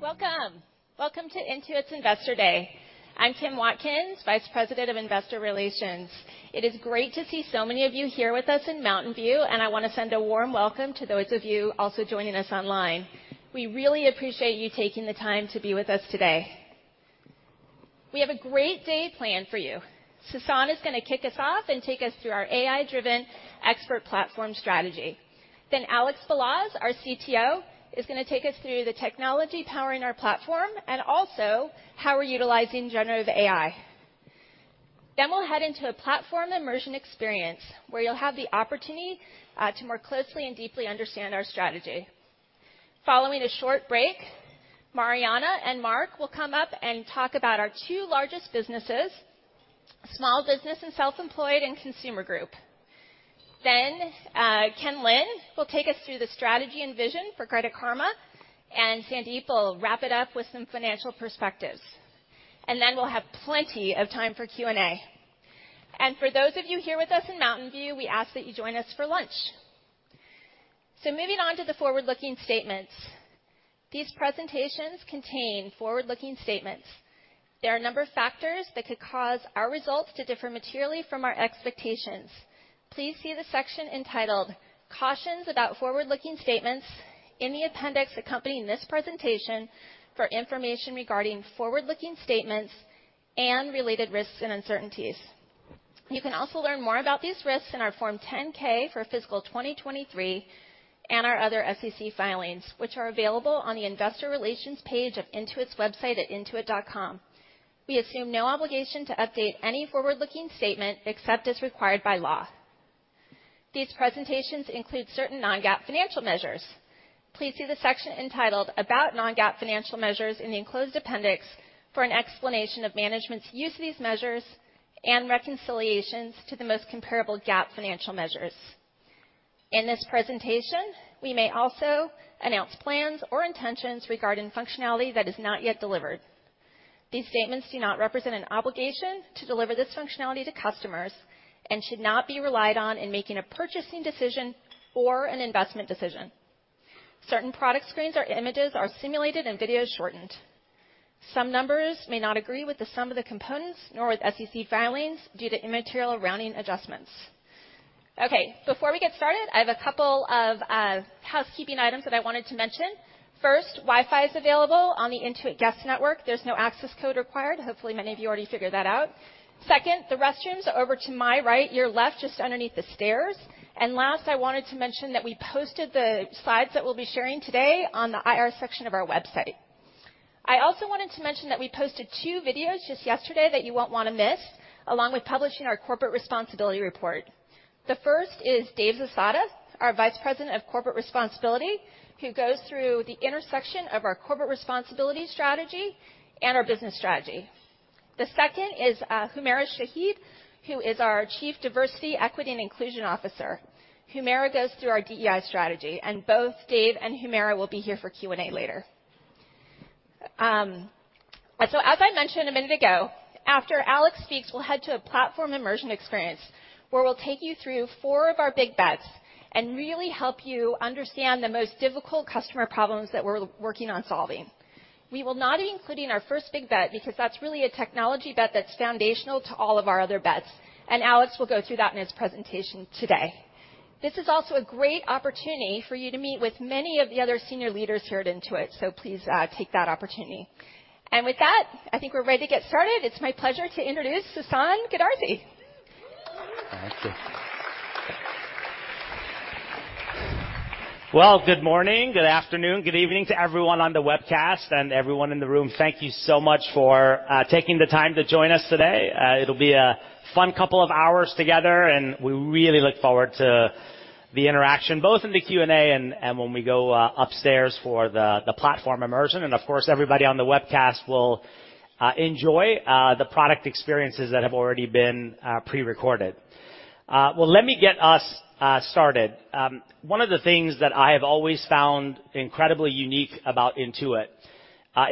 Welcome! Welcome to Intuit's Investor Day. I'm Kim Watkins, Vice President of Investor Relations. It is great to see so many of you here with us in Mountain View, and I wanna send a warm welcome to those of you also joining us online. We really appreciate you taking the time to be with us today. We have a great day planned for you. Sasan is gonna kick us off and take us through our AI-driven expert platform strategy. Then Alex Balazs, our CTO, is gonna take us through the technology powering our platform and also how we're utilizing generative AI. Then we'll head into a platform immersion experience, where you'll have the opportunity to more closely and deeply understand our strategy. Following a short break, Marianna and Mark will come up and talk about our two largest businesses, Small Business and Self-Employed and Consumer Group. Then, Ken Lin will take us through the strategy and vision for Credit Karma, and Sandeep will wrap it up with some financial perspectives. And then we'll have plenty of time for Q&A. And for those of you here with us in Mountain View, we ask that you join us for lunch. So moving on to the forward-looking statements. These presentations contain forward-looking statements. There are a number of factors that could cause our results to differ materially from our expectations. Please see the section entitled "Cautions about Forward-Looking Statements" in the appendix accompanying this presentation for information regarding forward-looking statements and related risks and uncertainties. You can also learn more about these risks in our Form 10-K for fiscal 2023, and our other SEC filings, which are available on the Investor Relations page of Intuit's website at intuit.com. We assume no obligation to update any forward-looking statement except as required by law. These presentations include certain non-GAAP financial measures. Please see the section entitled "About Non-GAAP Financial Measures" in the enclosed appendix for an explanation of management's use of these measures and reconciliations to the most comparable GAAP financial measures. In this presentation, we may also announce plans or intentions regarding functionality that is not yet delivered. These statements do not represent an obligation to deliver this functionality to customers and should not be relied on in making a purchasing decision or an investment decision. Certain product screens or images are simulated, and videos shortened. Some numbers may not agree with the sum of the components, nor with SEC filings, due to immaterial rounding adjustments. Okay, before we get started, I have a couple of housekeeping items that I wanted to mention. First, Wi-Fi is available on the Intuit Guest Network. There's no access code required. Hopefully, many of you already figured that out. Second, the restrooms are over to my right, your left, just underneath the stairs. And last, I wanted to mention that we posted the slides that we'll be sharing today on the IR section of our website. I also wanted to mention that we posted two videos just yesterday that you won't wanna miss, along with publishing our corporate responsibility report. The first is Dave Zasada, our Vice President of Corporate Responsibility, who goes through the intersection of our corporate responsibility strategy and our business strategy. The second is Humera Shahid, who is our Chief Diversity, Equity, and Inclusion Officer. Humera goes through our DEI strategy, and both Dave and Humera will be here for Q&A later. So as I mentioned a minute ago, after Alex speaks, we'll head to a platform immersion experience, where we'll take you through four of our big bets and really help you understand the most difficult customer problems that we're working on solving. We will not be including our first big bet because that's really a technology bet that's foundational to all of our other bets, and Alex will go through that in his presentation today. This is also a great opportunity for you to meet with many of the other senior leaders here at Intuit, so please, take that opportunity. With that, I think we're ready to get started. It's my pleasure to introduce Sasan Goodarzi. Thank you. Well, good morning, good afternoon, good evening to everyone on the webcast and everyone in the room. Thank you so much for taking the time to join us today. It'll be a fun couple of hours together, and we really look forward to the interaction, both in the Q&A and when we go upstairs for the platform immersion. And of course, everybody on the webcast will enjoy the product experiences that have already been prerecorded. Well, let me get us started. One of the things that I have always found incredibly unique about Intuit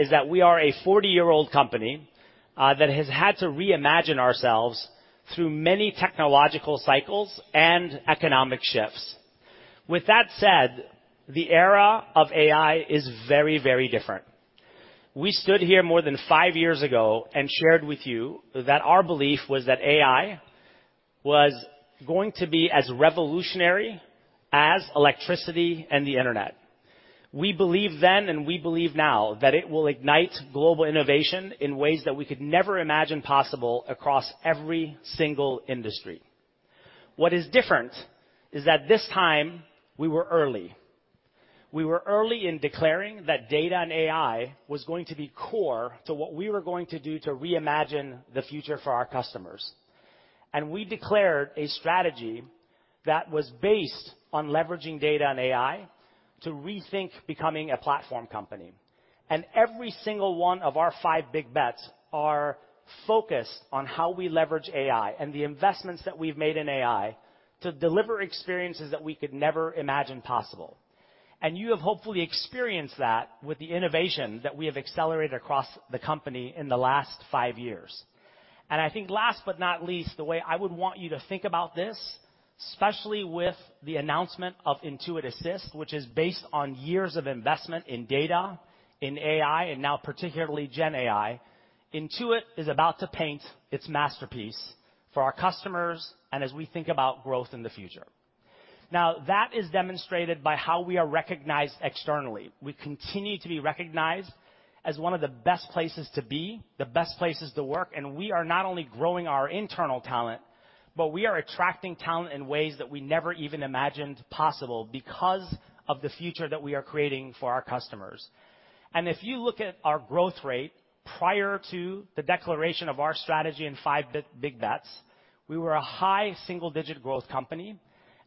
is that we are a 40-year-old company that has had to reimagine ourselves through many technological cycles and economic shifts. With that said, the era of AI is very, very different. We stood here more than five years ago and shared with you that our belief was that AI was going to be as revolutionary as electricity and the internet. We believed then, and we believe now, that it will ignite global innovation in ways that we could never imagine possible across every single industry. What is different is that this time, we were early. We were early in declaring that data and AI was going to be core to what we were going to do to reimagine the future for our customers. We declared a strategy that was based on leveraging data and AI to rethink becoming a platform company. Every single one of our five big bets are focused on how we leverage AI and the investments that we've made in AI to deliver experiences that we could never imagine possible. You have hopefully experienced that with the innovation that we have accelerated across the company in the last five years. And I think last but not least, the way I would want you to think about this, especially with the announcement of Intuit Assist, which is based on years of investment in data, in AI, and now particularly GenAI, Intuit is about to paint its masterpiece for our customers and as we think about growth in the future. Now, that is demonstrated by how we are recognized externally. We continue to be recognized as one of the best places to be, the best places to work, and we are not only growing our internal talent, but we are attracting talent in ways that we never even imagined possible because of the future that we are creating for our customers. If you look at our growth rate prior to the declaration of our strategy and five big bets, we were a high single-digit growth company.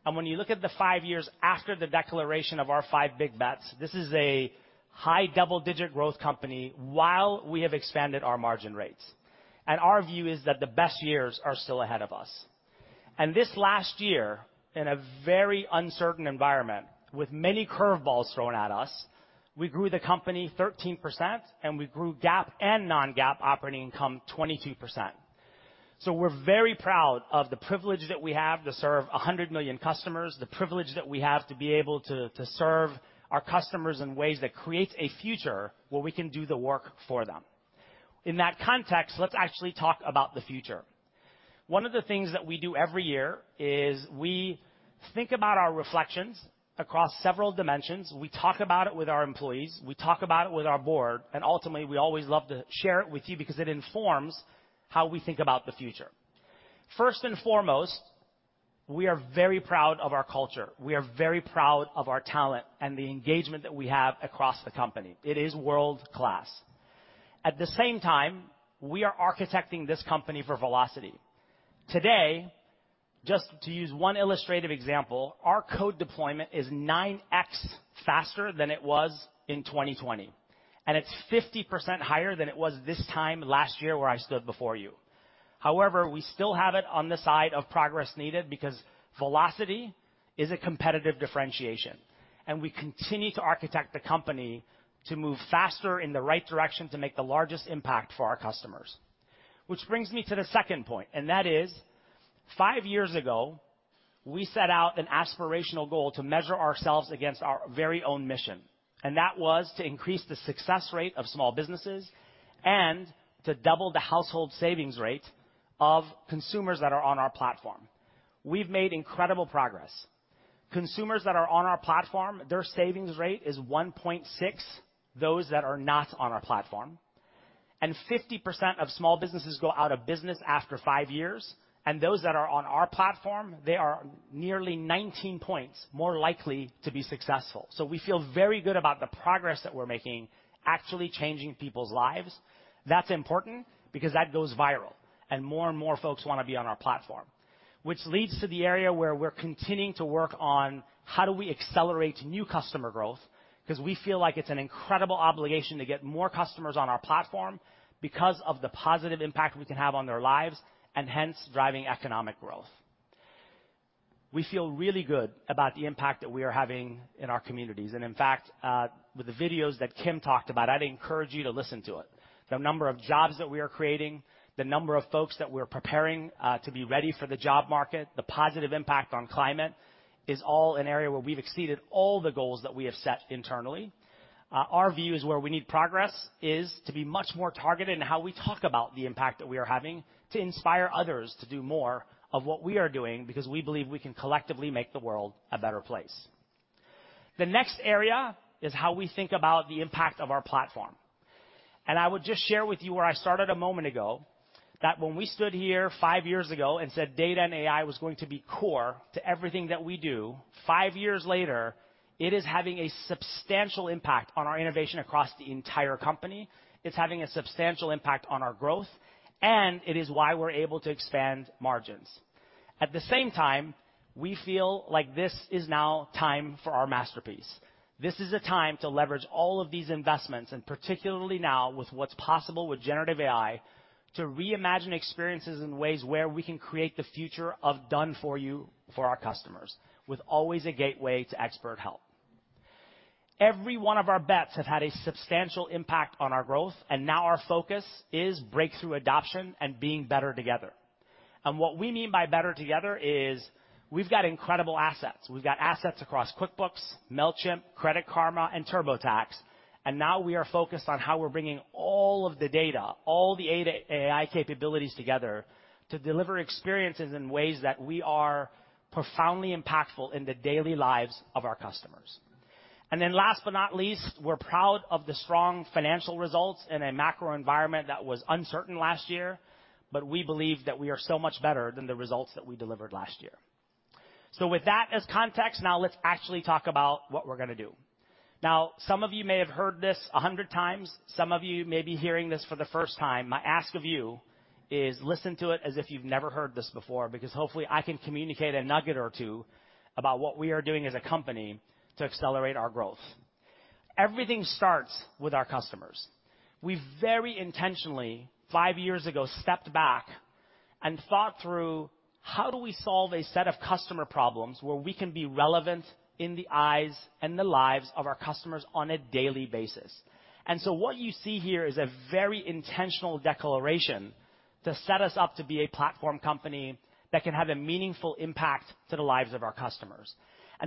When you look at the five years after the declaration of our five big bets, this is a high double-digit growth company, while we have expanded our margin rates. Our view is that the best years are still ahead of us. This last year, in a very uncertain environment, with many curve balls thrown at us, we grew the company 13%, and we grew GAAP and non-GAAP operating income 22%. So we're very proud of the privilege that we have to serve 100 million customers, the privilege that we have to be able to, to serve our customers in ways that create a future where we can do the work for them. In that context, let's actually talk about the future. One of the things that we do every year is we think about our reflections across several dimensions. We talk about it with our employees, we talk about it with our board, and ultimately, we always love to share it with you because it informs how we think about the future. First and foremost, we are very proud of our culture. We are very proud of our talent and the engagement that we have across the company. It is world-class. At the same time, we are architecting this company for velocity. Today, just to use one illustrative example, our code deployment is 9x faster than it was in 2020, and it's 50% higher than it was this time last year, where I stood before you. However, we still have it on the side of progress needed because velocity is a competitive differentiation, and we continue to architect the company to move faster in the right direction to make the largest impact for our customers. Which brings me to the second point, and that is, five years ago, we set out an aspirational goal to measure ourselves against our very own mission, and that was to increase the success rate of small businesses and to double the household savings rate of consumers that are on our platform. We've made incredible progress. Consumers that are on our platform, their savings rate is 1.6x, those that are not on our platform, and 50% of small businesses go out of business after five years, and those that are on our platform, they are nearly 19 points more likely to be successful. So we feel very good about the progress that we're making, actually changing people's lives. That's important because that goes viral, and more and more folks wanna be on our platform. Which leads to the area where we're continuing to work on, how do we accelerate new customer growth? Because we feel like it's an incredible obligation to get more customers on our platform because of the positive impact we can have on their lives, and hence, driving economic growth. We feel really good about the impact that we are having in our communities, and in fact, with the videos that Kim talked about, I'd encourage you to listen to it. The number of jobs that we are creating, the number of folks that we're preparing, to be ready for the job market, the positive impact on climate, is all an area where we've exceeded all the goals that we have set internally. Our view is where we need progress is to be much more targeted in how we talk about the impact that we are having to inspire others to do more of what we are doing because we believe we can collectively make the world a better place. The next area is how we think about the impact of our platform. I would just share with you where I started a moment ago, that when we stood here five years ago and said data and AI was going to be core to everything that we do, five years later, it is having a substantial impact on our innovation across the entire company. It's having a substantial impact on our growth, and it is why we're able to expand margins. At the same time, we feel like this is now time for our masterpiece. This is a time to leverage all of these investments, and particularly now, with what's possible with generative AI, to reimagine experiences in ways where we can create the future of done for you for our customers, with always a gateway to expert help. Every one of our bets have had a substantial impact on our growth, and now our focus is breakthrough adoption and being better together. What we mean by better together is we've got incredible assets. We've got assets across QuickBooks, Mailchimp, Credit Karma, and TurboTax, and now we are focused on how we're bringing all of the data, all the AI capabilities together to deliver experiences in ways that we are profoundly impactful in the daily lives of our customers. Then last but not least, we're proud of the strong financial results in a macro environment that was uncertain last year, but we believe that we are so much better than the results that we delivered last year. With that as context, now let's actually talk about what we're gonna do. Now, some of you may have heard this 100x. Some of you may be hearing this for the first time. My ask of you is listen to it as if you've never heard this before, because hopefully, I can communicate a nugget or two about what we are doing as a company to accelerate our growth. Everything starts with our customers. We very intentionally, five years ago, stepped back and thought through how do we solve a set of customer problems where we can be relevant in the eyes and the lives of our customers on a daily basis? And so what you see here is a very intentional declaration to set us up to be a platform company that can have a meaningful impact to the lives of our customers.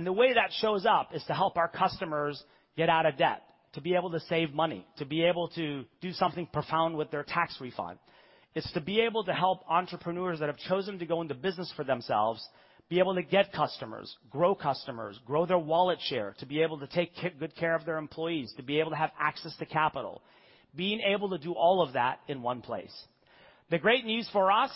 The way that shows up is to help our customers get out of debt, to be able to save money, to be able to do something profound with their tax refund. It's to be able to help entrepreneurs that have chosen to go into business for themselves, be able to get customers, grow customers, grow their wallet share, to be able to take good care of their employees, to be able to have access to capital, being able to do all of that in one place. The great news for us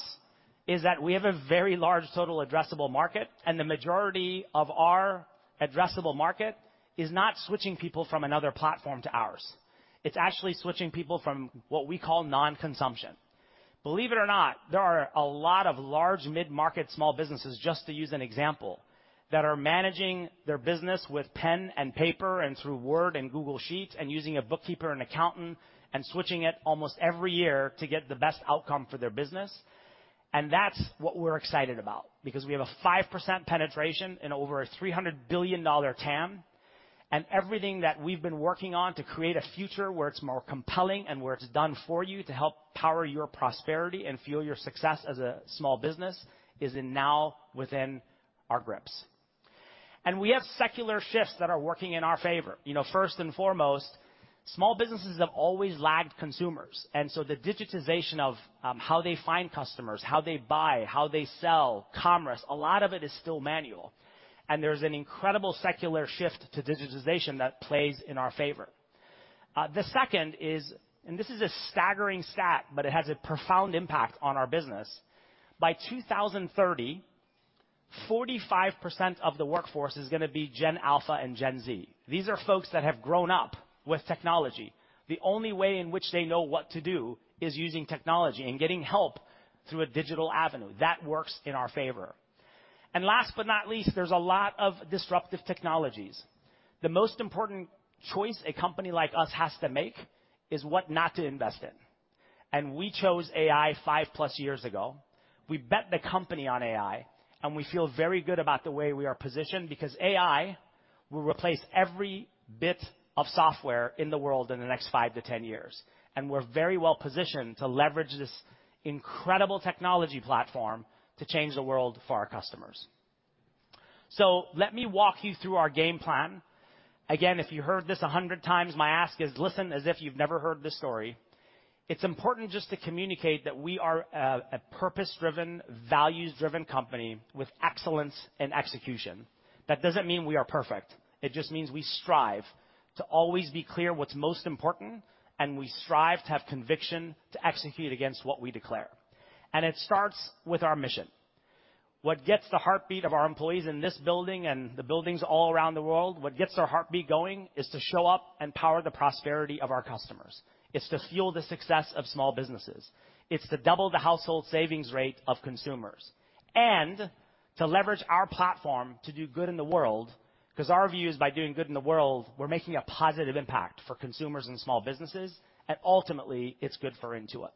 is that we have a very large total addressable market, and the majority of our addressable market is not switching people from another platform to ours. It's actually switching people from what we call non-consumption. Believe it or not, there are a lot of large mid-market small businesses, just to use an example, that are managing their business with pen and paper and through Word and Google Sheets, and using a bookkeeper and accountant, and switching it almost every year to get the best outcome for their business. And that's what we're excited about, because we have a 5% penetration in over a $300 billion TAM, and everything that we've been working on to create a future where it's more compelling and where it's done for you to help power your prosperity and fuel your success as a small business is now within our grips. And we have secular shifts that are working in our favor. You know, first and foremost, small businesses have always lagged consumers, and so the digitization of how they find customers, how they buy, how they sell, commerce, a lot of it is still manual, and there's an incredible secular shift to digitization that plays in our favor. The second is, and this is a staggering stat, but it has a profound impact on our business. By 2030, 45% of the workforce is gonna be Gen Alpha and Gen Z. These are folks that have grown up with technology. The only way in which they know what to do is using technology and getting help through a digital avenue. That works in our favor. And last but not least, there's a lot of disruptive technologies. The most important choice a company like us has to make is what not to invest in, and we chose AI 5+ years ago. We bet the company on AI, and we feel very good about the way we are positioned, because AI will replace every bit of software in the world in the next 5-10 years, and we're very well positioned to leverage this incredible technology platform to change the world for our customers. So let me walk you through our game plan. Again, if you heard this 100x, my ask is listen as if you've never heard this story. It's important just to communicate that we are a purpose-driven, values-driven company with excellence and execution. That doesn't mean we are perfect. It just means we strive to always be clear what's most important, and we strive to have conviction to execute against what we declare. And it starts with our mission. What gets the heartbeat of our employees in this building and the buildings all around the world, what gets their heartbeat going, is to show up and power the prosperity of our customers. It's to fuel the success of small businesses. It's to double the household savings rate of consumers, and to leverage our platform to do good in the world, 'cause our view is, by doing good in the world, we're making a positive impact for consumers and small businesses, and ultimately, it's good for Intuit.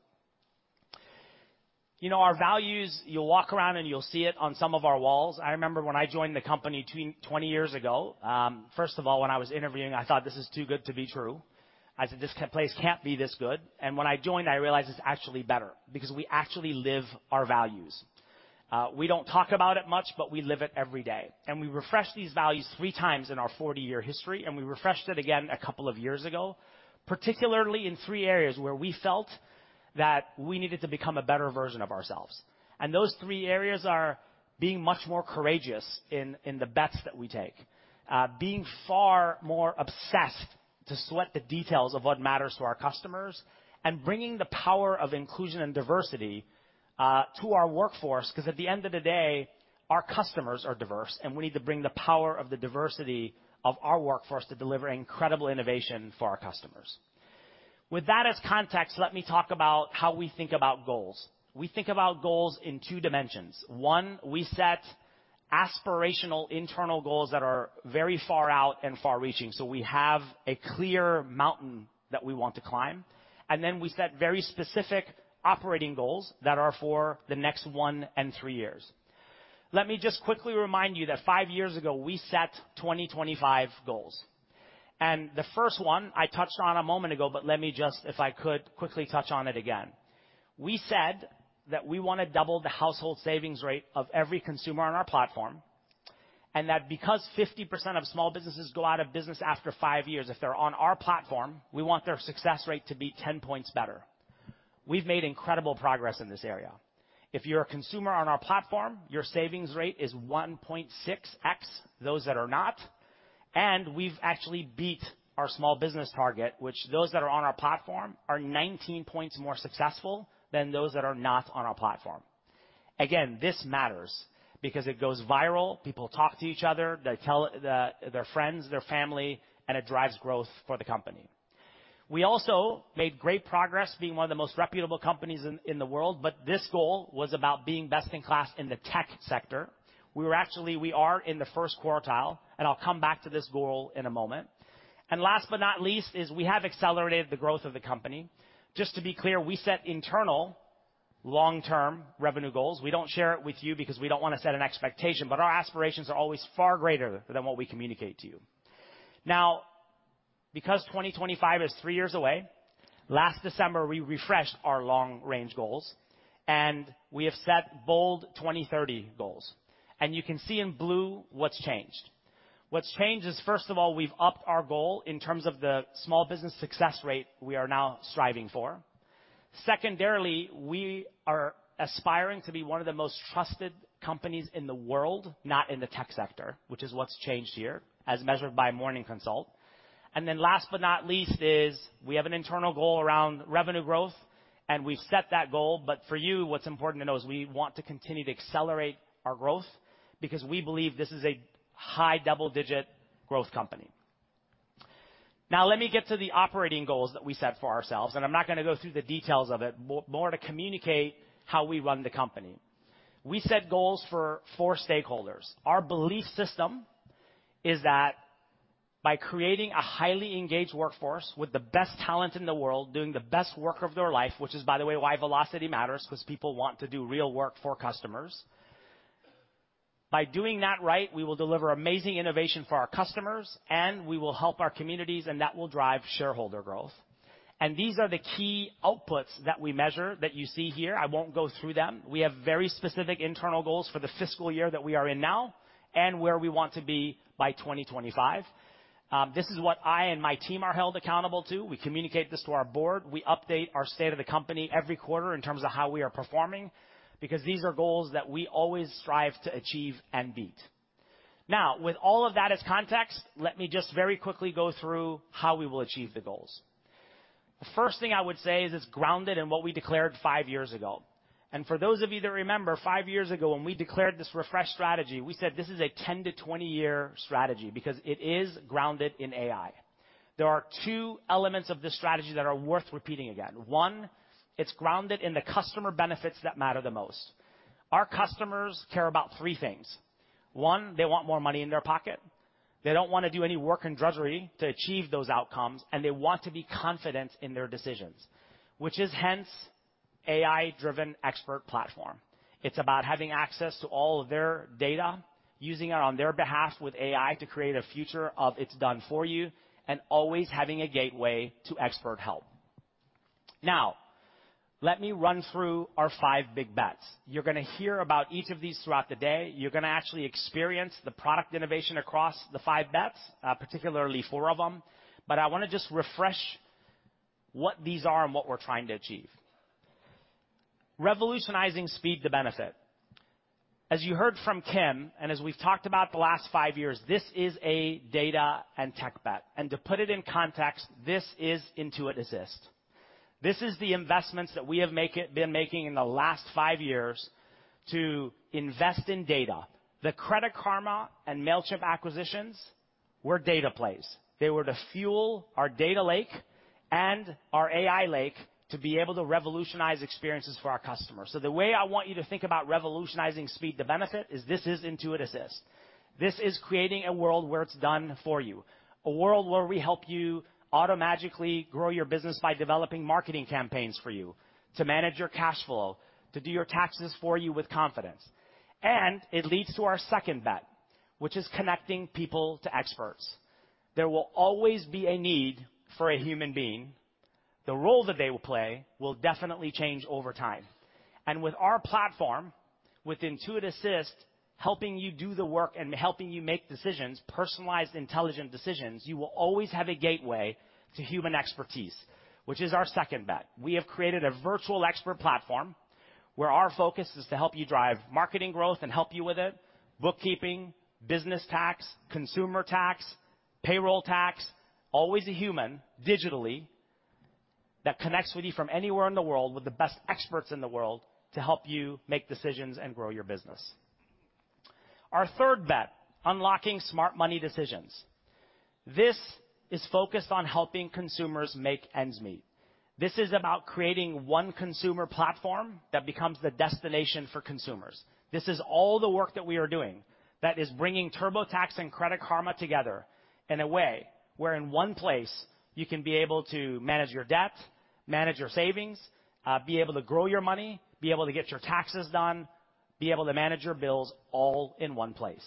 You know, our values, you'll walk around, and you'll see it on some of our walls. I remember when I joined the company 20 years ago, first of all, when I was interviewing, I thought, "This is too good to be true." I said, "This place can't be this good." And when I joined, I realized it's actually better because we actually live our values. We don't talk about it much, but we live it every day. And we refreshed these values 3x in our 40-year history, and we refreshed it again a couple of years ago, particularly in three areas where we felt that we needed to become a better version of ourselves. Those three areas are being much more courageous in the bets that we take, being far more obsessed to select the details of what matters to our customers, and bringing the power of inclusion and diversity to our workforce, 'cause at the end of the day, our customers are diverse, and we need to bring the power of the diversity of our workforce to deliver incredible innovation for our customers. With that as context, let me talk about how we think about goals. We think about goals in two dimensions. One, we set aspirational internal goals that are very far out and far-reaching, so we have a clear mountain that we want to climb, and then we set very specific operating goals that are for the next one and three years. Let me just quickly remind you that five years ago, we set 2025 goals, and the first one I touched on a moment ago, but let me just, if I could, quickly touch on it again. We said that we wanna double the household savings rate of every consumer on our platform, and that because 50% of small businesses go out of business after five years, if they're on our platform, we want their success rate to be 10 points better. We've made incredible progress in this area. If you're a consumer on our platform, your savings rate is 1.6x those that are not, and we've actually beat our small business target, which those that are on our platform are 19 points more successful than those that are not on our platform. Again, this matters because it goes viral. People talk to each other. They tell their friends, their family, and it drives growth for the company. We also made great progress being one of the most reputable companies in the world, but this goal was about being best in class in the tech sector. We were actually... We are in the first quartile, and I'll come back to this goal in a moment. And last but not least, is we have accelerated the growth of the company. Just to be clear, we set long-term revenue goals. We don't share it with you because we don't want to set an expectation, but our aspirations are always far greater than what we communicate to you. Now, because 2025 is three years away, last December, we refreshed our long-range goals, and we have set bold 2030 goals, and you can see in blue what's changed. What's changed is, first of all, we've upped our goal in terms of the small business success rate we are now striving for. Secondarily, we are aspiring to be one of the most trusted companies in the world, not in the tech sector, which is what's changed here as measured by Morning Consult. And then last but not least is, we have an internal goal around revenue growth, and we've set that goal, but for you, what's important to know is we want to continue to accelerate our growth because we believe this is a high double-digit growth company. Now, let me get to the operating goals that we set for ourselves, and I'm not gonna go through the details of it, more to communicate how we run the company. We set goals for four stakeholders. Our belief system is that by creating a highly engaged workforce with the best talent in the world, doing the best work of their life, which is, by the way, why velocity matters, because people want to do real work for customers. By doing that right, we will deliver amazing innovation for our customers, and we will help our communities, and that will drive shareholder growth. And these are the key outputs that we measure, that you see here. I won't go through them. We have very specific internal goals for the fiscal year that we are in now and where we want to be by 2025. This is what I and my team are held accountable to. We communicate this to our board. We update our state of the company every quarter in terms of how we are performing, because these are goals that we always strive to achieve and beat. Now, with all of that as context, let me just very quickly go through how we will achieve the goals. The first thing I would say is it's grounded in what we declared five years ago. And for those of you that remember, five years ago, when we declared this refresh strategy, we said, "This is a 10-20-year strategy," because it is grounded in AI. There are two elements of this strategy that are worth repeating again. One, it's grounded in the customer benefits that matter the most. Our customers care about three things. One, they want more money in their pocket. They don't want to do any work and drudgery to achieve those outcomes, and they want to be confident in their decisions, which is hence, AI-driven expert platform. It's about having access to all of their data, using it on their behalf with AI to create a future of it's done for you, and always having a gateway to expert help. Now, let me run through our five big bets. You're gonna hear about each of these throughout the day. You're gonna actually experience the product innovation across the five bets, particularly four of them, but I wanna just refresh what these are and what we're trying to achieve. Revolutionizing speed to benefit. As you heard from Kim, and as we've talked about the last five years, this is a data and tech bet, and to put it in context, this is Intuit Assist. This is the investments that we have been making in the last five years to invest in data. The Credit Karma and Mailchimp acquisitions were data plays. They were to fuel our data lake and our AI lake to be able to revolutionize experiences for our customers. So the way I want you to think about revolutionizing speed to benefit is this is Intuit Assist. This is creating a world where it's done for you, a world where we help you automagically grow your business by developing marketing campaigns for you, to manage your cash flow, to do your taxes for you with confidence. And it leads to our second bet, which is connecting people to experts. There will always be a need for a human being. The role that they will play will definitely change over time. With our platform, with Intuit Assist, helping you do the work and helping you make decisions, personalized, intelligent decisions, you will always have a gateway to human expertise, which is our second bet. We have created a virtual expert platform, where our focus is to help you drive marketing growth and help you with it, bookkeeping, business tax, consumer tax, payroll tax, always a human, digitally, that connects with you from anywhere in the world, with the best experts in the world, to help you make decisions and grow your business. Our third bet, unlocking smart money decisions. This is focused on helping consumers make ends meet. This is about creating one consumer platform that becomes the destination for consumers. This is all the work that we are doing that is bringing TurboTax and Credit Karma together in a way where in one place, you can be able to manage your debt, manage your savings, be able to grow your money, be able to get your taxes done, be able to manage your bills all in one place.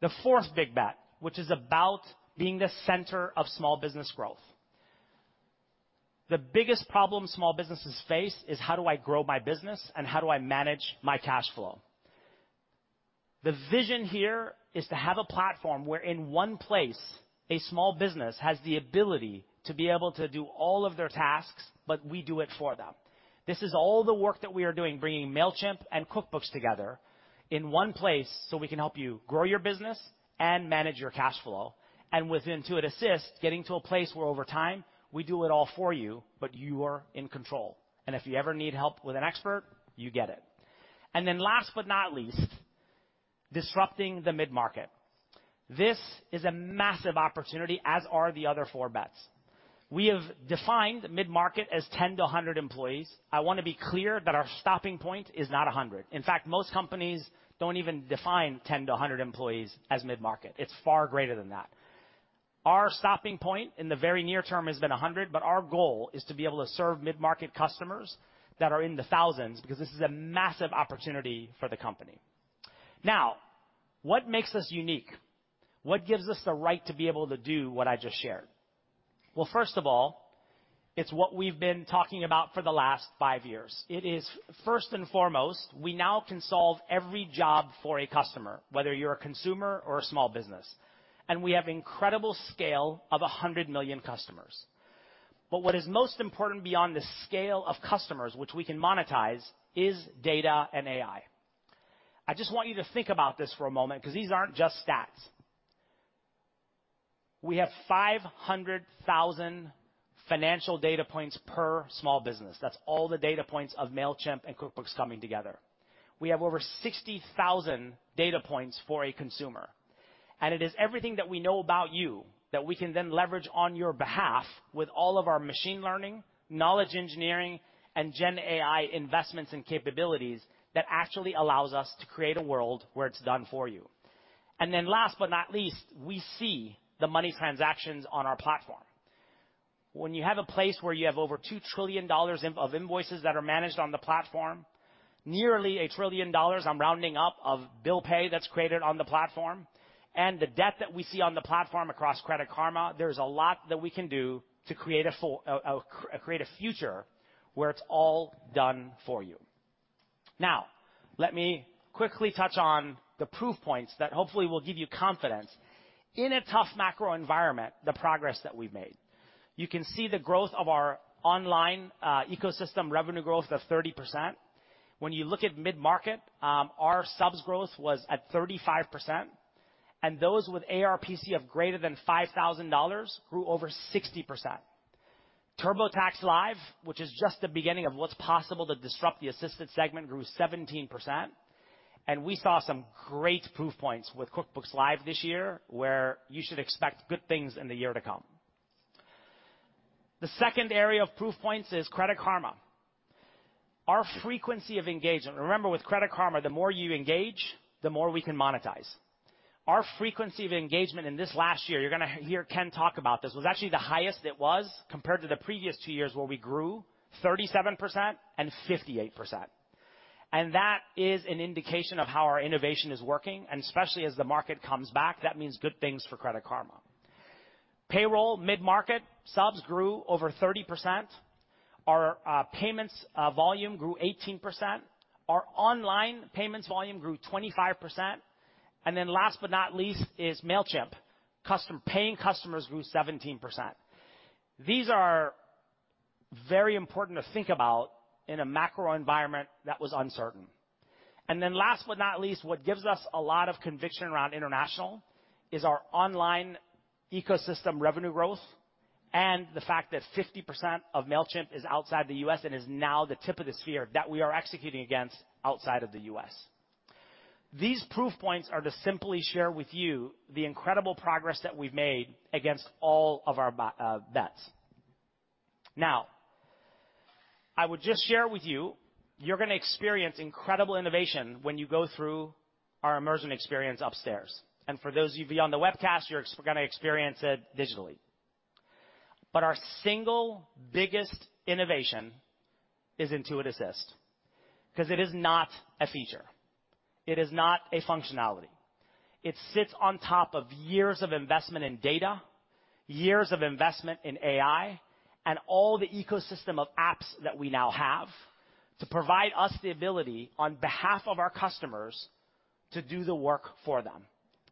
The fourth big bet, which is about being the center of small business growth. The biggest problem small businesses face is: How do I grow my business, and how do I manage my cash flow? The vision here is to have a platform where in one place, a small business has the ability to be able to do all of their tasks, but we do it for them. This is all the work that we are doing, bringing Mailchimp and QuickBooks together in one place, so we can help you grow your business and manage your cash flow, and with Intuit Assist, getting to a place where over time, we do it all for you, but you are in control, and if you ever need help with an expert, you get it. And then last but not least, disrupting the mid-market. This is a massive opportunity, as are the other four bets. We have defined mid-market as 10-100 employees. I want to be clear that our stopping point is not 100 employees. In fact, most companies don't even define 10-100 employees as mid-market. It's far greater than that.... Our stopping point in the very near term has been 100 employees, but our goal is to be able to serve mid-market customers that are in the thousands, because this is a massive opportunity for the company. Now, what makes us unique? What gives us the right to be able to do what I just shared? Well, first of all, it's what we've been talking about for the last five years. It is, first and foremost, we now can solve every job for a customer, whether you're a consumer or a small business, and we have incredible scale of 100 million customers. But what is most important beyond the scale of customers, which we can monetize, is data and AI. I just want you to think about this for a moment, because these aren't just stats. We have 500,000 financial data points per small business. That's all the data points of Mailchimp and QuickBooks coming together. We have over 60,000 data points for a consumer, and it is everything that we know about you that we can then leverage on your behalf with all of our machine learning, knowledge engineering, and GenAI investments and capabilities that actually allows us to create a world where it's done for you. And then last but not least, we see the money transactions on our platform. When you have a place where you have over $2 trillion of invoices that are managed on the platform, nearly $1 trillion, I'm rounding up, of bill pay that's created on the platform, and the debt that we see on the platform across Credit Karma, there's a lot that we can do to create a future where it's all done for you. Now, let me quickly touch on the proof points that hopefully will give you confidence in a tough macro environment, the progress that we've made. You can see the growth of our online ecosystem revenue growth of 30%. When you look at mid-market, our subs growth was at 35%, and those with ARPC of greater than $5,000 grew over 60%. TurboTax Live, which is just the beginning of what's possible to disrupt the assistant segment, grew 17%, and we saw some great proof points with QuickBooks Live this year, where you should expect good things in the year to come. The second area of proof points is Credit Karma. Our frequency of engagement... Remember, with Credit Karma, the more you engage, the more we can monetize. Our frequency of engagement in this last year, you're gonna hear Ken talk about this, was actually the highest it was compared to the previous two years, where we grew 37% and 58%. And that is an indication of how our innovation is working, and especially as the market comes back, that means good things for Credit Karma. Payroll, mid-market, subs grew over 30%. Our payments volume grew 18%. Our online payments volume grew 25%. And then last but not least, is Mailchimp. Customer paying customers grew 17%. These are very important to think about in a macro environment that was uncertain. And then last but not least, what gives us a lot of conviction around international is our online ecosystem revenue growth, and the fact that 50% of Mailchimp is outside the U.S. and is now the tip of the spear that we are executing against outside of the U.S. These proof points are to simply share with you the incredible progress that we've made against all of our bets. Now, I would just share with you, you're gonna experience incredible innovation when you go through our immersion experience upstairs. And for those of you on the webcast, you're gonna experience it digitally. But our single biggest innovation is Intuit Assist, 'cause it is not a feature, it is not a functionality. It sits on top of years of investment in data, years of investment in AI, and all the ecosystem of apps that we now have to provide us the ability, on behalf of our customers, to do the work for them,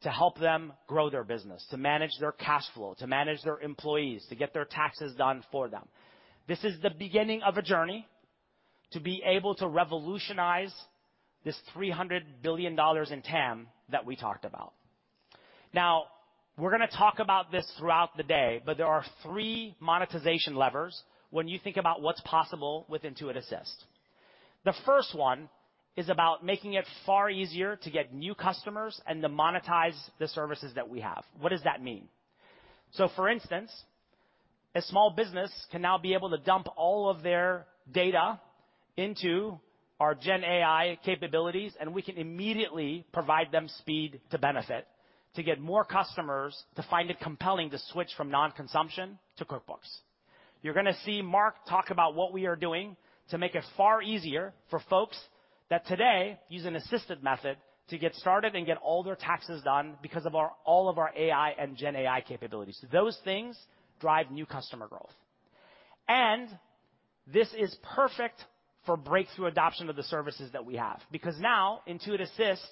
to help them grow their business, to manage their cash flow, to manage their employees, to get their taxes done for them. This is the beginning of a journey to be able to revolutionize this $300 billion in TAM that we talked about. Now, we're gonna talk about this throughout the day, but there are three monetization levers when you think about what's possible with Intuit Assist. The first one is about making it far easier to get new customers and to monetize the services that we have. What does that mean? So, for instance, a small business can now be able to dump all of their data into our GenAI capabilities, and we can immediately provide them speed to benefit, to get more customers to find it compelling to switch from non-consumption to QuickBooks. You're gonna see Mark talk about what we are doing to make it far easier for folks that today use an assisted method to get started and get all their taxes done because of our all of our AI and GenAI capabilities. So those things drive new customer growth. And this is perfect for breakthrough adoption of the services that we have, because now Intuit Assist,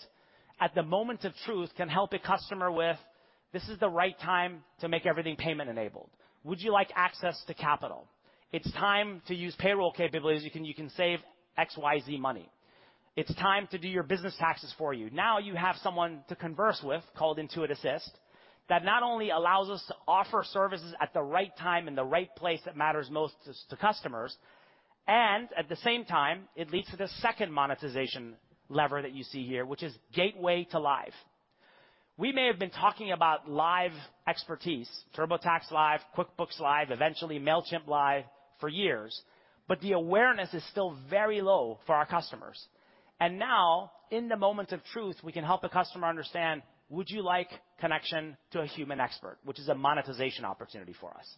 at the moment of truth, can help a customer with, "This is the right time to make everything payment-enabled. Would you like access to capital? It's time to use payroll capabilities. You can, you can save XYZ money. It's time to do your business taxes for you." Now, you have someone to converse with, called Intuit Assist, that not only allows us to offer services at the right time, in the right place, that matters most to, to customers, and at the same time, it leads to the second monetization lever that you see here, which is gateway to Live. We may have been talking about Live expertise, TurboTax Live, QuickBooks Live, eventually Mailchimp Live, for years, but the awareness is still very low for our customers. And now, in the moment of truth, we can help a customer understand, "Would you like connection to a human expert?" Which is a monetization opportunity for us....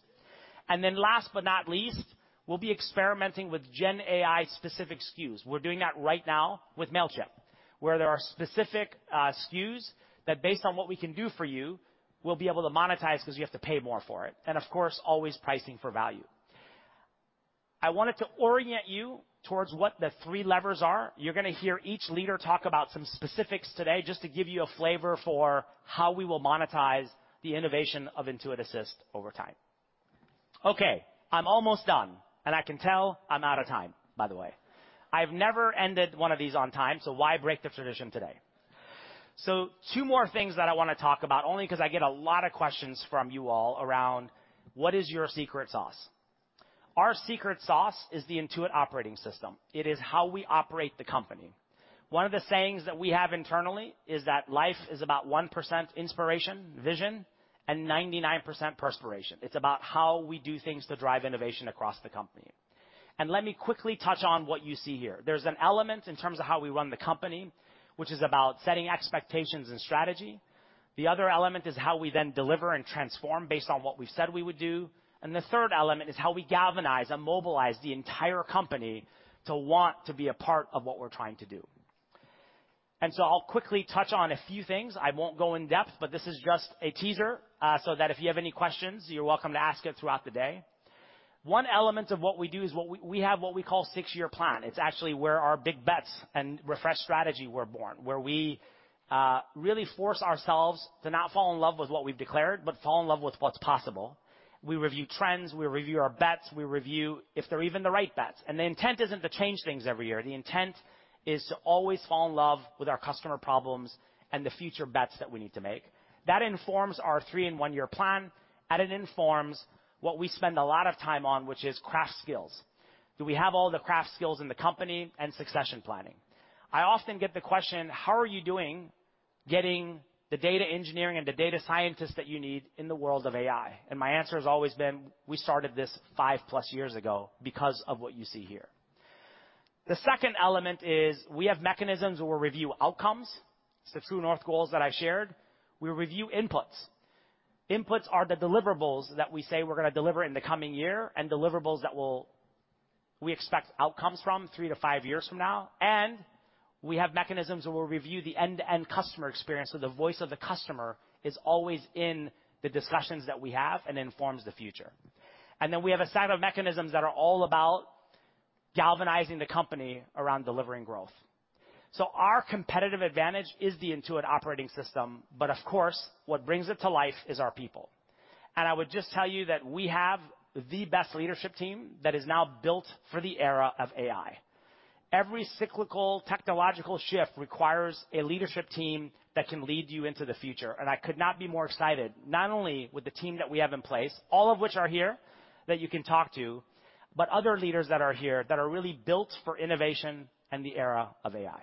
And then last but not least, we'll be experimenting with GenAI specific SKUs. We're doing that right now with Mailchimp, where there are specific SKUs that, based on what we can do for you, we'll be able to monetize because you have to pay more for it, and of course, always pricing for value. I wanted to orient you towards what the three levers are. You're gonna hear each leader talk about some specifics today, just to give you a flavor for how we will monetize the innovation of Intuit Assist over time. Okay, I'm almost done, and I can tell I'm out of time, by the way. I've never ended one of these on time, so why break the tradition today? So two more things that I wanna talk about, only because I get a lot of questions from you all around, "what is your secret sauce?" Our secret sauce is the Intuit Operating System. It is how we operate the company. One of the sayings that we have internally is that life is about 1% inspiration, vision, and 99% perspiration. It's about how we do things to drive innovation across the company. Let me quickly touch on what you see here. There's an element in terms of how we run the company, which is about setting expectations and strategy. The other element is how we then deliver and transform based on what we said we would do, and the third element is how we galvanize and mobilize the entire company to want to be a part of what we're trying to do. I'll quickly touch on a few things. I won't go in depth, but this is just a teaser, so that if you have any questions, you're welcome to ask it throughout the day. One element of what we do is what we have, what we call a six-year plan. It's actually where our big bets and refresh strategy were born, where we really force ourselves to not fall in love with what we've declared, but fall in love with what's possible. We review trends, we review our bets, we review if they're even the right bets, and the intent isn't to change things every year. The intent is to always fall in love with our customer problems and the future bets that we need to make. That informs our three-in-one year plan, and it informs what we spend a lot of time on, which is craft skills. Do we have all the craft skills in the company? And succession planning. I often get the question: How are you doing getting the data engineering and the data scientists that you need in the world of AI? And my answer has always been, we started this 5+ years ago because of what you see here. The second element is we have mechanisms where we review outcomes. It's the true north goals that I've shared. We review inputs. Inputs are the deliverables that we say we're gonna deliver in the coming year, and deliverables that will, we expect outcomes from three to five years from now, and we have mechanisms where we'll review the end-to-end customer experience, so the voice of the customer is always in the discussions that we have and informs the future. And then we have a set of mechanisms that are all about galvanizing the company around delivering growth. So our competitive advantage is the Intuit Operating System, but of course, what brings it to life is our people. And I would just tell you that we have the best leadership team that is now built for the era of AI. Every cyclical technological shift requires a leadership team that can lead you into the future, and I could not be more excited, not only with the team that we have in place, all of which are here, that you can talk to, but other leaders that are here that are really built for innovation and the era of AI.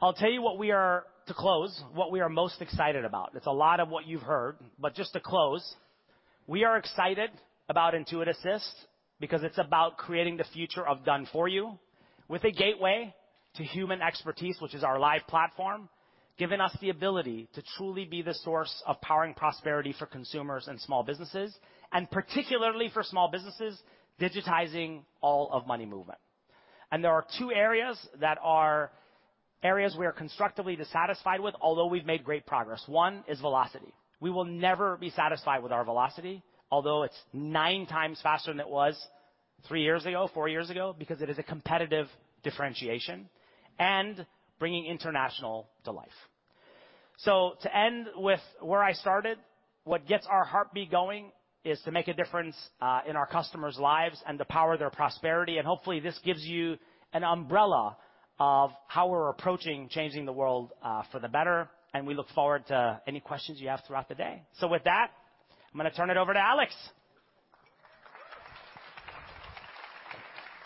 I'll tell you what we are... To close, what we are most excited about. It's a lot of what you've heard, but just to close, we are excited about Intuit Assist because it's about creating the future of done-for-you with a gateway to human expertise, which is our live platform, giving us the ability to truly be the source of powering prosperity for consumers and small businesses, and particularly for small businesses, digitizing all of money movement. There are two areas that are areas we are constructively dissatisfied with, although we've made great progress. One is velocity. We will never be satisfied with our velocity, although it's 9x faster than it was three years ago, four years ago, because it is a competitive differentiation and bringing international to life. So to end with where I started, what gets our heartbeat going is to make a difference in our customers' lives and to power their prosperity. Hopefully, this gives you an umbrella of how we're approaching changing the world for the better, and we look forward to any questions you have throughout the day. With that, I'm gonna turn it over to Alex.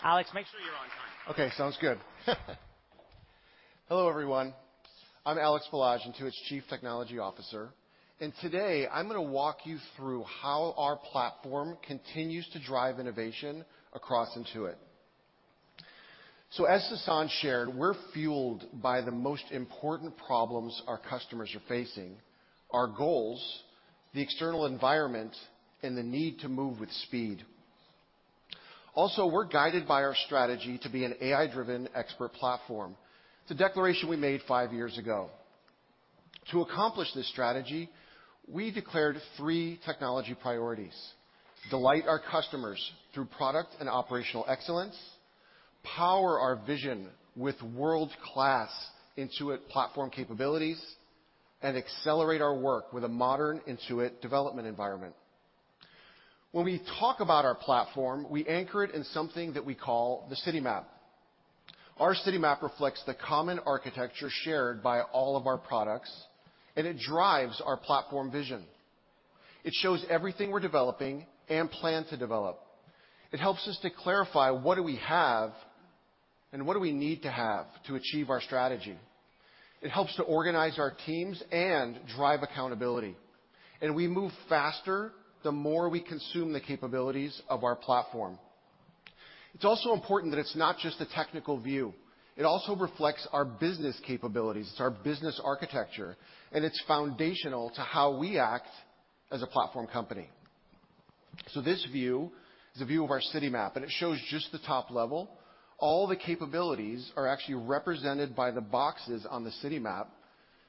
Alex, make sure you're on time. Okay, sounds good. Hello, everyone. I'm Alex Balazs, Intuit's Chief Technology Officer, and today, I'm gonna walk you through how our platform continues to drive innovation across Intuit. So as Sasan shared, we're fueled by the most important problems our customers are facing, our goals, the external environment, and the need to move with speed. Also, we're guided by our strategy to be an AI-driven expert platform. It's a declaration we made five years ago. To accomplish this strategy, we declared three technology priorities: delight our customers through product and operational excellence, power our vision with world-class Intuit platform capabilities, and accelerate our work with a modern Intuit development environment. When we talk about our platform, we anchor it in something that we call the city map. Our city map reflects the common architecture shared by all of our products, and it drives our platform vision. It shows everything we're developing and plan to develop. It helps us to clarify what do we have and what do we need to have to achieve our strategy. It helps to organize our teams and drive accountability, and we move faster the more we consume the capabilities of our platform. It's also important that it's not just a technical view, it also reflects our business capabilities. It's our business architecture, and it's foundational to how we act as a platform company. So this view is a view of our city map, and it shows just the top level. All the capabilities are actually represented by the boxes on the city map,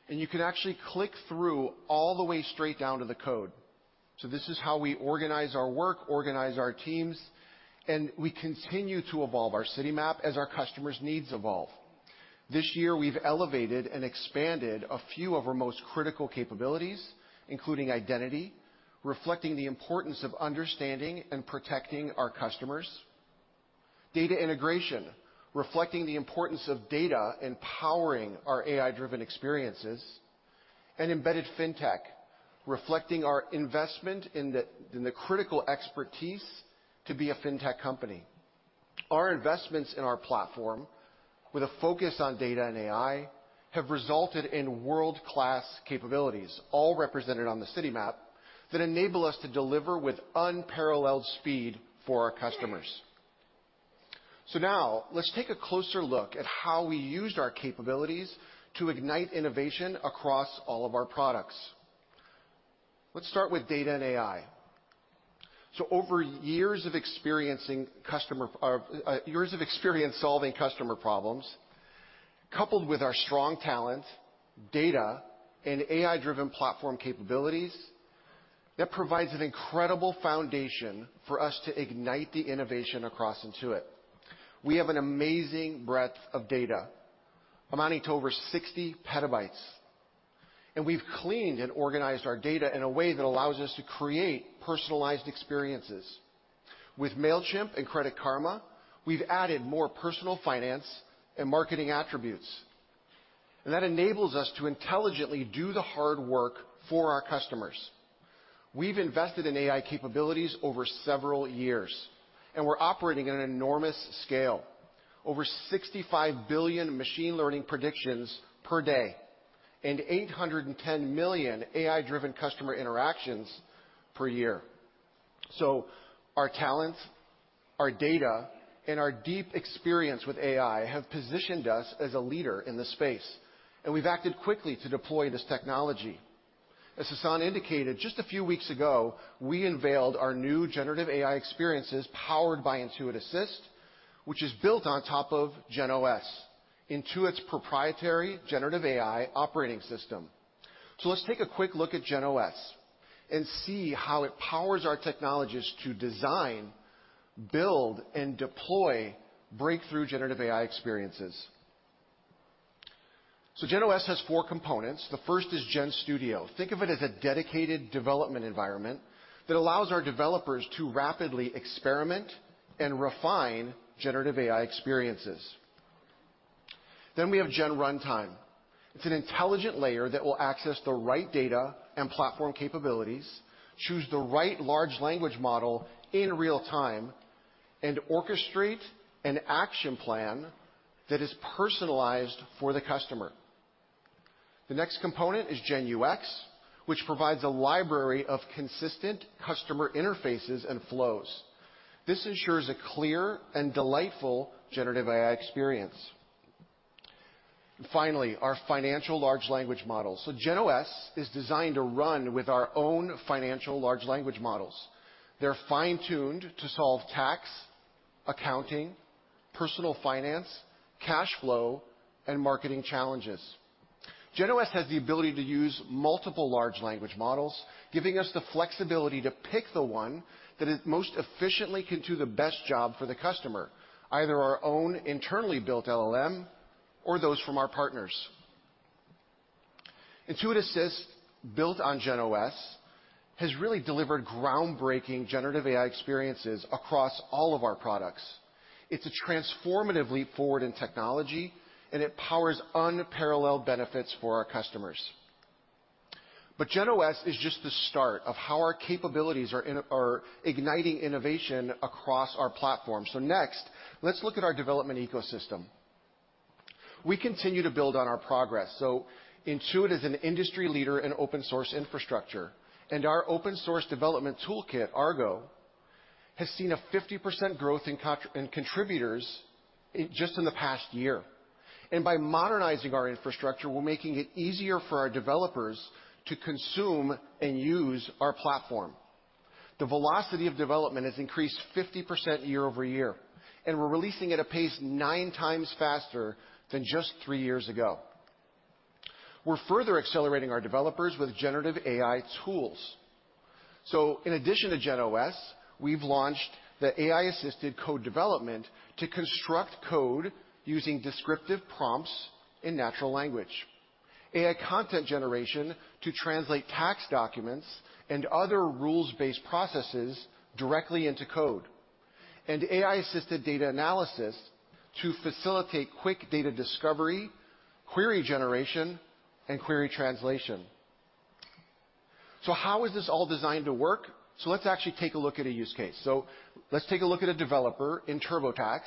and you can actually click through all the way straight down to the code. So this is how we organize our work, organize our teams, and we continue to evolve our city map as our customers' needs evolve. This year, we've elevated and expanded a few of our most critical capabilities, including identity, reflecting the importance of understanding and protecting our customers, data integration, reflecting the importance of data empowering our AI-driven experiences, and embedded fintech, reflecting our investment in the, in the critical expertise to be a fintech company. Our investments in our platform, with a focus on data and AI, have resulted in world-class capabilities, all represented on the city map, that enable us to deliver with unparalleled speed for our customers. So now let's take a closer look at how we used our capabilities to ignite innovation across all of our products. Let's start with data and AI. So over years of experience solving customer problems, coupled with our strong talent, data, and AI-driven platform capabilities, that provides an incredible foundation for us to ignite the innovation across Intuit. We have an amazing breadth of data, amounting to over 60 PB, and we've cleaned and organized our data in a way that allows us to create personalized experiences. With Mailchimp and Credit Karma, we've added more personal finance and marketing attributes, and that enables us to intelligently do the hard work for our customers. We've invested in AI capabilities over several years, and we're operating at an enormous scale. Over 65 billion machine learning predictions per day, and 810 million AI-driven customer interactions per year. So our talents, our data, and our deep experience with AI have positioned us as a leader in this space, and we've acted quickly to deploy this technology. As Sasan indicated, just a few weeks ago, we unveiled our new generative AI experiences powered by Intuit Assist, which is built on top of GenOS, Intuit's proprietary generative AI operating system. Let's take a quick look at GenOS and see how it powers our technologists to design, build, and deploy breakthrough generative AI experiences. GenOS has four components. The first is GenStudio. Think of it as a dedicated development environment that allows our developers to rapidly experiment and refine generative AI experiences. Then we have Gen Runtime. It's an intelligent layer that will access the right data and platform capabilities, choose the right large language model in real time, and orchestrate an action plan that is personalized for the customer. The next component is Gen UX, which provides a library of consistent customer interfaces and flows. This ensures a clear and delightful generative AI experience. Finally, our financial large language model. GenOS is designed to run with our own financial large language models. They're fine-tuned to solve tax, accounting, personal finance, cash flow, and marketing challenges. GenOS has the ability to use multiple large language models, giving us the flexibility to pick the one that is most efficiently can do the best job for the customer, either our own internally built LLM or those from our partners. Intuit Assist, built on GenOS, has really delivered groundbreaking generative AI experiences across all of our products. It's a transformative leap forward in technology, and it powers unparalleled benefits for our customers. But GenOS is just the start of how our capabilities are in igniting innovation across our platform. So next, let's look at our development ecosystem. We continue to build on our progress, so Intuit is an industry leader in open source infrastructure, and our open source development toolkit, Argo, has seen a 50% growth in contributors just in the past year. By modernizing our infrastructure, we're making it easier for our developers to consume and use our platform. The velocity of development has increased 50% year-over-year, and we're releasing at a pace 9x faster than just three years ago. We're further accelerating our developers with generative AI tools. So in addition to GenOS, we've launched the AI-assisted code development to construct code using descriptive prompts in natural language, AI content generation to translate tax documents and other rules-based processes directly into code, and AI-assisted data analysis to facilitate quick data discovery, query generation, and query translation. So how is this all designed to work? So let's actually take a look at a use case. So let's take a look at a developer in TurboTax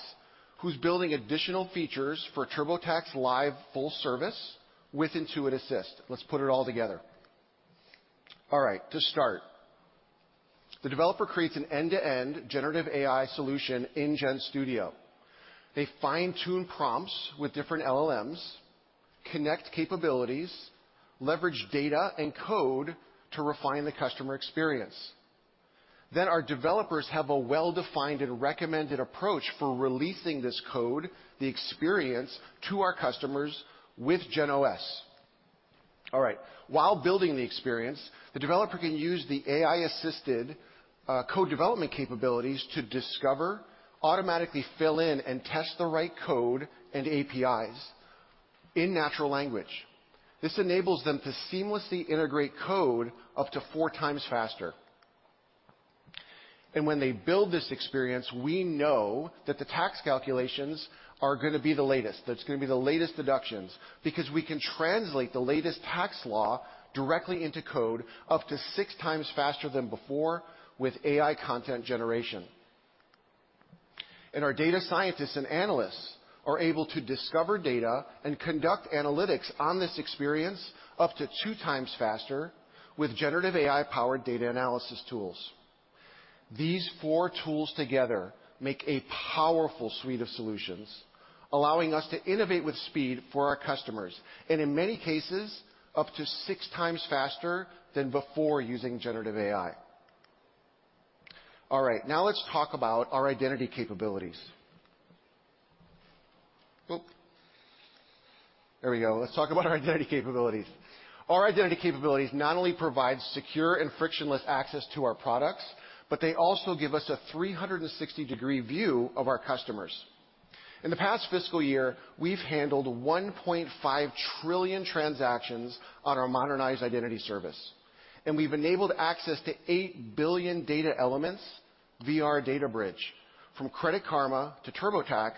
who's building additional features for TurboTax Live Full Service with Intuit Assist. Let's put it all together. All right, to start, the developer creates an end-to-end generative AI solution in GenStudio. They fine-tune prompts with different LLMs, connect capabilities, leverage data and code to refine the customer experience. Our developers have a well-defined and recommended approach for releasing this code, the experience, to our customers with GenOS. All right. While building the experience, the developer can use the AI-assisted code development capabilities to discover, automatically fill in, and test the right code and APIs in natural language. This enables them to seamlessly integrate code up to 4x faster. And when they build this experience, we know that the tax calculations are gonna be the latest, that it's gonna be the latest deductions, because we can translate the latest tax law directly into code up to 6x faster than before with AI content generation. And our data scientists and analysts are able to discover data and conduct analytics on this experience up to 2x faster with generative AI-powered data analysis tools. These four tools together make a powerful suite of solutions, allowing us to innovate with speed for our customers, and in many cases, up to 6x faster than before using generative AI. All right, now let's talk about our identity capabilities. Oop! There we go. Let's talk about our identity capabilities. Our identity capabilities not only provide secure and frictionless access to our products, but they also give us a 360-degree view of our customers. In the past fiscal year, we've handled 1.5 trillion transactions on our modernized identity service, and we've enabled access to 8 billion data elements via our data bridge, from Credit Karma to TurboTax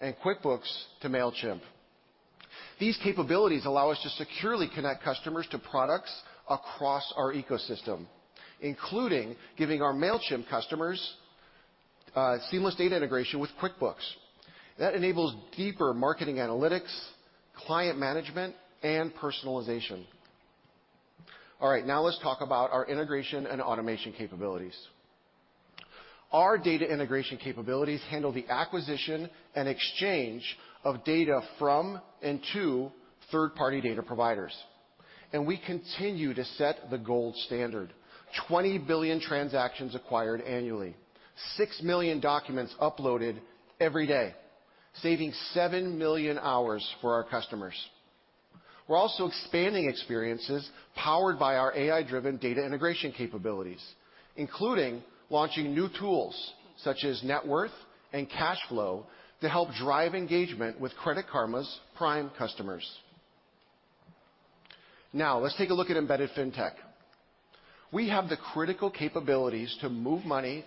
and QuickBooks to Mailchimp. These capabilities allow us to securely connect customers to products across our ecosystem, including giving our Mailchimp customers seamless data integration with QuickBooks. That enables deeper marketing analytics, client management, and personalization. All right, now let's talk about our integration and automation capabilities. Our data integration capabilities handle the acquisition and exchange of data from and to third-party data providers, and we continue to set the gold standard. 20 billion transactions acquired annually, 6 million documents uploaded every day, saving 7 million hours for our customers. We're also expanding experiences powered by our AI-driven data integration capabilities, including launching new tools such as Net Worth and Cash Flow, to help drive engagement with Credit Karma's prime customers. Now, let's take a look at embedded fintech. We have the critical capabilities to move money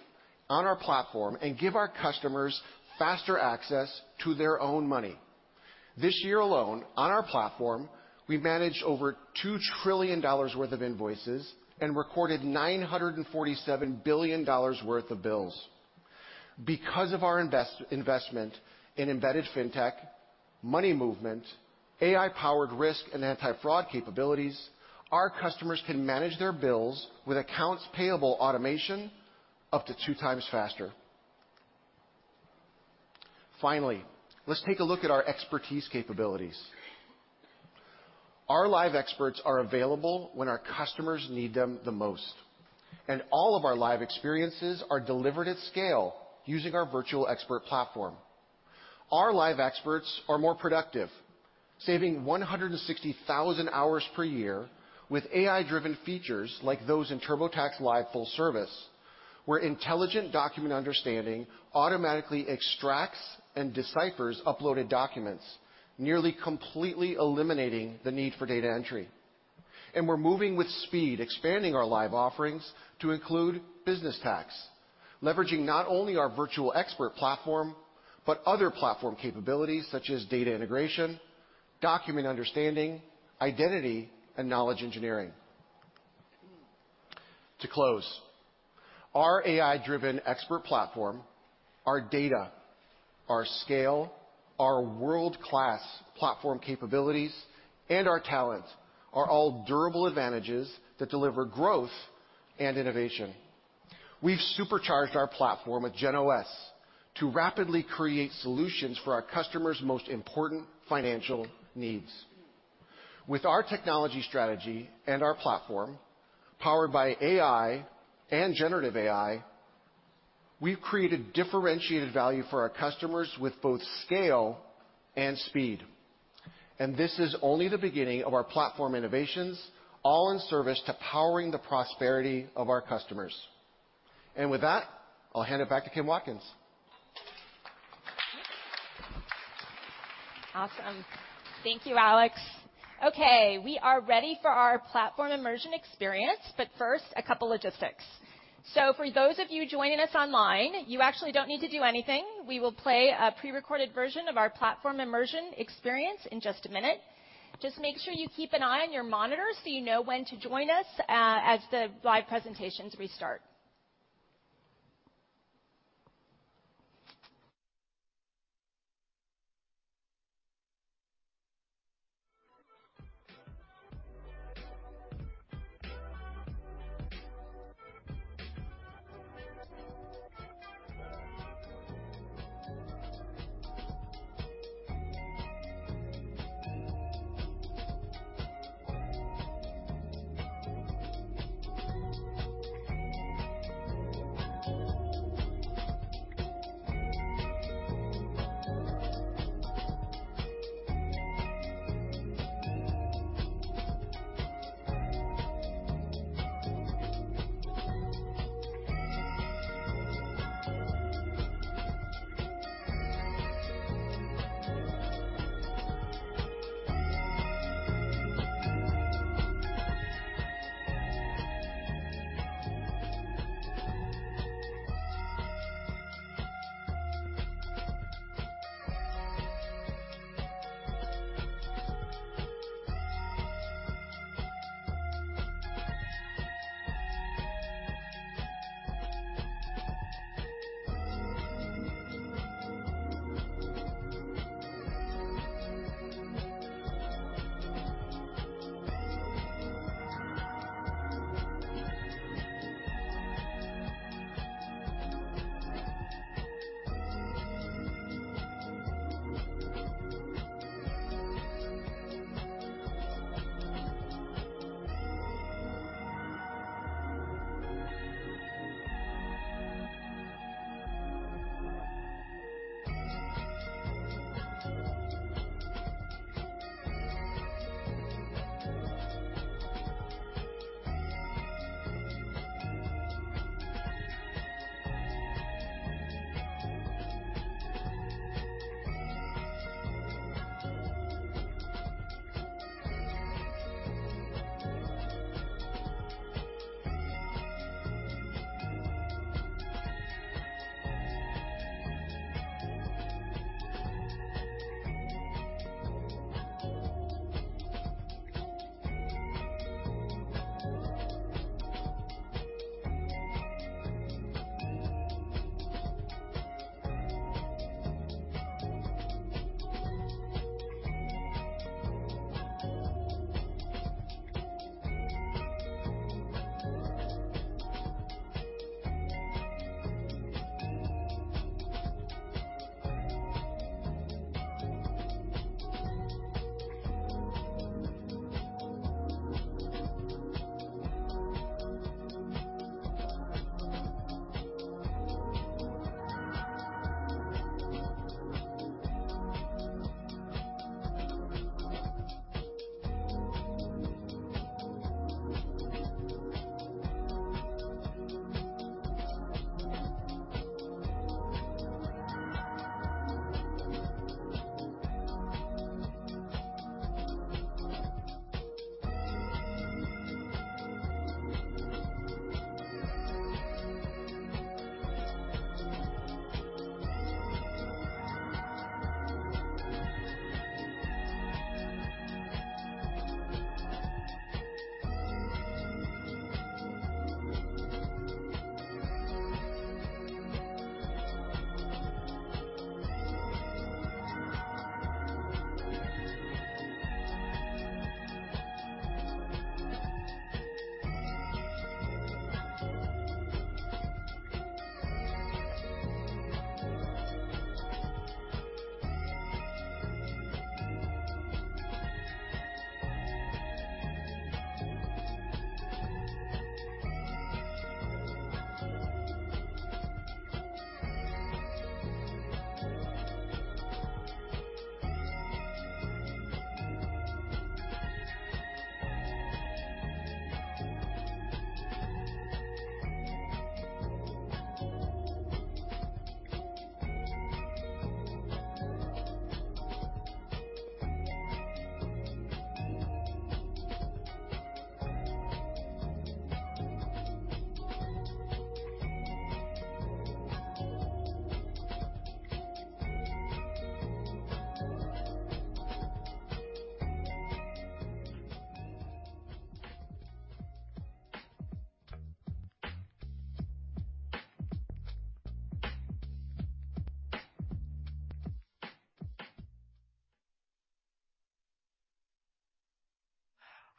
on our platform and give our customers faster access to their own money. This year alone, on our platform, we managed over $2 trillion worth of invoices and recorded $947 billion worth of bills. Because of our investment in embedded fintech, money movement, AI-powered risk, and anti-fraud capabilities, our customers can manage their bills with accounts payable automation up to 2x faster. Finally, let's take a look at our expertise capabilities. Our live experts are available when our customers need them the most, and all of our live experiences are delivered at scale using our virtual expert platform. Our live experts are more productive, saving 160,000 hours per year with AI-driven features like those in TurboTax Live Full Service, where intelligent document understanding automatically extracts and deciphers uploaded documents, nearly completely eliminating the need for data entry. And we're moving with speed, expanding our live offerings to include business tax, leveraging not only our virtual expert platform, but other platform capabilities such as data integration, document understanding, identity, and knowledge engineering. To close, our AI-driven expert platform, our data, our scale, our world-class platform capabilities, and our talent are all durable advantages that deliver growth and innovation. We've supercharged our platform with GenOS to rapidly create solutions for our customers' most important financial needs. With our technology strategy and our platform, powered by AI and generative AI, we've created differentiated value for our customers with both scale and speed. And this is only the beginning of our platform innovations, all in service to powering the prosperity of our customers. And with that, I'll hand it back to Kim Watkins. Awesome. Thank you, Alex. Okay, we are ready for our platform immersion experience, but first, a couple logistics. So for those of you joining us online, you actually don't need to do anything. We will play a prerecorded version of our platform immersion experience in just a minute. Just make sure you keep an eye on your monitor so you know when to join us, as the live presentations restart.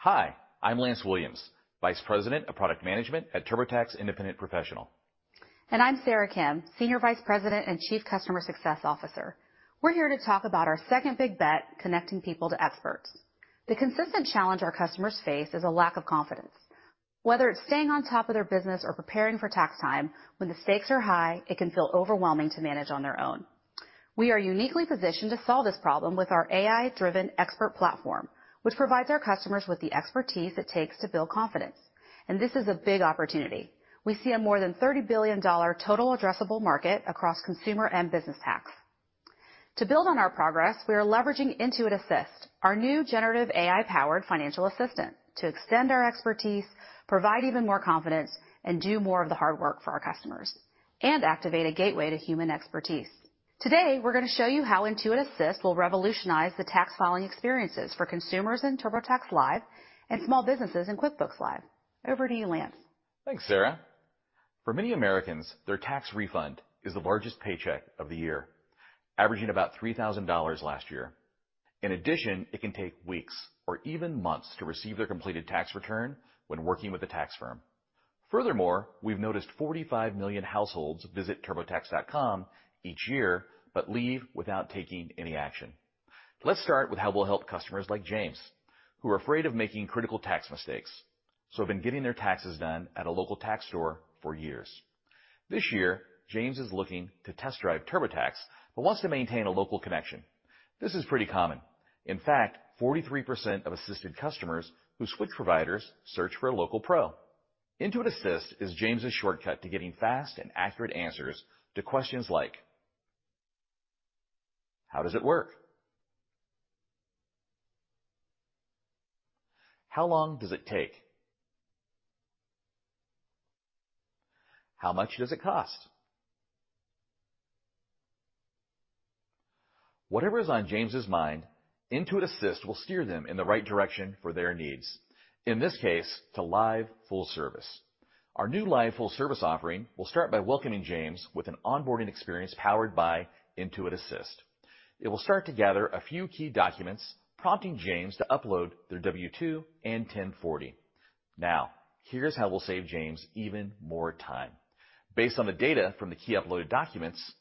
Hi, I'm Lance Williams, Vice President of Product Management at TurboTax Independent Professional. I'm Sarah Kim, Senior Vice President and Chief Customer Success Officer. We're here to talk about our second big bet, connecting people to experts. The consistent challenge our customers face is a lack of confidence. Whether it's staying on top of their business or preparing for tax time, when the stakes are high, it can feel overwhelming to manage on their own. We are uniquely positioned to solve this problem with our AI-driven expert platform, which provides our customers with the expertise it takes to build confidence. And this is a big opportunity. We see a more than $30 billion total addressable market across consumer and business tax. To build on our progress, we are leveraging Intuit Assist, our new generative AI-powered financial assistant, to extend our expertise, provide even more confidence, and do more of the hard work for our customers, and activate a gateway to human expertise. Today, we're going to show you how Intuit Assist will revolutionize the tax filing experiences for consumers in TurboTax Live and small businesses in QuickBooks Live. Over to you, Lance. Thanks, Sarah. For many Americans, their tax refund is the largest paycheck of the year, averaging about $3,000 last year. In addition, it can take weeks or even months to receive their completed tax return when working with a tax firm. Furthermore, we've noticed 45 million households visit TurboTax.com each year, but leave without taking any action. Let's start with how we'll help customers like James, who are afraid of making critical tax mistakes, so have been getting their taxes done at a local tax store for years. This year, James is looking to test drive TurboTax, but wants to maintain a local connection. This is pretty common. In fact, 43% of assisted customers who switch providers search for a local pro. Intuit Assist is James' shortcut to getting fast and accurate answers to questions like, "How does it work? How long does it take? How much does it cost?" Whatever is on James's mind, Intuit Assist will steer them in the right direction for their needs. In this case, to Live Full Service. Our new Live Full Service offering will start by welcoming James with an onboarding experience powered by Intuit Assist. It will start to gather a few key documents, prompting James to upload their W-2 and 1040. Now, here's how we'll save James even more time. Based on the data from the key uploaded documents,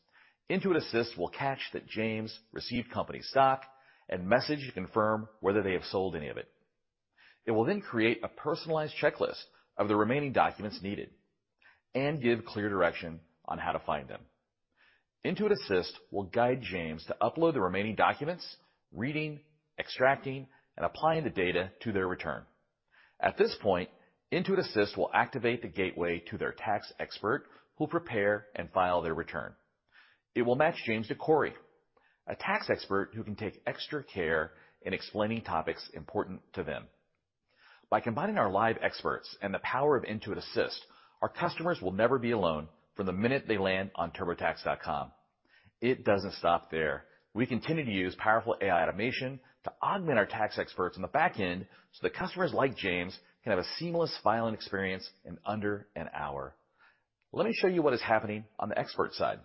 Intuit Assist will catch that James received company stock and message to confirm whether they have sold any of it. It will then create a personalized checklist of the remaining documents needed and give clear direction on how to find them. Intuit Assist will guide James to upload the remaining documents, reading, extracting, and applying the data to their return. At this point, Intuit Assist will activate the gateway to their tax expert, who will prepare and file their return. It will match James to Corey, a tax expert who can take extra care in explaining topics important to them. By combining our live experts and the power of Intuit Assist, our customers will never be alone from the minute they land on TurboTax.com. It doesn't stop there. We continue to use powerful AI automation to augment our tax experts on the back end, so that customers like James can have a seamless filing experience in under an hour. Let me show you what is happening on the expert side.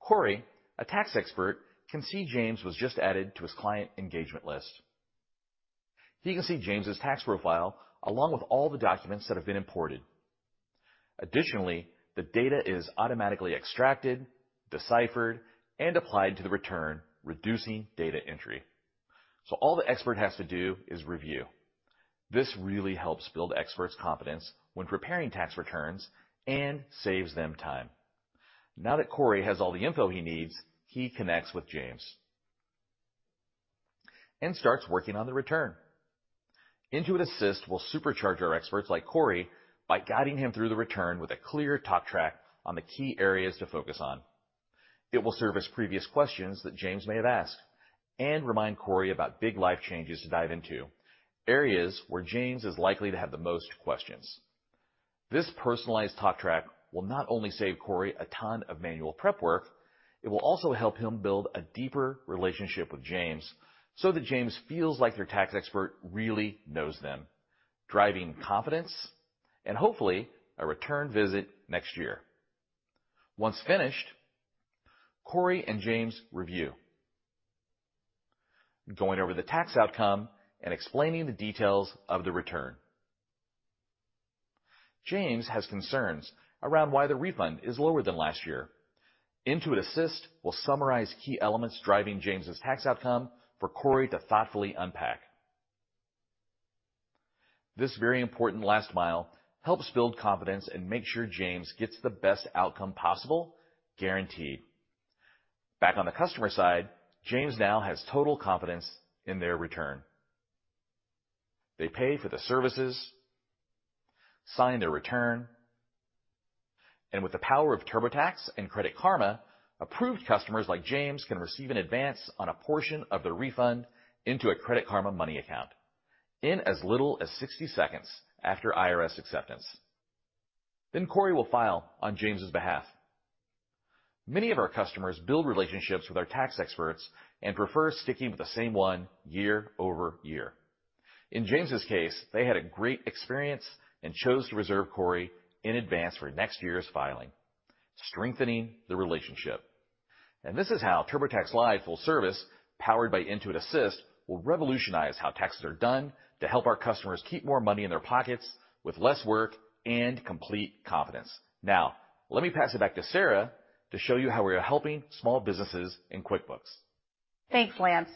Corey, a tax expert, can see James was just added to his client engagement list. He can see James' tax profile along with all the documents that have been imported. Additionally, the data is automatically extracted, deciphered, and applied to the return, reducing data entry. So all the expert has to do is review. This really helps build experts' confidence when preparing tax returns and saves them time. Now that Corey has all the info he needs, he connects with James and starts working on the return. Intuit Assist will supercharge our experts like Corey by guiding him through the return with a clear talk track on the key areas to focus on. It will serve as previous questions that James may have asked and remind Corey about big life changes to dive into, areas where James is likely to have the most questions. This personalized talk track will not only save Corey a ton of manual prep work, it will also help him build a deeper relationship with James, so that James feels like their tax expert really knows them, driving confidence and hopefully a return visit next year. Once finished, Corey and James review, going over the tax outcome and explaining the details of the return. James has concerns around why the refund is lower than last year. Intuit Assist will summarize key elements driving James' tax outcome for Corey to thoughtfully unpack. This very important last mile helps build confidence and make sure James gets the best outcome possible, guaranteed. Back on the customer side, James now has total confidence in their return. They pay for the services, sign their return, and with the power of TurboTax and Credit Karma, approved customers like James can receive an advance on a portion of their refund into a Credit Karma Money account in as little as 60 seconds after IRS acceptance. Then Corey will file on James's behalf. Many of our customers build relationships with our tax experts and prefer sticking with the same one year over year. In James's case, they had a great experience and chose to reserve Corey in advance for next year's filing, strengthening the relationship. And this is how TurboTax Live Full Service, powered by Intuit Assist, will revolutionize how taxes are done to help our customers keep more money in their pockets with less work and complete confidence. Now, let me pass it back to Sarah to show you how we are helping small businesses in QuickBooks. Thanks, Lance.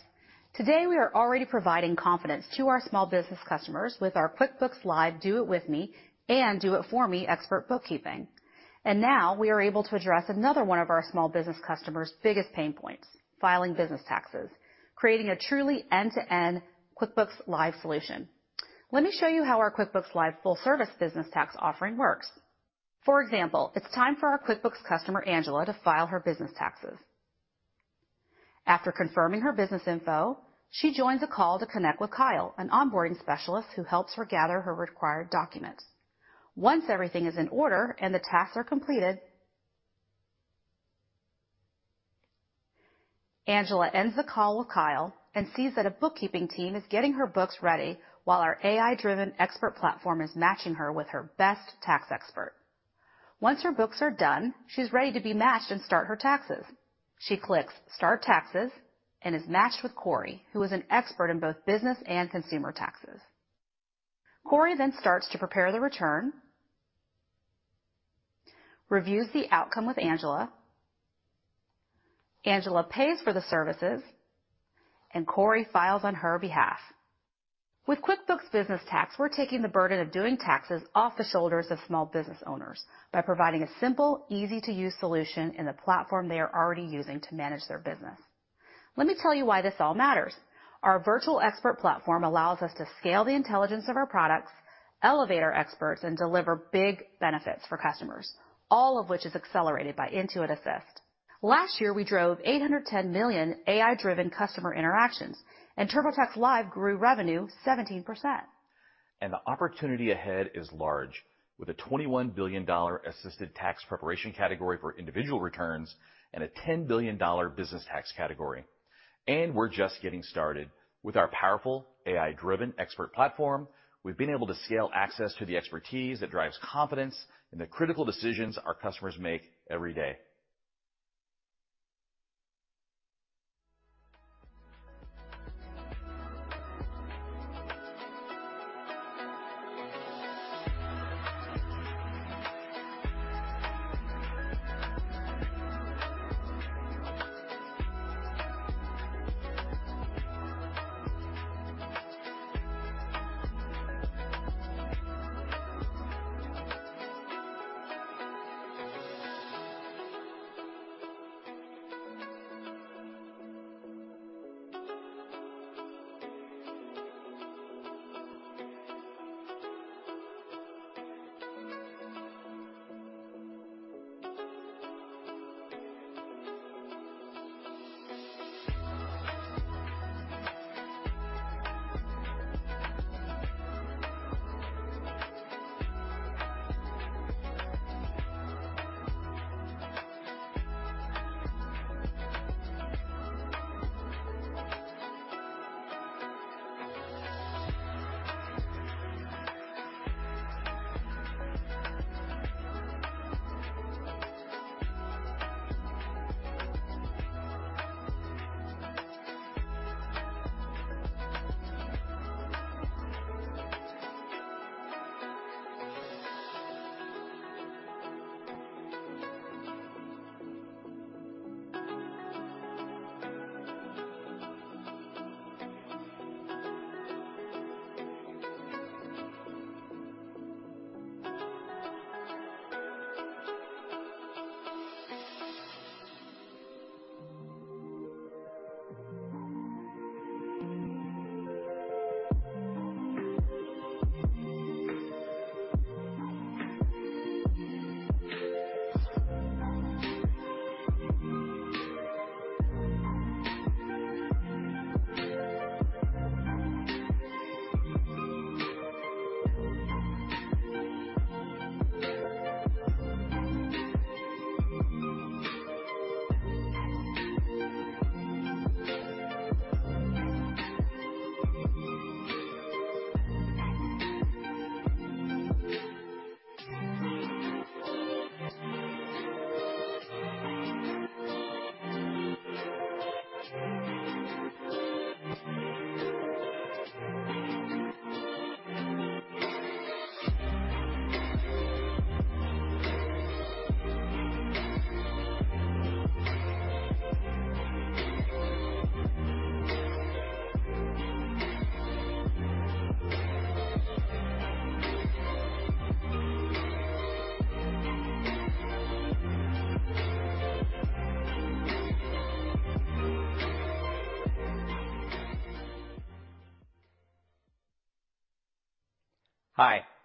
Today, we are already providing confidence to our small business customers with our QuickBooks Live Do It With Me and Do It For Me expert bookkeeping. Now we are able to address another one of our small business customers' biggest pain points, filing business taxes, creating a truly end-to-end QuickBooks Live solution. Let me show you how our QuickBooks Live Full Service business tax offering works. For example, it's time for our QuickBooks customer, Angela, to file her business taxes. After confirming her business info, she joins a call to connect with Kyle, an onboarding specialist who helps her gather her required documents. Once everything is in order and the tasks are completed... Angela ends the call with Kyle and sees that a bookkeeping team is getting her books ready, while our AI-driven expert platform is matching her with her best tax expert. Once her books are done, she's ready to be matched and start her taxes. She clicks Start Taxes, and is matched with Corey, who is an expert in both business and consumer taxes. Corey then starts to prepare the return, reviews the outcome with Angela. Angela pays for the services, and Corey files on her behalf. With QuickBooks Business Tax, we're taking the burden of doing taxes off the shoulders of small business owners by providing a simple, easy-to-use solution in the platform they are already using to manage their business. Let me tell you why this all matters. Our virtual expert platform allows us to scale the intelligence of our products, elevate our experts, and deliver big benefits for customers, all of which is accelerated by Intuit Assist. Last year, we drove 810 million AI-driven customer interactions, and TurboTax Live grew revenue 17%. The opportunity ahead is large, with a $21 billion assisted tax preparation category for individual returns and a $10 billion business tax category. We're just getting started. With our powerful AI-driven expert platform, we've been able to scale access to the expertise that drives confidence in the critical decisions our customers make every day.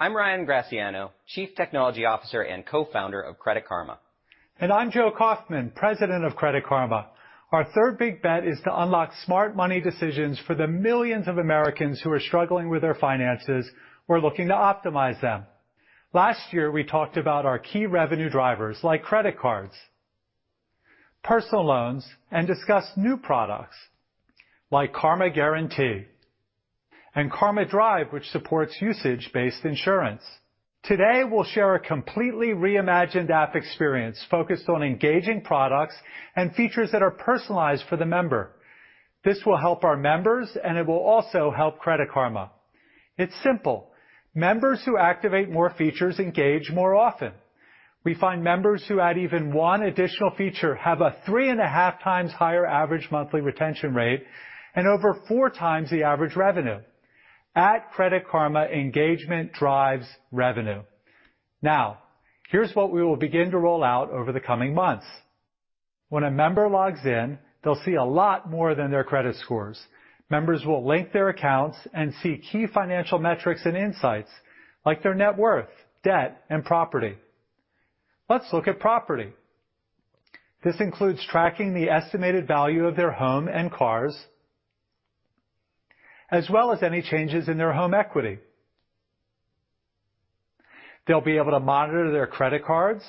Hi, I'm Ryan Graciano, Chief Technology Officer and Co-founder of Credit Karma. I'm Joe Kauffman, President of Credit Karma. Our third big bet is to unlock smart money decisions for the millions of Americans who are struggling with their finances or looking to optimize them. Last year, we talked about our key revenue drivers, like credit cards, personal loans, and discussed new products like Karma Guarantee and Karma Drive, which supports usage-based insurance. Today, we'll share a completely reimagined app experience focused on engaging products and features that are personalized for the member. This will help our members, and it will also help Credit Karma. It's simple. Members who activate more features engage more often. We find members who add even 1 additional feature have a 3.5x higher average monthly retention rate and over 4x the average revenue. At Credit Karma, engagement drives revenue. Now, here's what we will begin to roll out over the coming months. When a member logs in, they'll see a lot more than their credit scores. Members will link their accounts and see key financial metrics and insights, like their net worth, debt, and property. Let's look at property. This includes tracking the estimated value of their home and cars, as well as any changes in their home equity.... They'll be able to monitor their credit cards,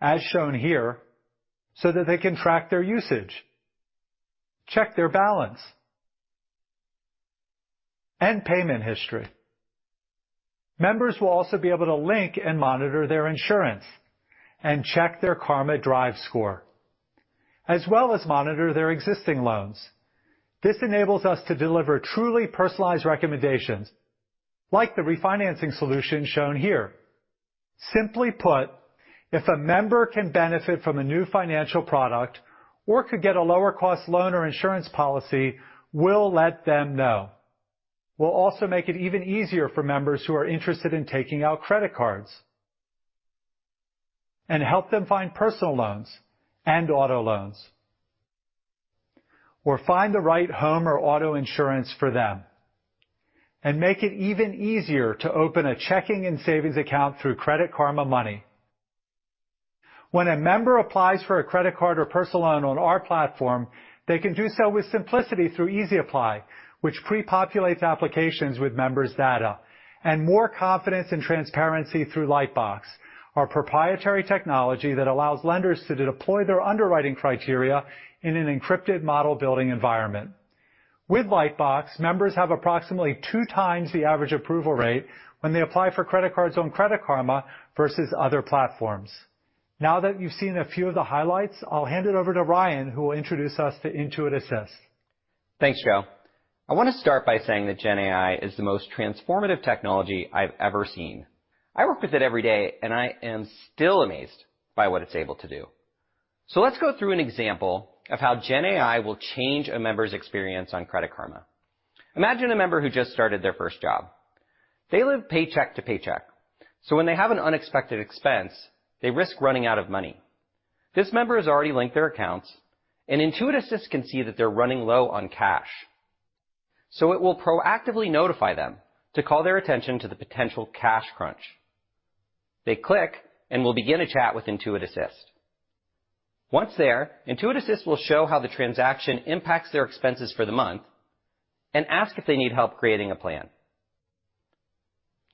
as shown here, so that they can track their usage, check their balance, and payment history. Members will also be able to link and monitor their insurance and check their Karma Drive score, as well as monitor their existing loans. This enables us to deliver truly personalized recommendations, like the refinancing solution shown here. Simply put, if a member can benefit from a new financial product or could get a lower cost loan or insurance policy, we'll let them know. We'll also make it even easier for members who are interested in taking out credit cards, and help them find personal loans and auto loans, or find the right home or auto insurance for them, and make it even easier to open a checking and savings account through Credit Karma Money. When a member applies for a credit card or personal loan on our platform, they can do so with simplicity through Easy Apply, which prepopulates applications with members' data, and more confidence and transparency through Lightbox, our proprietary technology that allows lenders to deploy their underwriting criteria in an encrypted model building environment. With Lightbox, members have approximately 2x the average approval rate when they apply for credit cards on Credit Karma versus other platforms. Now that you've seen a few of the highlights, I'll hand it over to Ryan, who will introduce us to Intuit Assist. Thanks, Joe. I wanna start by saying that GenAI is the most transformative technology I've ever seen. I work with it every day, and I am still amazed by what it's able to do. So let's go through an example of how GenAI will change a member's experience on Credit Karma. Imagine a member who just started their first job. They live paycheck to paycheck, so when they have an unexpected expense, they risk running out of money. This member has already linked their accounts, and Intuit Assist can see that they're running low on cash, so it will proactively notify them to call their attention to the potential cash crunch. They click and will begin a chat with Intuit Assist. Once there, Intuit Assist will show how the transaction impacts their expenses for the month and ask if they need help creating a plan.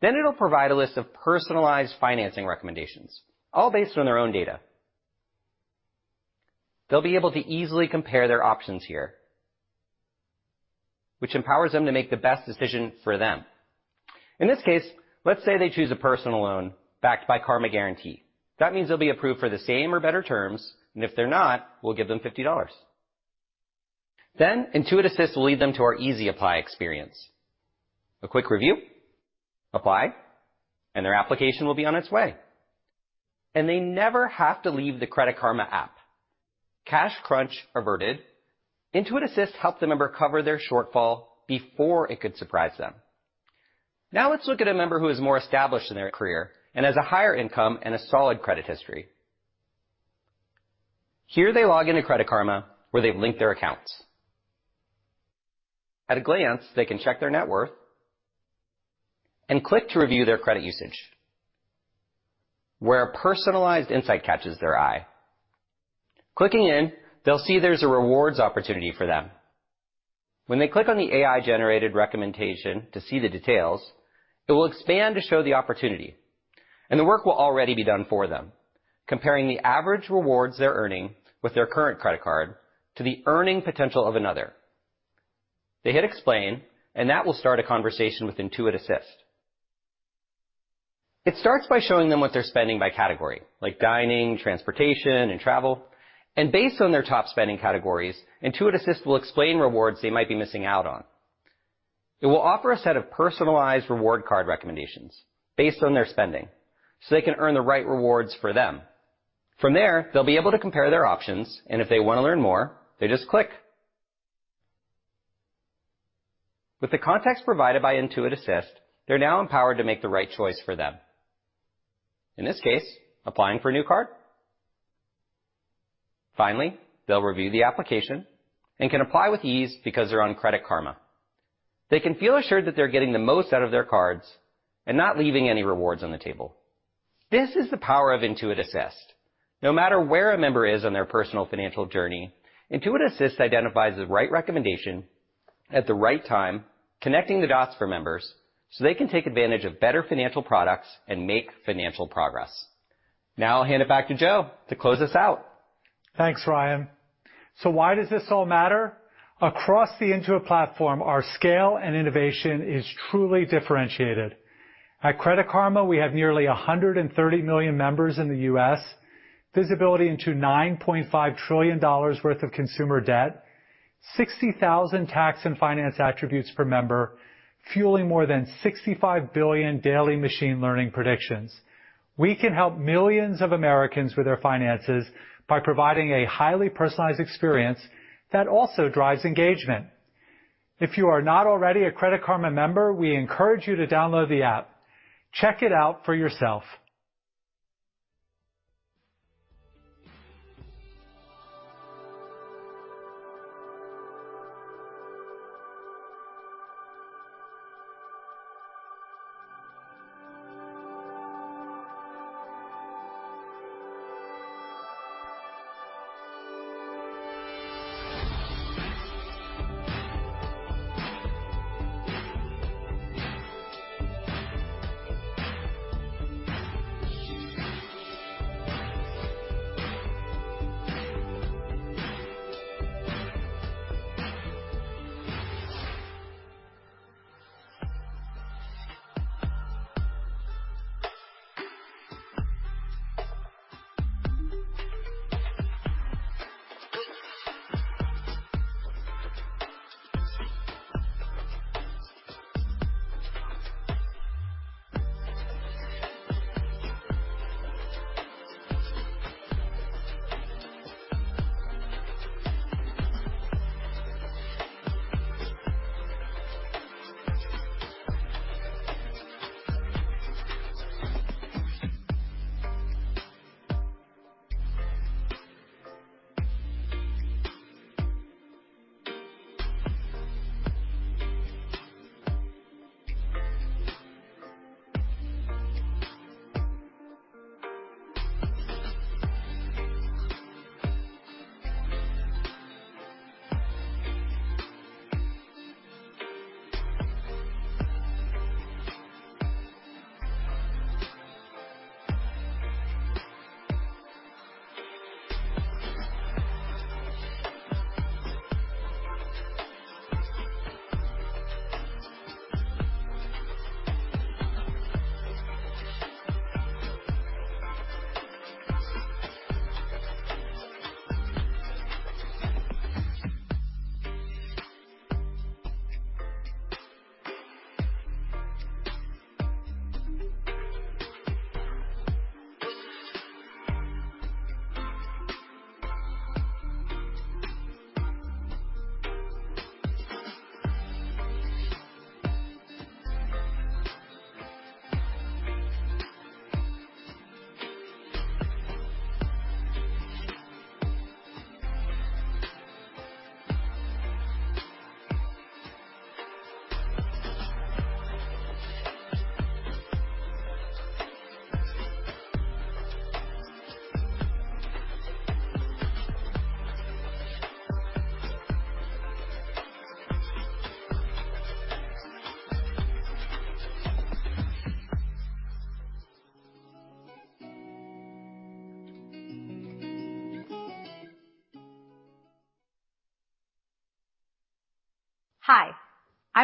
Then it'll provide a list of personalized financing recommendations, all based on their own data. They'll be able to easily compare their options here, which empowers them to make the best decision for them. In this case, let's say they choose a personal loan backed by Karma Guarantee. That means they'll be approved for the same or better terms, and if they're not, we'll give them $50. Then Intuit Assist will lead them to our Easy Apply experience. A quick review, apply, and their application will be on its way. And they never have to leave the Credit Karma app. Cash crunch averted. Intuit Assist helped the member cover their shortfall before it could surprise them. Now let's look at a member who is more established in their career and has a higher income and a solid credit history. Here, they log into Credit Karma, where they've linked their accounts. At a glance, they can check their net worth and click to review their credit usage, where a personalized insight catches their eye. Clicking in, they'll see there's a rewards opportunity for them. When they click on the AI-generated recommendation to see the details, it will expand to show the opportunity, and the work will already be done for them, comparing the average rewards they're earning with their current credit card to the earning potential of another. They hit Explain, and that will start a conversation with Intuit Assist. It starts by showing them what they're spending by category, like dining, transportation, and travel, and based on their top spending categories, Intuit Assist will explain rewards they might be missing out on. It will offer a set of personalized reward card recommendations based on their spending, so they can earn the right rewards for them. From there, they'll be able to compare their options, and if they wanna learn more, they just click. With the context provided by Intuit Assist, they're now empowered to make the right choice for them, in this case, applying for a new card. Finally, they'll review the application and can apply with ease because they're on Credit Karma. They can feel assured that they're getting the most out of their cards and not leaving any rewards on the table. This is the power of Intuit Assist. No matter where a member is on their personal financial journey, Intuit Assist identifies the right recommendation at the right time, connecting the dots for members so they can take advantage of better financial products and make financial progress. Now I'll hand it back to Joe to close us out. Thanks, Ryan. So why does this all matter? Across the Intuit platform, our scale and innovation is truly differentiated. At Credit Karma, we have nearly 130 million members in the U.S., visibility into $9.5 trillion worth of consumer debt, 60,000 tax and finance attributes per member, fueling more than 65 billion daily machine learning predictions. We can help millions of Americans with their finances by providing a highly personalized experience that also drives engagement. If you are not already a Credit Karma member, we encourage you to download the app. Check it out for yourself.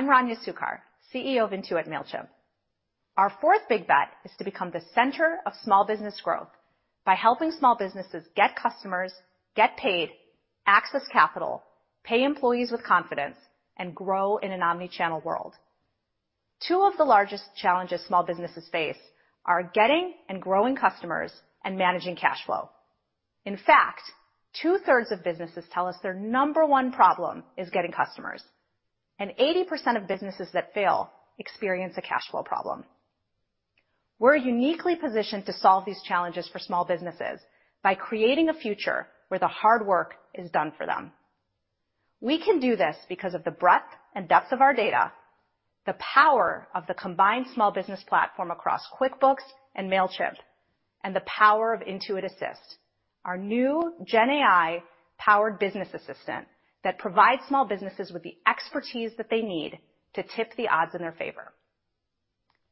Hi, I'm Rania Succar, CEO of Intuit Mailchimp. Our fourth big bet is to become the center of small business growth by helping small businesses get customers, get paid, access capital, pay employees with confidence, and grow in an omnichannel world. Two of the largest challenges small businesses face are getting and growing customers and managing cash flow. In fact, two-thirds of businesses tell us their number one problem is getting customers, and 80% of businesses that fail experience a cash flow problem. We're uniquely positioned to solve these challenges for small businesses by creating a future where the hard work is done for them. We can do this because of the breadth and depth of our data, the power of the combined small business platform across QuickBooks and Mailchimp, and the power of Intuit Assist, our new GenAI-powered business assistant that provides small businesses with the expertise that they need to tip the odds in their favor.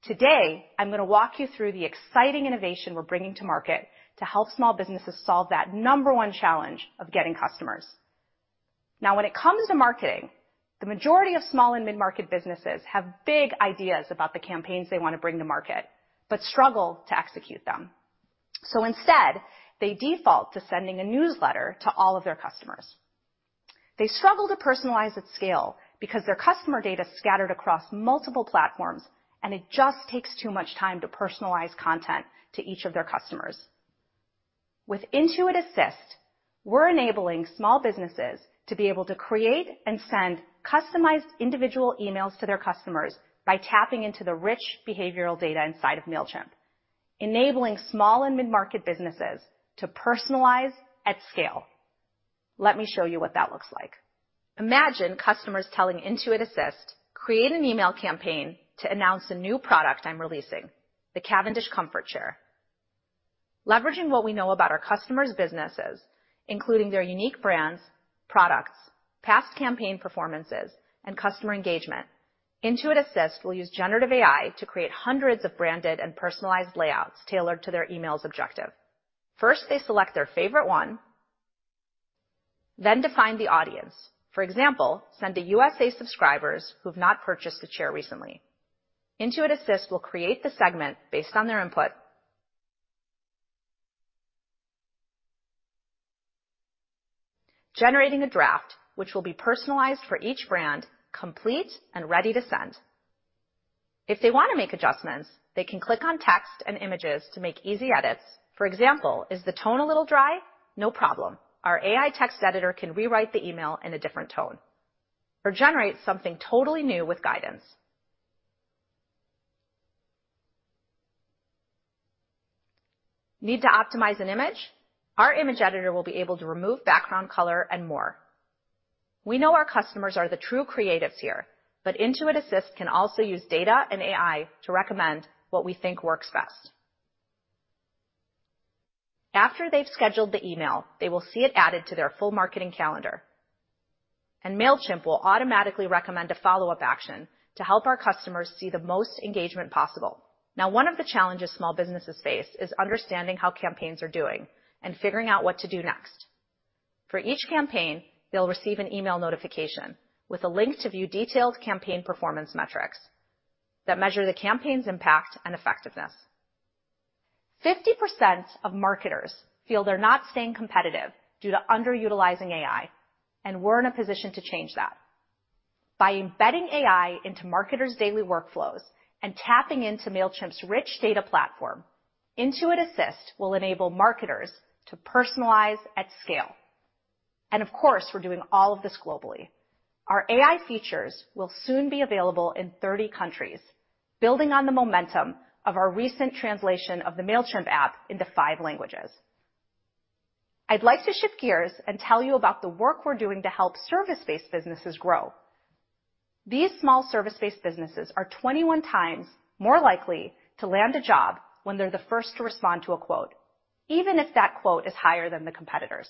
Today, I'm gonna walk you through the exciting innovation we're bringing to market to help small businesses solve that number one challenge of getting customers. Now, when it comes to marketing, the majority of small and mid-market businesses have big ideas about the campaigns they want to bring to market, but struggle to execute them. So instead, they default to sending a newsletter to all of their customers. They struggle to personalize at scale because their customer data is scattered across multiple platforms, and it just takes too much time to personalize content to each of their customers. With Intuit Assist, we're enabling small businesses to be able to create and send customized individual emails to their customers by tapping into the rich behavioral data inside of Mailchimp, enabling small and mid-market businesses to personalize at scale. Let me show you what that looks like. Imagine customers telling Intuit Assist, "Create an email campaign to announce a new product I'm releasing, the Cavendish Comfort Chair." Leveraging what we know about our customers' businesses, including their unique brands, products, past campaign performances, and customer engagement, Intuit Assist will use generative AI to create hundreds of branded and personalized layouts tailored to their email's objective. First, they select their favorite one, then define the audience. For example, send to USA subscribers who've not purchased a chair recently. Intuit Assist will create the segment based on their input... generating a draft, which will be personalized for each brand, complete and ready to send. If they want to make adjustments, they can click on text and images to make easy edits. For example, is the tone a little dry? No problem. Our AI text editor can rewrite the email in a different tone or generate something totally new with guidance. Need to optimize an image? Our image editor will be able to remove background color and more. We know our customers are the true creatives here, but Intuit Assist can also use data and AI to recommend what we think works best. After they've scheduled the email, they will see it added to their full marketing calendar, and Mailchimp will automatically recommend a follow-up action to help our customers see the most engagement possible. Now, one of the challenges small businesses face is understanding how campaigns are doing and figuring out what to do next. For each campaign, they'll receive an email notification with a link to view detailed campaign performance metrics that measure the campaign's impact and effectiveness. 50% of marketers feel they're not staying competitive due to underutilizing AI, and we're in a position to change that. By embedding AI into marketers' daily workflows and tapping into Mailchimp's rich data platform, Intuit Assist will enable marketers to personalize at scale. And of course, we're doing all of this globally. Our AI features will soon be available in 30 countries, building on the momentum of our recent translation of the Mailchimp app into five languages. I'd like to shift gears and tell you about the work we're doing to help service-based businesses grow. These small service-based businesses are 21x more likely to land a job when they're the first to respond to a quote, even if that quote is higher than the competitors.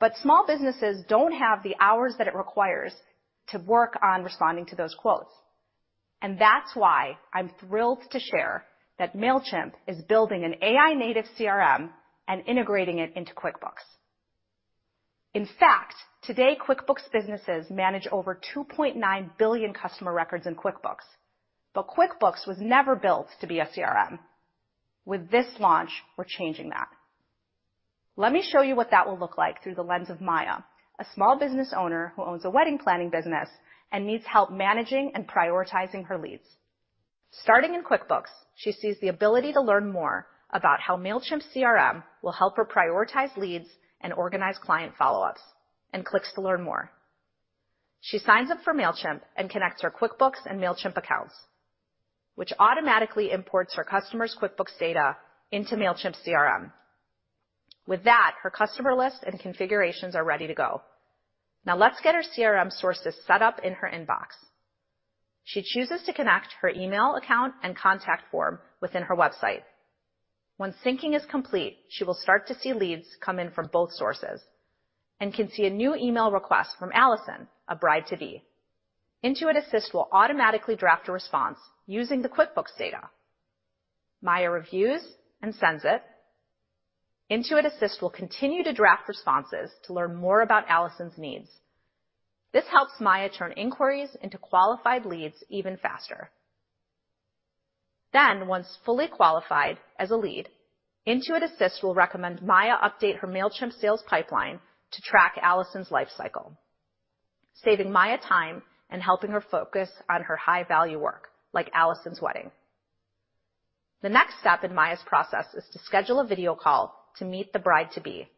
But small businesses don't have the hours that it requires to work on responding to those quotes. And that's why I'm thrilled to share that Mailchimp is building an AI native CRM and integrating it into QuickBooks. In fact, today, QuickBooks businesses manage over 2.9 billion customer records in QuickBooks, but QuickBooks was never built to be a CRM. With this launch, we're changing that. Let me show you what that will look like through the lens of Maya, a small business owner who owns a wedding planning business and needs help managing and prioritizing her leads. Starting in QuickBooks, she sees the ability to learn more about how Mailchimp CRM will help her prioritize leads and organize client follow-ups, and clicks to learn more. She signs up for Mailchimp and connects her QuickBooks and Mailchimp accounts, which automatically imports her customer's QuickBooks data into Mailchimp CRM. With that, her customer list and configurations are ready to go. Now, let's get her CRM sources set up in her inbox. She chooses to connect her email account and contact form within her website. Once syncing is complete, she will start to see leads come in from both sources and can see a new email request from Allison, a bride-to-be. Intuit Assist will automatically draft a response using the QuickBooks data. Maya reviews and sends it. Intuit Assist will continue to draft responses to learn more about Allison's needs. This helps Maya turn inquiries into qualified leads even faster. Then, once fully qualified as a lead, Intuit Assist will recommend Maya update her Mailchimp sales pipeline to track Allison's life cycle, saving Maya time and helping her focus on her high-value work, like Allison's wedding. The next step in Maya's process is to schedule a video call to meet the bride-to-be.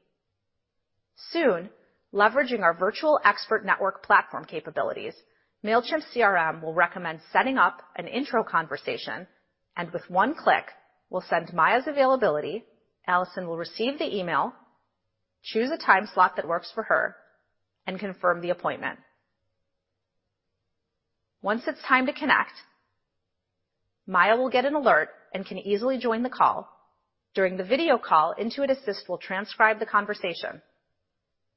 Soon, leveraging our virtual expert network platform capabilities, Mailchimp CRM will recommend setting up an intro conversation, and with one click, will send Maya's availability. Allison will receive the email, choose a time slot that works for her, and confirm the appointment. Once it's time to connect, Maya will get an alert and can easily join the call. During the video call, Intuit Assist will transcribe the conversation.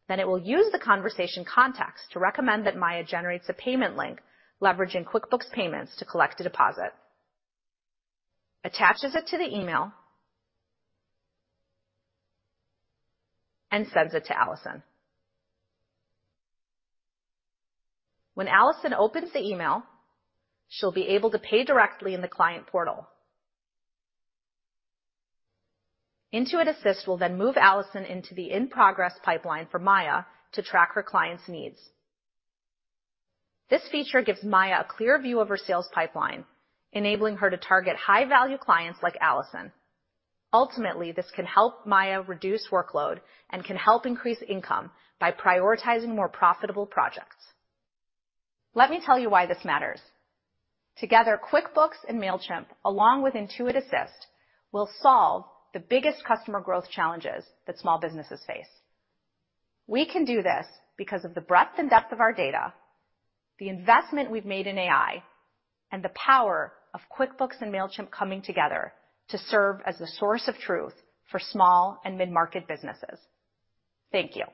Then it will use the conversation context to recommend that Maya generates a payment link, leveraging QuickBooks payments to collect a deposit, attaches it to the email, and sends it to Allison. When Allison opens the email, she'll be able to pay directly in the client portal. Intuit Assist will then move Allison into the in-progress pipeline for Maya to track her client's needs. This feature gives Maya a clear view of her sales pipeline, enabling her to target high-value clients like Allison. Ultimately, this can help Maya reduce workload and can help increase income by prioritizing more profitable projects. Let me tell you why this matters. Together, QuickBooks and Mailchimp, along with Intuit Assist, will solve the biggest customer growth challenges that small businesses face. We can do this because of the breadth and depth of our data, the investment we've made in AI, and the power of QuickBooks and Mailchimp coming together to serve as the source of truth for small and mid-market businesses. Thank you.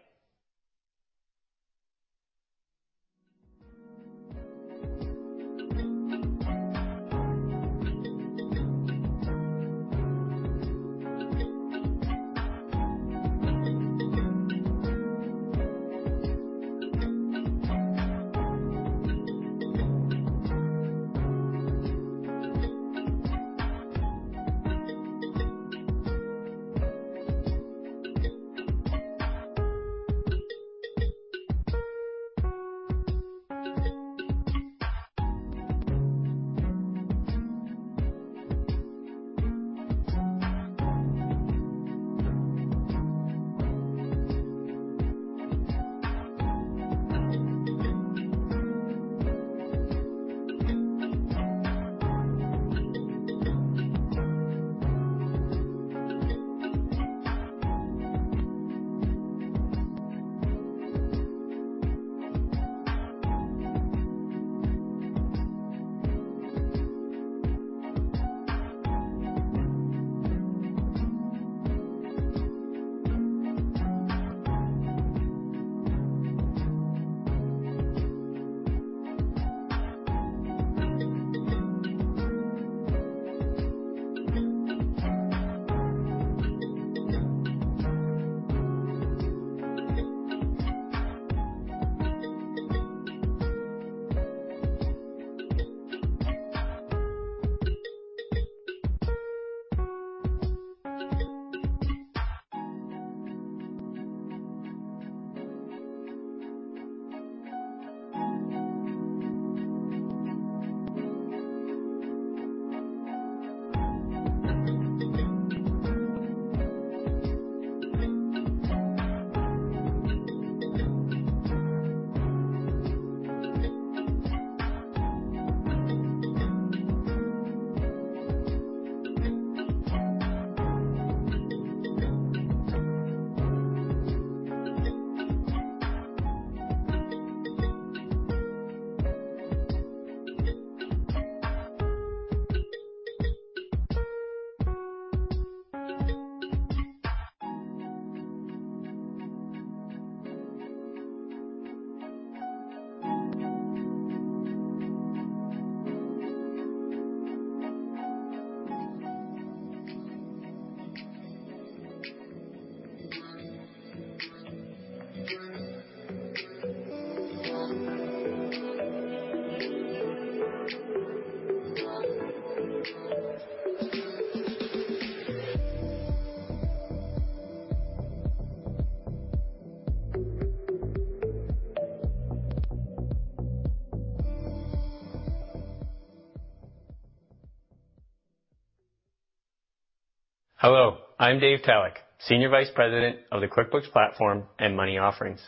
Hello, I'm Dave Talach, Senior Vice President of the QuickBooks Platform and Money Offerings.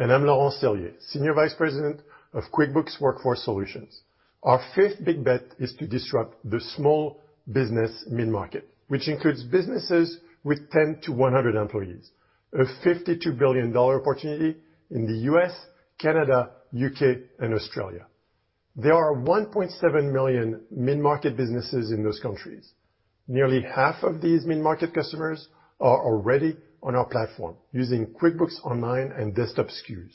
I'm Laurent Sellier, Senior Vice President of Workforce Solutions. Our fifth big bet is to disrupt the small business mid-market, which includes businesses with 10-100 employees. A $52 billion opportunity in the U.S., Canada, UK, and Australia. There are 1.7 million mid-market businesses in those countries. Nearly half of these mid-market customers are already on our platform, using QuickBooks Online and Desktop SKUs,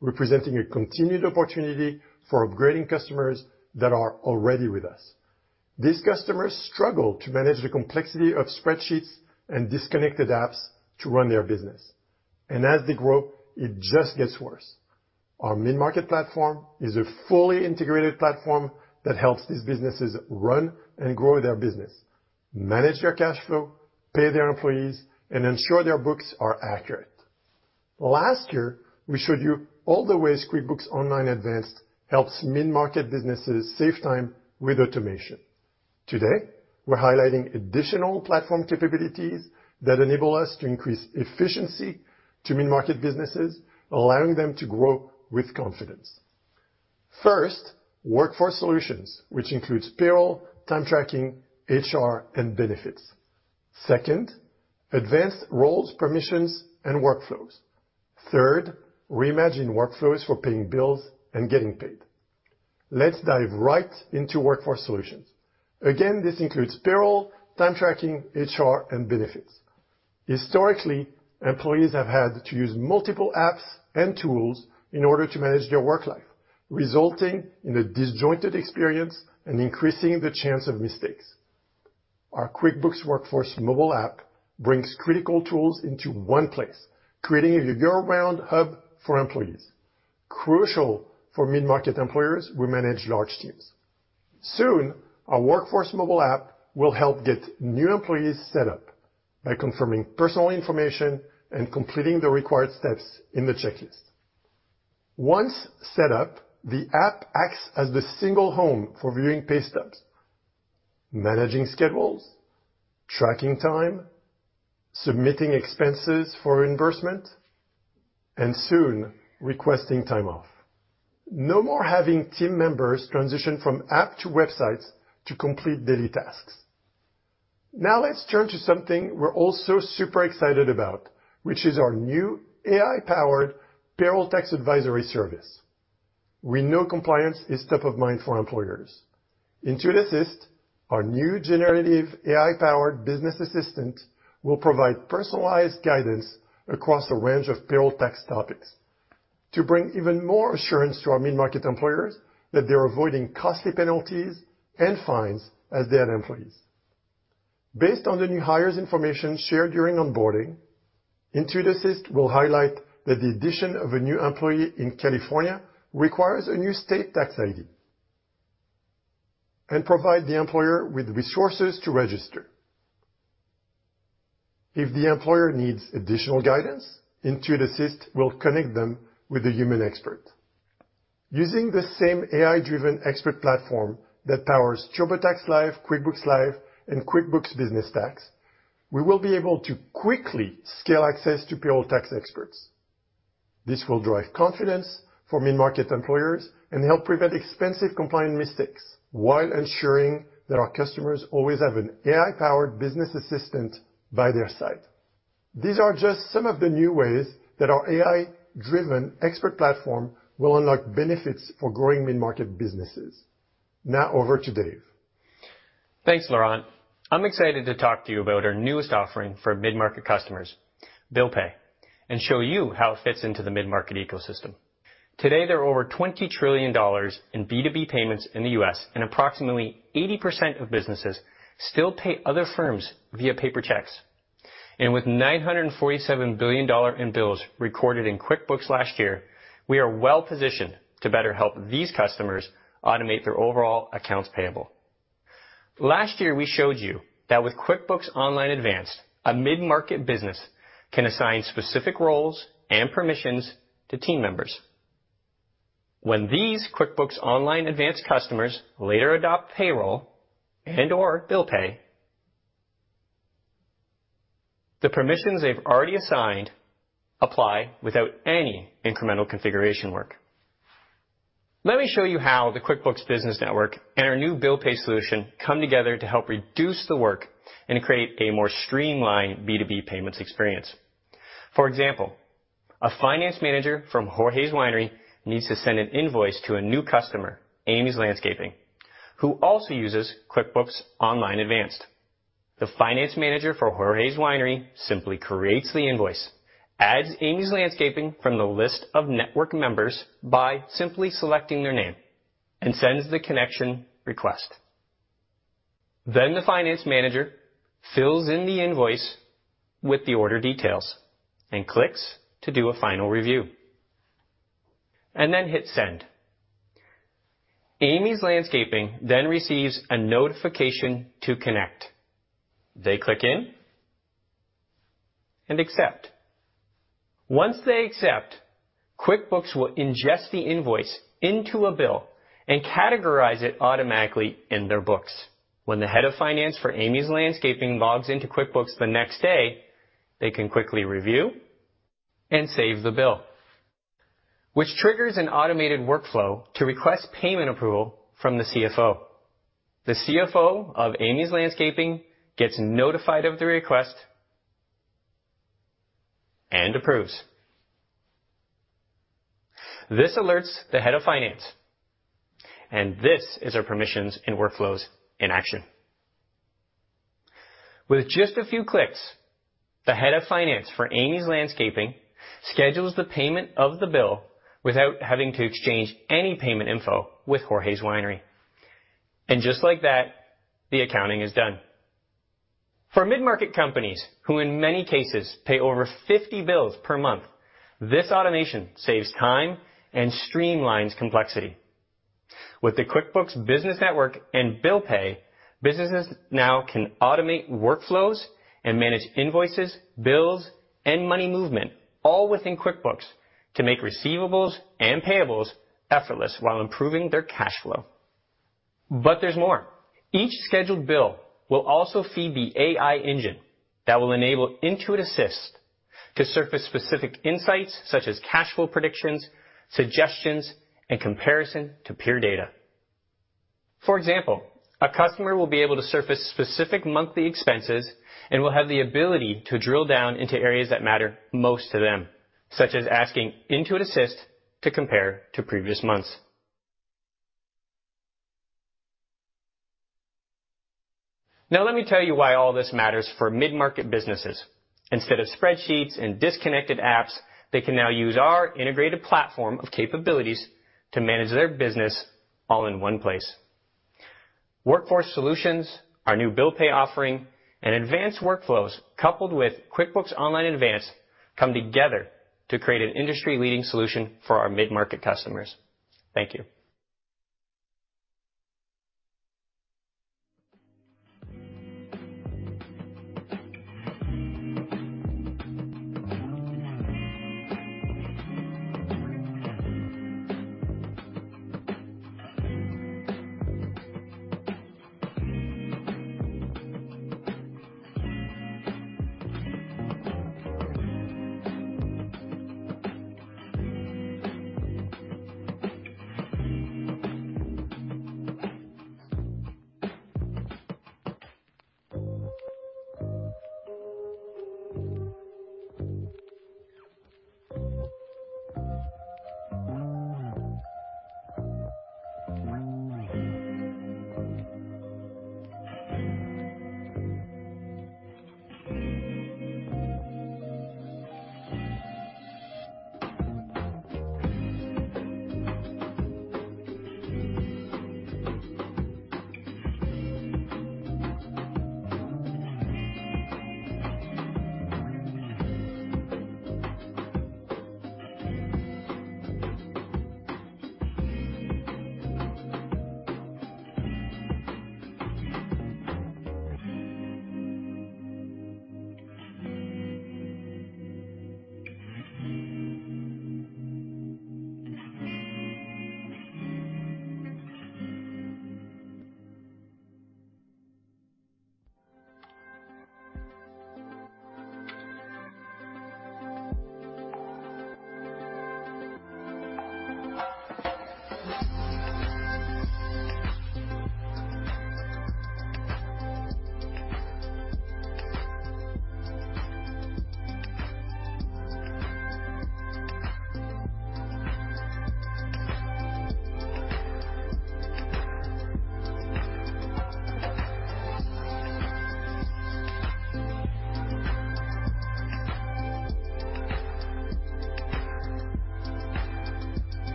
representing a continued opportunity for upgrading customers that are already with us. These customers struggle to manage the complexity of spreadsheets and disconnected apps to run their business, and as they grow, it just gets worse. Our mid-market platform is a fully integrated platform that helps these businesses run and grow their business, manage their cash flow, pay their employees, and ensure their books are accurate. Last year, we showed you all the ways QuickBooks Online Advanced helps mid-market businesses save time with automation. Today, we're highlighting additional platform capabilities that enable us to increase efficiency to mid-market businesses, allowing them to grow with confidence. First, workforce solutions, which includes payroll, time tracking, HR, and benefits. Second, advanced roles, permissions, and workflows. Third, reimagined workflows for paying bills and getting paid. Let's dive right into workforce solutions. Again, this includes payroll, time tracking, HR, and benefits. Historically, employees have had to use multiple apps and tools in order to manage their work life, resulting in a disjointed experience and increasing the chance of mistakes. Our QuickBooks Workforce mobile app brings critical tools into one place, creating a year-round hub for employees. Crucial for mid-market employers who manage large teams. Soon, our Workforce mobile app will help get new employees set up by confirming personal information and completing the required steps in the checklist. Once set up, the app acts as the single home for viewing pay stubs, managing schedules, tracking time, submitting expenses for reimbursement, and soon, requesting time off. No more having team members transition from app to websites to complete daily tasks. Now, let's turn to something we're also super excited about, which is our new AI-powered payroll tax advisory service. We know compliance is top of mind for employers. Intuit Assist, our new generative AI-powered business assistant, will provide personalized guidance across a range of payroll tax topics to bring even more assurance to our mid-market employers that they're avoiding costly penalties and fines as they add employees. Based on the new hires' information shared during onboarding, Intuit Assist will highlight that the addition of a new employee in California requires a new state tax ID, and provide the employer with resources to register. If the employer needs additional guidance, Intuit Assist will connect them with a human expert. Using the same AI-driven expert platform that powers TurboTax Live, QuickBooks Live, and QuickBooks Business Tax, we will be able to quickly scale access to payroll tax experts. This will drive confidence for mid-market employers and help prevent expensive compliance mistakes, while ensuring that our customers always have an AI-powered business assistant by their side... These are just some of the new ways that our AI-driven expert platform will unlock benefits for growing mid-market businesses. Now over to Dave. Thanks, Laurent. I'm excited to talk to you about our newest offering for mid-market customers, Bill Pay, and show you how it fits into the mid-market ecosystem. Today, there are over $20 trillion in B2B payments in the U.S., and approximately 80% of businesses still pay other firms via paper checks. With $947 billion in bills recorded in QuickBooks last year, we are well positioned to better help these customers automate their overall accounts payable. Last year, we showed you that with QuickBooks Online Advanced, a mid-market business can assign specific roles and permissions to team members. When these QuickBooks Online Advanced customers later adopt payroll and/or bill pay, the permissions they've already assigned apply without any incremental configuration work. Let me show you how the QuickBooks Business Network and our new Bill Pay solution come together to help reduce the work and create a more streamlined B2B payments experience. For example, a finance manager from Jorge's Winery needs to send an invoice to a new customer, Amy's Landscaping, who also uses QuickBooks Online Advanced. The finance manager for Jorge's Winery simply creates the invoice, adds Amy's Landscaping from the list of network members by simply selecting their name, and sends the connection request. Then the finance manager fills in the invoice with the order details and clicks to do a final review, and then hit Send. Amy's Landscaping then receives a notification to connect. They click in and accept. Once they accept, QuickBooks will ingest the invoice into a bill and categorize it automatically in their books. When the head of finance for Amy's Landscaping logs into QuickBooks the next day, they can quickly review and save the bill, which triggers an automated workflow to request payment approval from the CFO. The CFO of Amy's Landscaping gets notified of the request and approves. This alerts the head of finance, and this is our permissions and workflows in action. With just a few clicks, the head of finance for Amy's Landscaping schedules the payment of the bill without having to exchange any payment info with Jorge's Winery. And just like that, the accounting is done. For mid-market companies, who in many cases pay over 50 bills per month, this automation saves time and streamlines complexity. With the QuickBooks Business Network and Bill Pay, businesses now can automate workflows and manage invoices, bills, and money movement, all within QuickBooks, to make receivables and payables effortless while improving their cash flow. But there's more. Each scheduled bill will also feed the AI engine that will enable Intuit Assist to surface specific insights, such as cash flow predictions, suggestions, and comparison to peer data. For example, a customer will be able to surface specific monthly expenses and will have the ability to drill down into areas that matter most to them, such as asking Intuit Assist to compare to previous months. Now, let me tell you why all this matters for mid-market businesses. Instead of spreadsheets and disconnected apps, they can now use our integrated platform of capabilities to manage their business all in one place. Workforce solutions, our new bill pay offering, and advanced workflows, coupled with QuickBooks Online Advanced, come together to create an industry-leading solution for our mid-market customers. Thank you.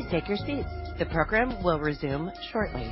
Please take your seats. The program will resume shortly.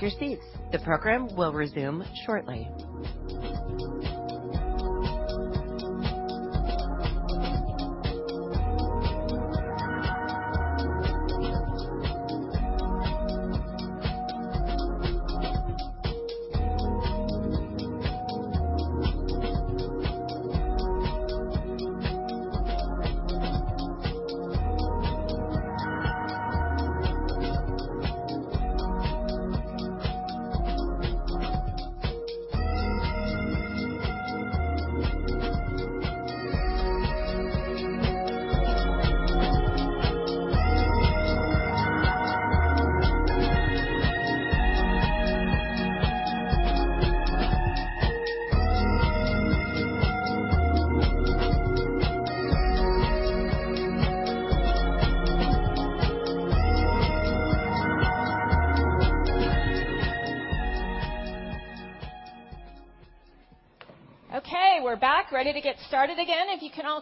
Okay, we're back, ready to get started again. If you can all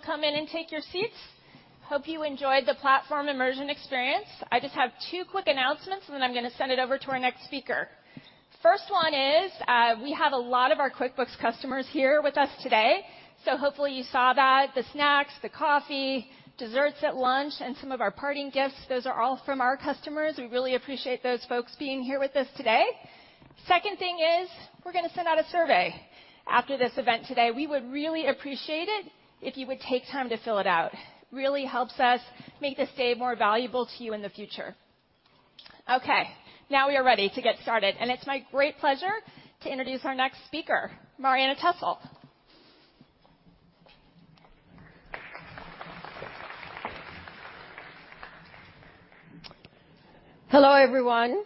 come in and take your seats. Hope you enjoyed the platform immersion experience. I just have two quick announcements, and then I'm gonna send it over to our next speaker. First one is, we have a lot of our QuickBooks customers here with us today, so hopefully you saw that. The snacks, the coffee, desserts at lunch, and some of our parting gifts, those are all from our customers. We really appreciate those folks being here with us today. Second thing is, we're gonna send out a survey after this event today. We would really appreciate it if you would take time to fill it out. Really helps us make this day more valuable to you in the future. Okay, now we are ready to get started, and it's my great pleasure to introduce our next speaker, Marianna Tessel. Hello, everyone.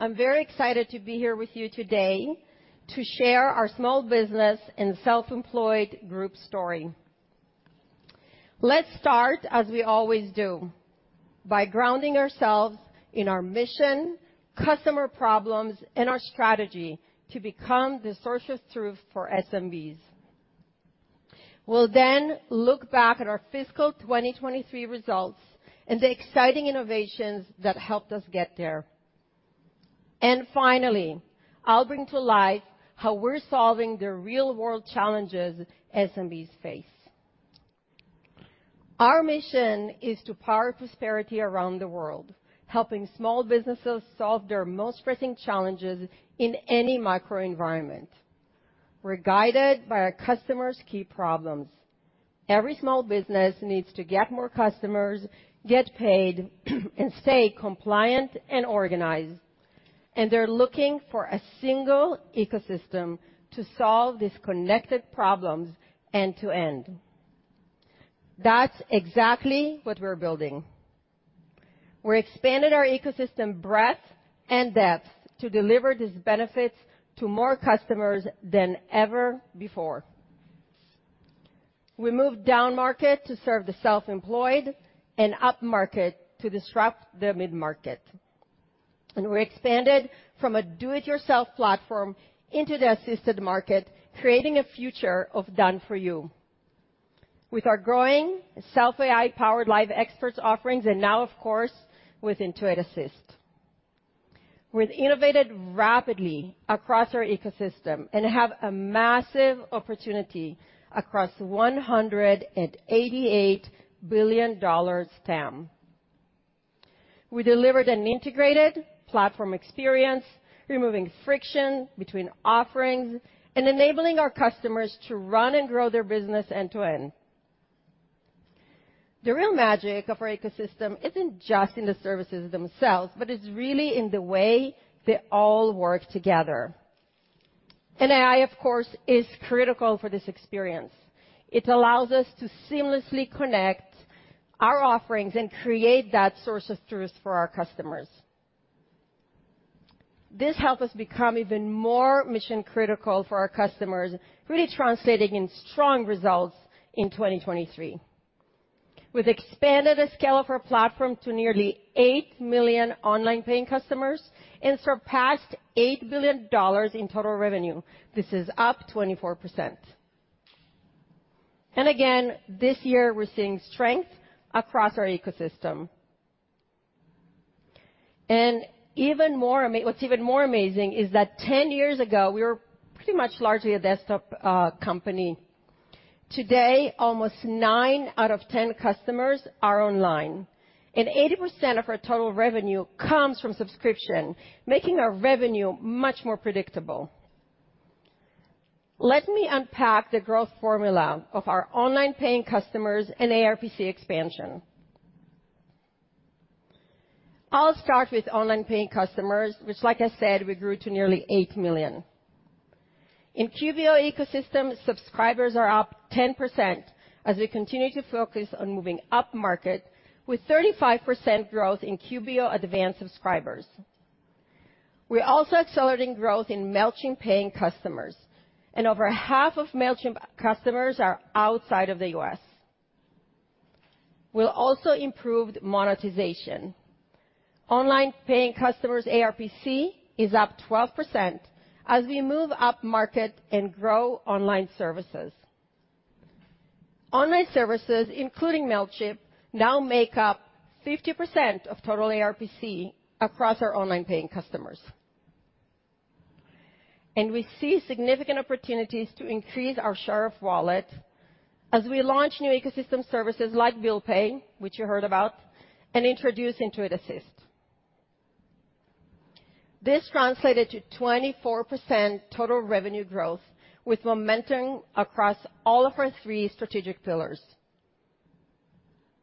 I'm very excited to be here with you today to share our Small Business and Self-Employed Group story. Let's start, as we always do, by grounding ourselves in our mission, customer problems, and our strategy to become the source of truth for SMBs. We'll then look back at our fiscal 2023 results and the exciting innovations that helped us get there. Finally, I'll bring to life how we're solving the real-world challenges SMBs face. Our mission is to power prosperity around the world, helping small businesses solve their most pressing challenges in any microenvironment. We're guided by our customers' key problems. Every small business needs to get more customers, get paid, and stay compliant and organized, and they're looking for a single ecosystem to solve these connected problems end to end. That's exactly what we're building. We're expanding our ecosystem breadth and depth to deliver these benefits to more customers than ever before. We moved downmarket to serve the self-employed and upmarket to disrupt the mid-market, and we expanded from a do-it-yourself platform into the assisted market, creating a future of done for you. With our growing self AI-powered live experts offerings, and now, of course, with Intuit Assist. We've innovated rapidly across our ecosystem and have a massive opportunity across $188 billion TAM. We delivered an integrated platform experience, removing friction between offerings and enabling our customers to run and grow their business end to end. The real magic of our ecosystem isn't just in the services themselves, but it's really in the way they all work together. And AI, of course, is critical for this experience. It allows us to seamlessly connect our offerings and create that source of truth for our customers. This helped us become even more mission-critical for our customers, really translating in strong results in 2023. We've expanded the scale of our platform to nearly 8 million online paying customers and surpassed $8 billion in total revenue. This is up 24%. And again, this year, we're seeing strength across our ecosystem. What's even more amazing is that 10 years ago, we were pretty much largely a desktop company. Today, almost nine out of 10 customers are online, and 80% of our total revenue comes from subscription, making our revenue much more predictable. Let me unpack the growth formula of our online paying customers and ARPC expansion. I'll start with online paying customers, which, like I said, we grew to nearly 8 million customers. In QBO ecosystem, subscribers are up 10% as we continue to focus on moving upmarket, with 35% growth in QBO Advanced subscribers. We're also accelerating growth in Mailchimp paying customers, and over half of Mailchimp customers are outside of the U.S. We've also improved monetization. Online paying customers' ARPC is up 12% as we move upmarket and grow online services. Online Services, including Mailchimp, now make up 50% of total ARPC across our online paying customers. We see significant opportunities to increase our share of wallet as we launch new ecosystem services like Bill Pay, which you heard about, and introduce Intuit Assist. This translated to 24% total revenue growth, with momentum across all of our three strategic pillars.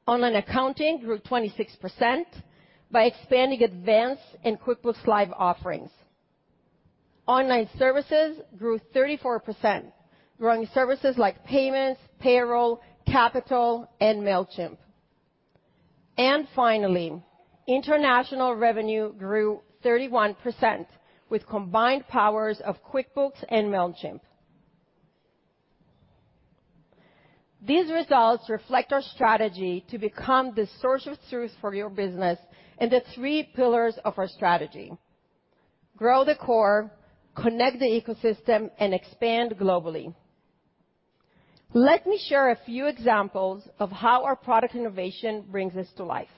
Online Accounting grew 26% by expanding Advanced and QuickBooks Live offerings. Online services grew 34%, growing services like payments, payroll, capital, and Mailchimp. And finally, international revenue grew 31% with combined powers of QuickBooks and Mailchimp. These results reflect our strategy to become the source of truth for your business and the three pillars of our strategy: grow the core, connect the ecosystem, and expand globally. Let me share a few examples of how our product innovation brings this to life.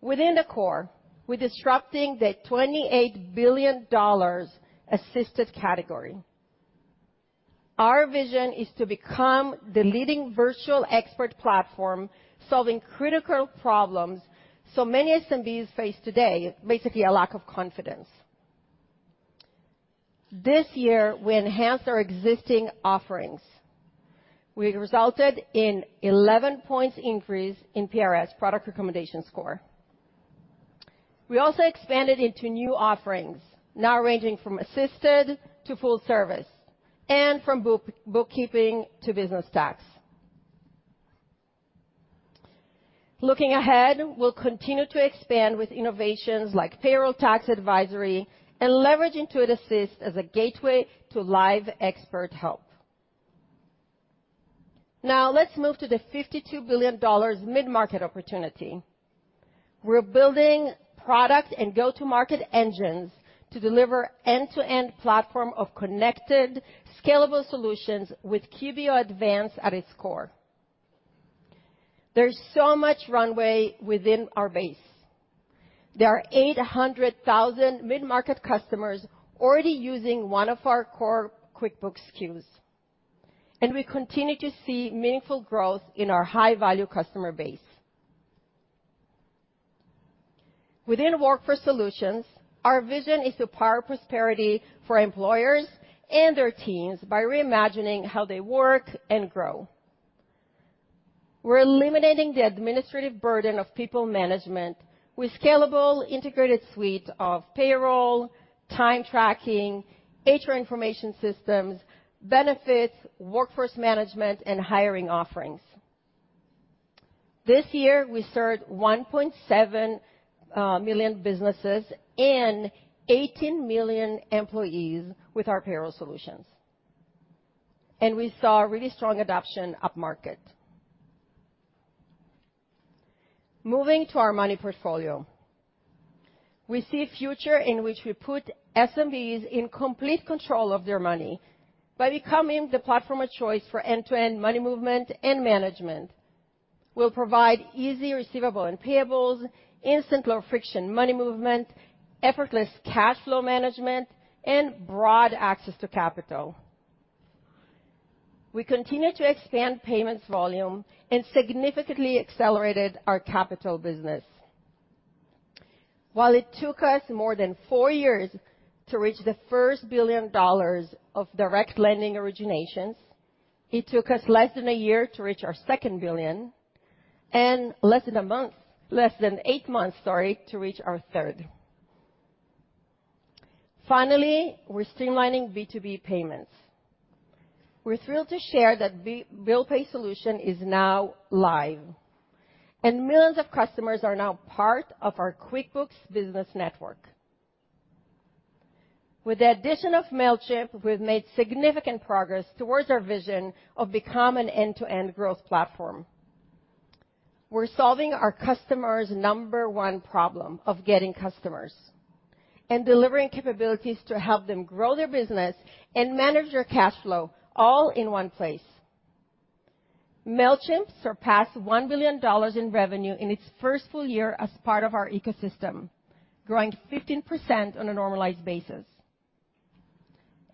Within the core, we're disrupting the $28 billion assisted category. Our vision is to become the leading virtual expert platform, solving critical problems so many SMBs face today, basically a lack of confidence. This year, we enhanced our existing offerings. We resulted in 11 points increase in PRS, Product Recommendation Score. We also expanded into new offerings, now ranging from assisted to full service, and from bookkeeping to business tax. Looking ahead, we'll continue to expand with innovations like payroll tax advisory and leverage Intuit Assist as a gateway to live expert help. Now, let's move to the $52 billion mid-market opportunity. We're building product and go-to-market engines to deliver end-to-end platform of connected, scalable solutions with QBO Advanced at its core. There's so much runway within our base. There are 800,000 mid-market customers already using one of our core QuickBooks SKUs, and we continue to see meaningful growth in our high-value customer base. Within Workforce Solutions, our vision is to power prosperity for employers and their teams by reimagining how they work and grow. We're eliminating the administrative burden of people management with scalable, integrated suite of payroll, time tracking, HR information systems, benefits, workforce management, and hiring offerings. This year, we served 1.7 million businesses and 18 million employees with our payroll solutions, and we saw a really strong adoption upmarket. Moving to our money portfolio, we see a future in which we put SMBs in complete control of their money by becoming the platform of choice for end-to-end money movement and management. We'll provide easy receivable and payables, instant low-friction money movement, effortless cash flow management, and broad access to capital. We continue to expand payments volume and significantly accelerated our capital business. While it took us more than four years to reach the first $1 billion of direct lending originations, it took us less than a year to reach our second $1 billion and less than a month, less than 8 months, sorry, to reach our third $1 billion. Finally, we're streamlining B2B payments. We're thrilled to share that Bill Pay solution is now live, and millions of customers are now part of our QuickBooks Business Network. With the addition of Mailchimp, we've made significant progress towards our vision of become an end-to-end growth platform. We're solving our customers' number one problem of getting customers and delivering capabilities to help them grow their business and manage their cash flow, all in one place. Mailchimp surpassed $1 billion in revenue in its first full year as part of our ecosystem, growing 15% on a normalized basis.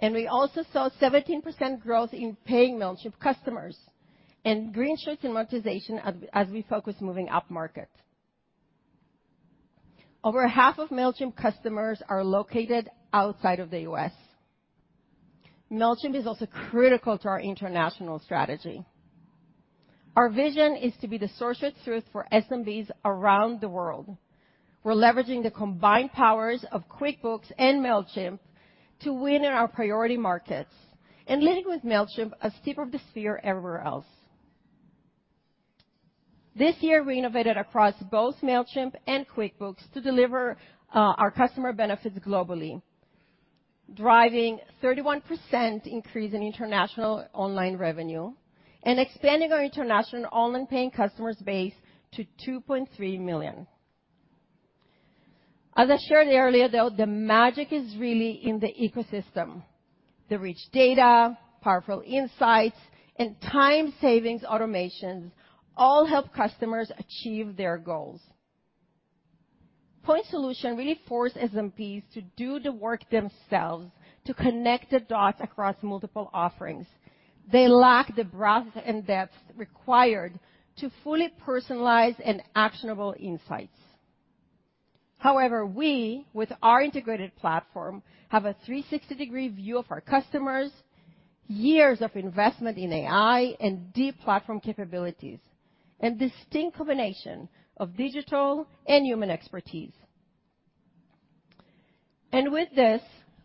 We also saw 17% growth in paying Mailchimp customers and green shoots in monetization as we focus moving upmarket. Over half of Mailchimp customers are located outside of the U.S. Mailchimp is also critical to our international strategy. Our vision is to be the source of truth for SMBs around the world. We're leveraging the combined powers of QuickBooks and Mailchimp to win in our priority markets and leading with Mailchimp as tip of the spear everywhere else. This year, we innovated across both Mailchimp and QuickBooks to deliver our customer benefits globally, driving 31% increase in international online revenue and expanding our international online paying customer base to 2.3 million customers. As I shared earlier, though, the magic is really in the ecosystem. The rich data, powerful insights, and time-savings automations all help customers achieve their goals. Point solution really force SMBs to do the work themselves to connect the dots across multiple offerings. They lack the breadth and depth required to fully personalized and actionable insights. However, we, with our integrated platform, have a 360-degree view of our customers, years of investment in AI and deep platform capabilities, and distinct combination of digital and human expertise. With this,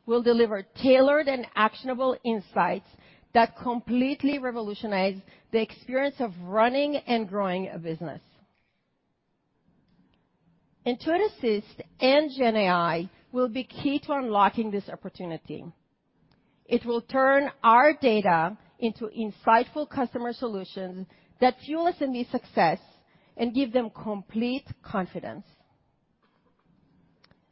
we'll deliver tailored and actionable insights that completely revolutionize the experience of running and growing a business. Intuit Assist and GenAI will be key to unlocking this opportunity. It will turn our data into insightful customer solutions that fuel SMB success and give them complete confidence.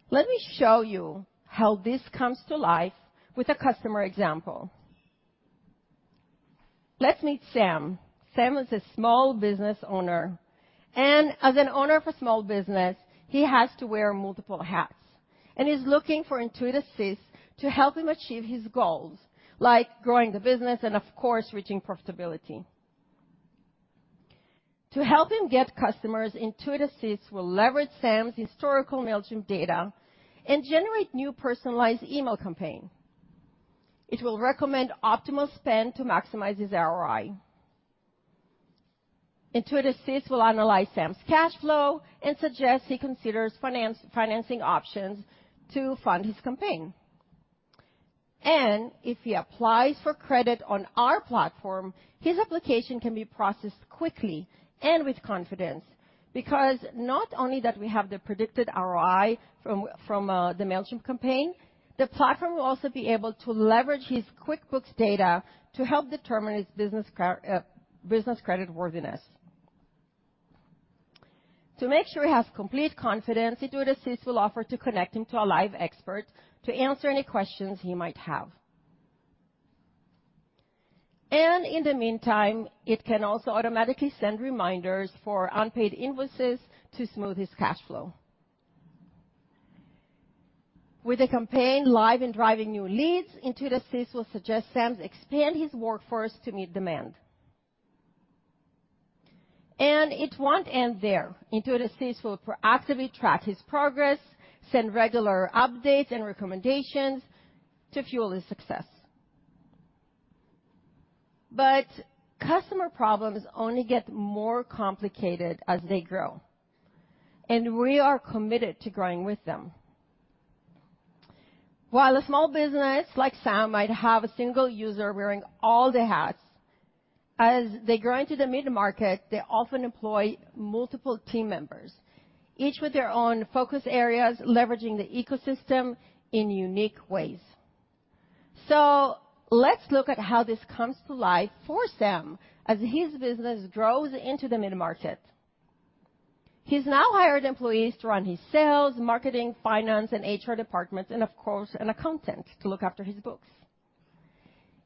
Let me show you how this comes to life with a customer example. Let's meet Sam. Sam is a small business owner, and as an owner of a small business, he has to wear multiple hats and is looking for Intuit Assist to help him achieve his goals, like growing the business and, of course, reaching profitability. To help him get customers, Intuit Assist will leverage Sam's historical Mailchimp data and generate new personalized email campaign. It will recommend optimal spend to maximize his ROI. Intuit Assist will analyze Sam's cash flow and suggest he considers financing options to fund his campaign. If he applies for credit on our platform, his application can be processed quickly and with confidence, because not only that we have the predicted ROI from the Mailchimp campaign, the platform will also be able to leverage his QuickBooks data to help determine his business creditworthiness. To make sure he has complete confidence, Intuit Assist will offer to connect him to a live expert to answer any questions he might have. In the meantime, it can also automatically send reminders for unpaid invoices to smooth his cash flow. With the campaign live and driving new leads, Intuit Assist will suggest Sam expand his workforce to meet demand. It won't end there. Intuit Assist will proactively track his progress, send regular updates and recommendations to fuel his success. But customer problems only get more complicated as they grow, and we are committed to growing with them. While a small business like Sam might have a single user wearing all the hats, as they grow into the mid-market, they often employ multiple team members, each with their own focus areas, leveraging the ecosystem in unique ways. So let's look at how this comes to life for Sam as his business grows into the mid-market. He's now hired employees to run his sales, marketing, finance, and HR departments, and of course, an accountant to look after his books.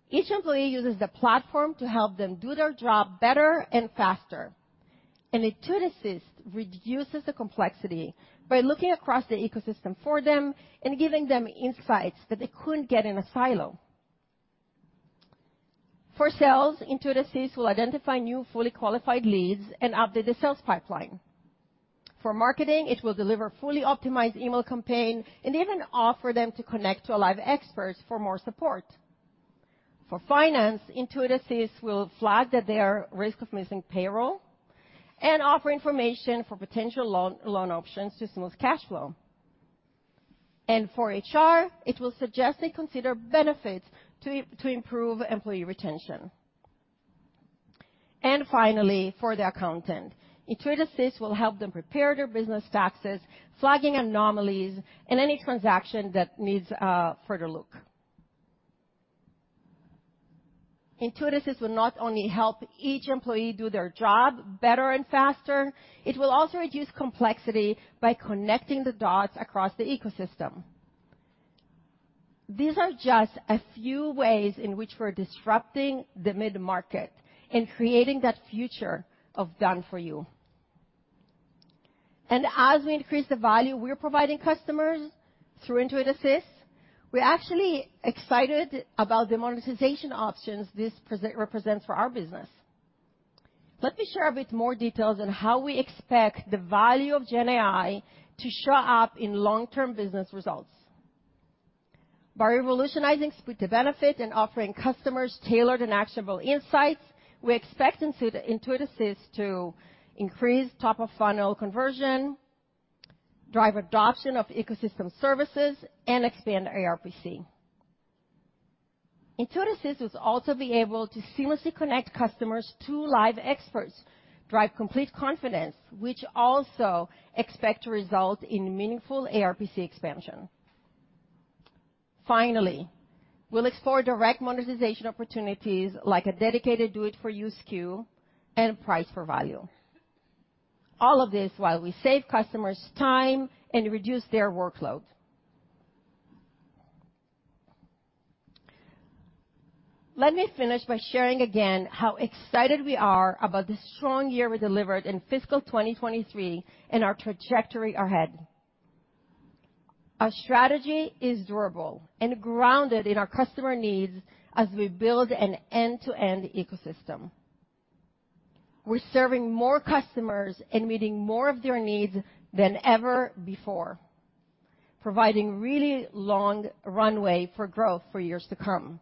Each employee uses the platform to help them do their job better and faster, and Intuit Assist reduces the complexity by looking across the ecosystem for them and giving them insights that they couldn't get in a silo. For sales, Intuit Assist will identify new, fully qualified leads and update the sales pipeline. For marketing, it will deliver fully optimized email campaign and even offer them to connect to a live expert for more support. For finance, Intuit Assist will flag that they are at risk of missing payroll and offer information for potential loan options to smooth cash flow. And for HR, it will suggest they consider benefits to improve employee retention. And finally, for the accountant, Intuit Assist will help them prepare their business taxes, flagging anomalies, and any transaction that needs a further look. Intuit Assist will not only help each employee do their job better and faster, it will also reduce complexity by connecting the dots across the ecosystem. These are just a few ways in which we're disrupting the mid-market and creating that future of done for you. As we increase the value we're providing customers through Intuit Assist, we're actually excited about the monetization options this presents for our business. Let me share a bit more details on how we expect the value of GenAI to show up in long-term business results. By revolutionizing, speed to benefit, and offering customers tailored and actionable insights, we expect Intuit Assist to increase top-of-funnel conversion, drive adoption of ecosystem services, and expand ARPC. Intuit Assist will also be able to seamlessly connect customers to live experts, drive complete confidence, which also expect to result in meaningful ARPC expansion. Finally, we'll explore direct monetization opportunities like a dedicated do-it-for-you SKU and price for value. All of this while we save customers time and reduce their workload. Let me finish by sharing again how excited we are about the strong year we delivered in fiscal 2023 and our trajectory ahead. Our strategy is durable and grounded in our customer needs as we build an end-to-end ecosystem. We're serving more customers and meeting more of their needs than ever before, providing really long runway for growth for years to come.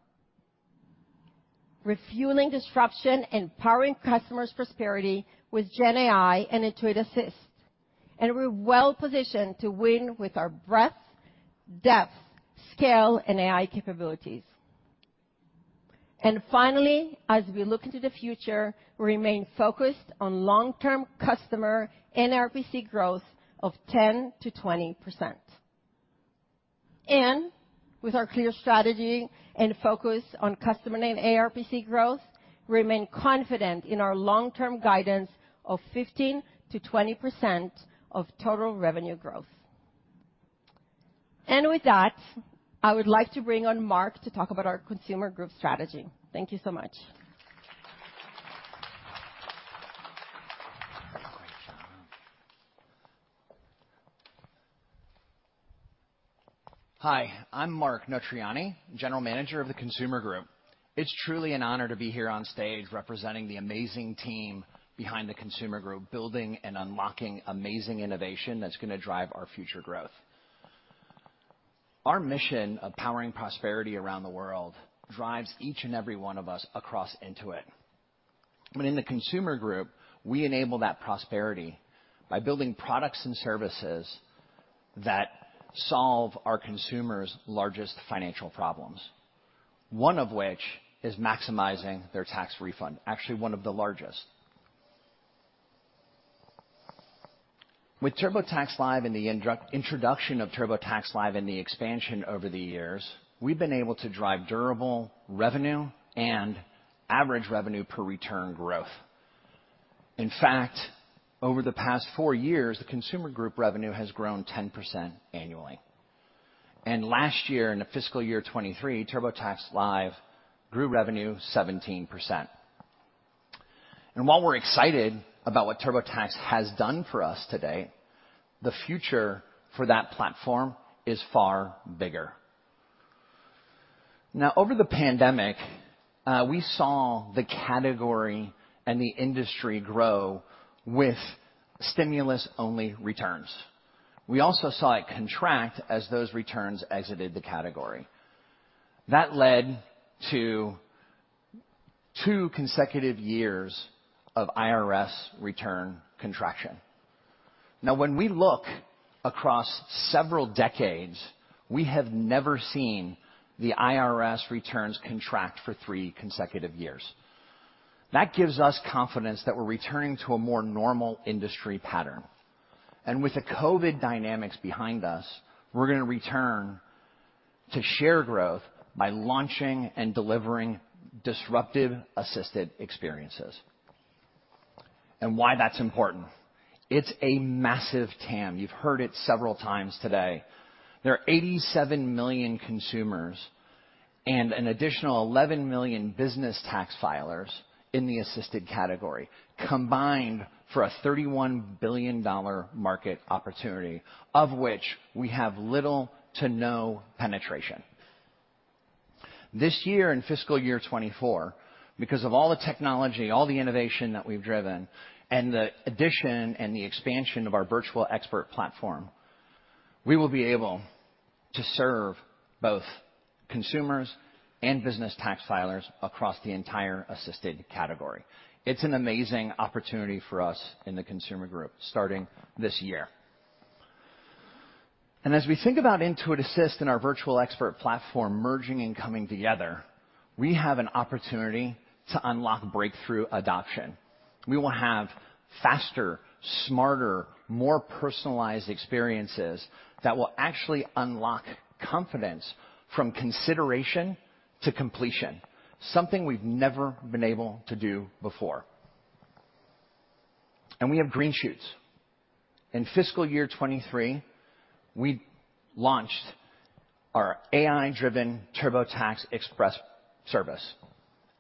Refueling disruption and powering customers' prosperity with GenAI and Intuit Assist, and we're well positioned to win with our breadth, depth, scale, and AI capabilities. Finally, as we look into the future, we remain focused on long-term customer ARPC growth of 10%-20%. With our clear strategy and focus on customer and ARPC growth, we remain confident in our long-term guidance of 15%-20% of total revenue growth. With that, I would like to bring on Mark to talk about our consumer group strategy. Thank you so much. Hi, I'm Mark Notarainni, General Manager of the Consumer Group. It's truly an honor to be here on stage representing the amazing team behind the consumer group, building and unlocking amazing innovation that's gonna drive our future growth. Our mission of powering prosperity around the world drives each and every one of us across Intuit. But in the consumer group, we enable that prosperity by building products and services that solve our consumers' largest financial problems, one of which is maximizing their tax refund, actually, one of the largest. With TurboTax Live, and the introduction of TurboTax Live and the expansion over the years, we've been able to drive durable revenue and average revenue per return growth. In fact, over the past four years, the consumer group revenue has grown 10% annually, and last year, in the fiscal year 2023, TurboTax Live grew revenue 17%. And while we're excited about what TurboTax has done for us today, the future for that platform is far bigger. Now, over the pandemic, we saw the category and the industry grow with stimulus-only returns. We also saw it contract as those returns exited the category. That led to two consecutive years of IRS return contraction. Now, when we look across several decades, we have never seen the IRS returns contract for three consecutive years. That gives us confidence that we're returning to a more normal industry pattern, and with the COVID dynamics behind us, we're gonna return to share growth by launching and delivering disruptive, assisted experiences. And why that's important? It's a massive TAM. You've heard it several times today. There are 87 million consumers and an additional 11 million business tax filers in the assisted category, combined for a $31 billion market opportunity, of which we have little to no penetration. This year, in fiscal year 2024, because of all the technology, all the innovation that we've driven, and the addition and the expansion of our Virtual Expert Platform, we will be able to serve both consumers and business tax filers across the entire assisted category. It's an amazing opportunity for us in the consumer group starting this year. And as we think about Intuit Assist and our Virtual Expert Platform merging and coming together, we have an opportunity to unlock breakthrough adoption. We will have faster, smarter, more personalized experiences that will actually unlock confidence from consideration to completion, something we've never been able to do before. And we have green shoots. In fiscal year 2023, we launched our AI-driven TurboTax Express service,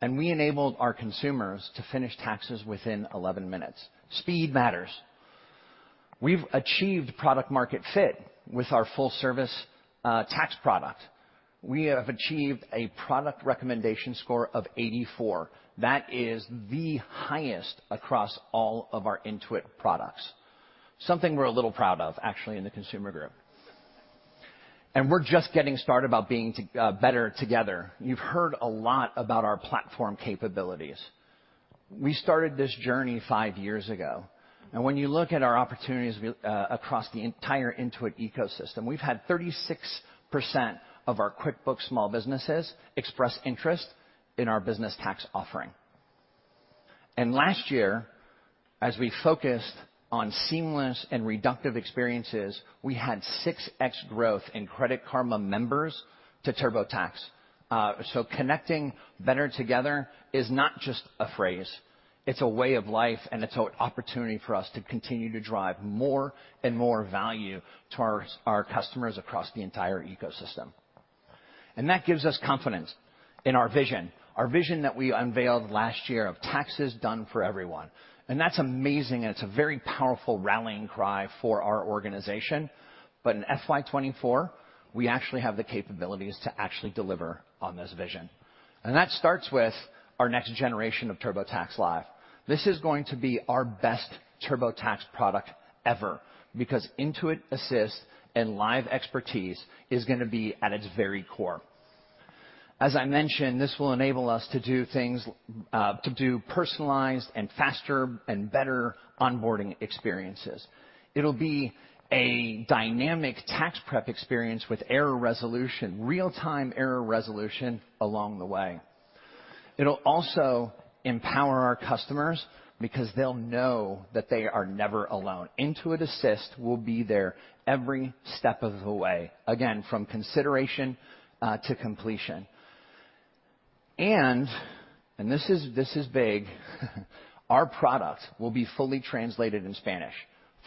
and we enabled our consumers to finish taxes within 11 minutes. Speed matters. We've achieved product market fit with our full service tax product. We have achieved a Product Recommendation Score of 84. That is the highest across all of our Intuit products. Something we're a little proud of, actually, in the consumer group. And we're just getting started about being better together. You've heard a lot about our platform capabilities.... We started this journey five years ago, and when you look at our opportunities across the entire Intuit ecosystem, we've had 36% of our QuickBooks small businesses express interest in our business tax offering. And last year, as we focused on seamless and reductive experiences, we had 6x growth in Credit Karma members to TurboTax. Connecting better together is not just a phrase, it's a way of life, and it's an opportunity for us to continue to drive more and more value to our, our customers across the entire ecosystem. That gives us confidence in our vision, our vision that we unveiled last year of taxes done for everyone. That's amazing, and it's a very powerful rallying cry for our organization. But in FY 2024, we actually have the capabilities to actually deliver on this vision, and that starts with our next generation of TurboTax Live. This is going to be our best TurboTax product ever, because Intuit Assist and Live expertise is gonna be at its very core. As I mentioned, this will enable us to do things, to do personalized and faster and better onboarding experiences. It'll be a dynamic tax prep experience with error resolution, real-time error resolution, along the way. It'll also empower our customers because they'll know that they are never alone. Intuit Assist will be there every step of the way, again, from consideration to completion. And, and this is, this is big, our product will be fully translated in Spanish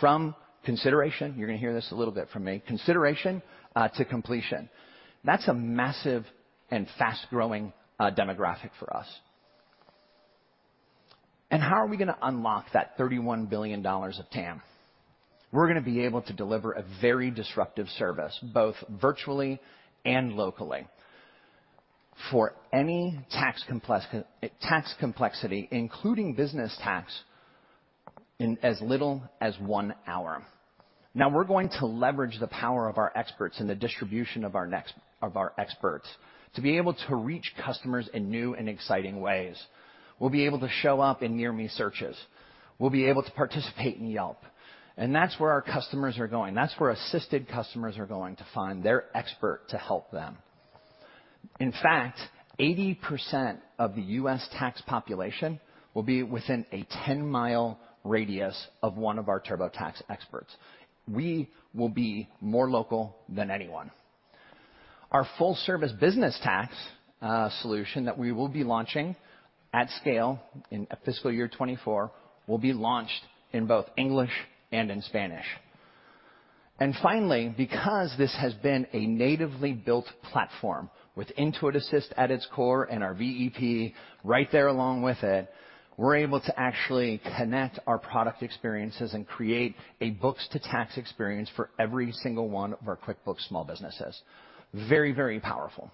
from consideration, you're gonna hear this a little bit from me, consideration to completion. That's a massive and fast-growing demographic for us. And how are we gonna unlock that $31 billion of TAM? We're gonna be able to deliver a very disruptive service, both virtually and locally, for any tax complexity, including business tax, in as little as one hour. Now, we're going to leverage the power of our experts and the distribution of our experts to be able to reach customers in new and exciting ways. We'll be able to show up in Near Me searches. We'll be able to participate in Yelp, and that's where our customers are going. That's where assisted customers are going to find their expert to help them. In fact, 80% of the U.S. tax population will be within a 10-mile radius of one of our TurboTax experts. We will be more local than anyone. Our full service business tax solution that we will be launching at scale in fiscal year 2024 will be launched in both English and in Spanish. And finally, because this has been a natively built platform with Intuit Assist at its core and our VEP right there along with it, we're able to actually connect our product experiences and create a books to tax experience for every single one of our QuickBooks small businesses. Very, very powerful.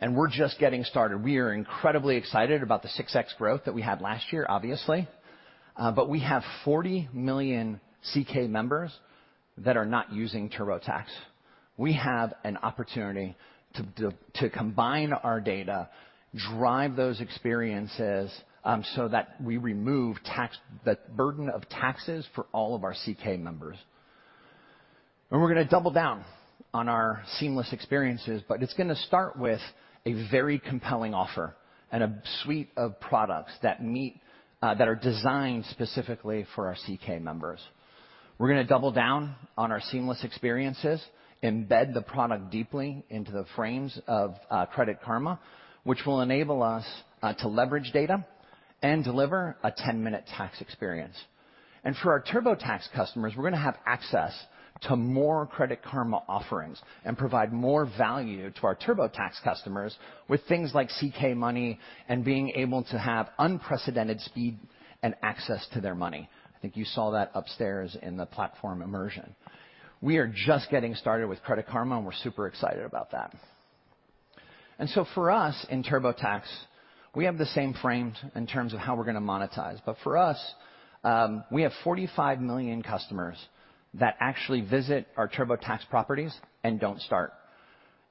And we're just getting started. We are incredibly excited about the 6x growth that we had last year, obviously, but we have 40 million CK members that are not using TurboTax. We have an opportunity to to combine our data, drive those experiences, so that we remove tax, the burden of taxes for all of our CK members. And we're gonna double down on our seamless experiences, but it's gonna start with a very compelling offer and a suite of products that meet, that are designed specifically for our CK members. We're gonna double down on our seamless experiences, embed the product deeply into the frames of Credit Karma, which will enable us to leverage data and deliver a ten-minute tax experience. And for our TurboTax customers, we're gonna have access to more Credit Karma offerings and provide more value to our TurboTax customers with things like CK Money and being able to have unprecedented speed and access to their money. I think you saw that upstairs in the platform immersion. We are just getting started with Credit Karma, and we're super excited about that. And so for us, in TurboTax, we have the same frames in terms of how we're gonna monetize, but for us, we have 45 million customers that actually visit our TurboTax properties and don't start.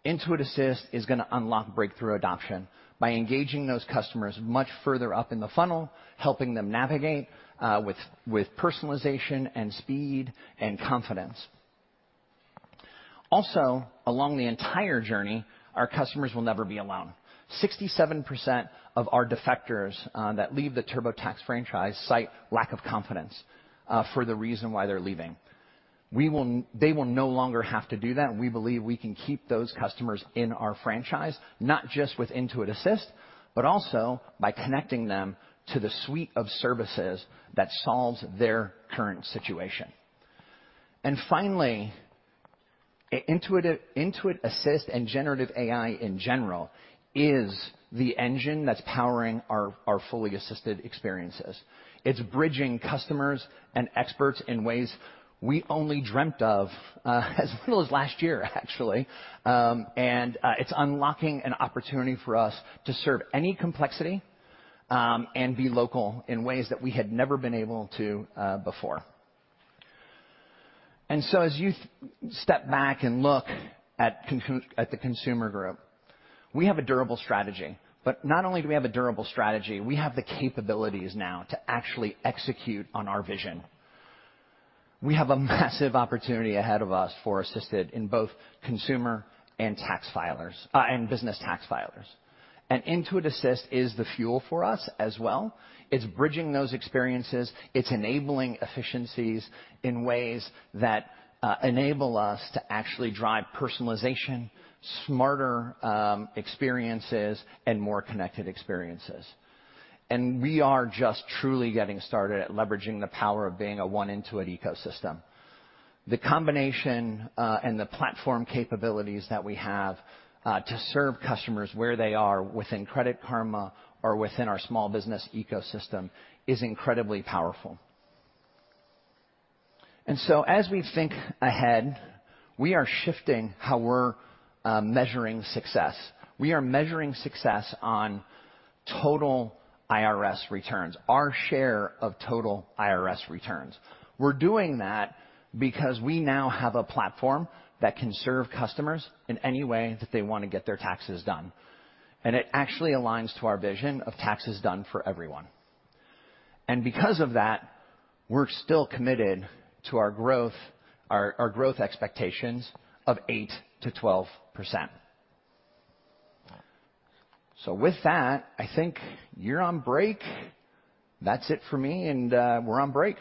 Intuit Assist is gonna unlock breakthrough adoption by engaging those customers much further up in the funnel, helping them navigate with personalization and speed and confidence. Also, along the entire journey, our customers will never be alone. 67% of our defectors that leave the TurboTax franchise cite lack of confidence for the reason why they're leaving. They will no longer have to do that, and we believe we can keep those customers in our franchise, not just with Intuit Assist, but also by connecting them to the suite of services that solves their current situation. And finally, Intuit Assist and generative AI in general is the engine that's powering our fully assisted experiences. It's bridging customers and experts in ways we only dreamt of as little as last year, actually. It's unlocking an opportunity for us to serve any complexity and be local in ways that we had never been able to before. And so as you step back and look at the consumer group, we have a durable strategy. But not only do we have a durable strategy, we have the capabilities now to actually execute on our vision. We have a massive opportunity ahead of us for assisted in both consumer and tax filers and business tax filers. And Intuit Assist is the fuel for us as well. It's bridging those experiences, it's enabling efficiencies in ways that enable us to actually drive personalization, smarter experiences, and more connected experiences. And we are just truly getting started at leveraging the power of being a one Intuit ecosystem. The combination and the platform capabilities that we have to serve customers where they are within Credit Karma or within our small business ecosystem is incredibly powerful. And so as we think ahead, we are shifting how we're measuring success. We are measuring success on total IRS returns, our share of total IRS returns. We're doing that because we now have a platform that can serve customers in any way that they want to get their taxes done, and it actually aligns to our vision of taxes done for everyone. And because of that, we're still committed to our growth, our growth expectations of 8%-12%. So with that, I think you're on break. That's it for me, and we're on break.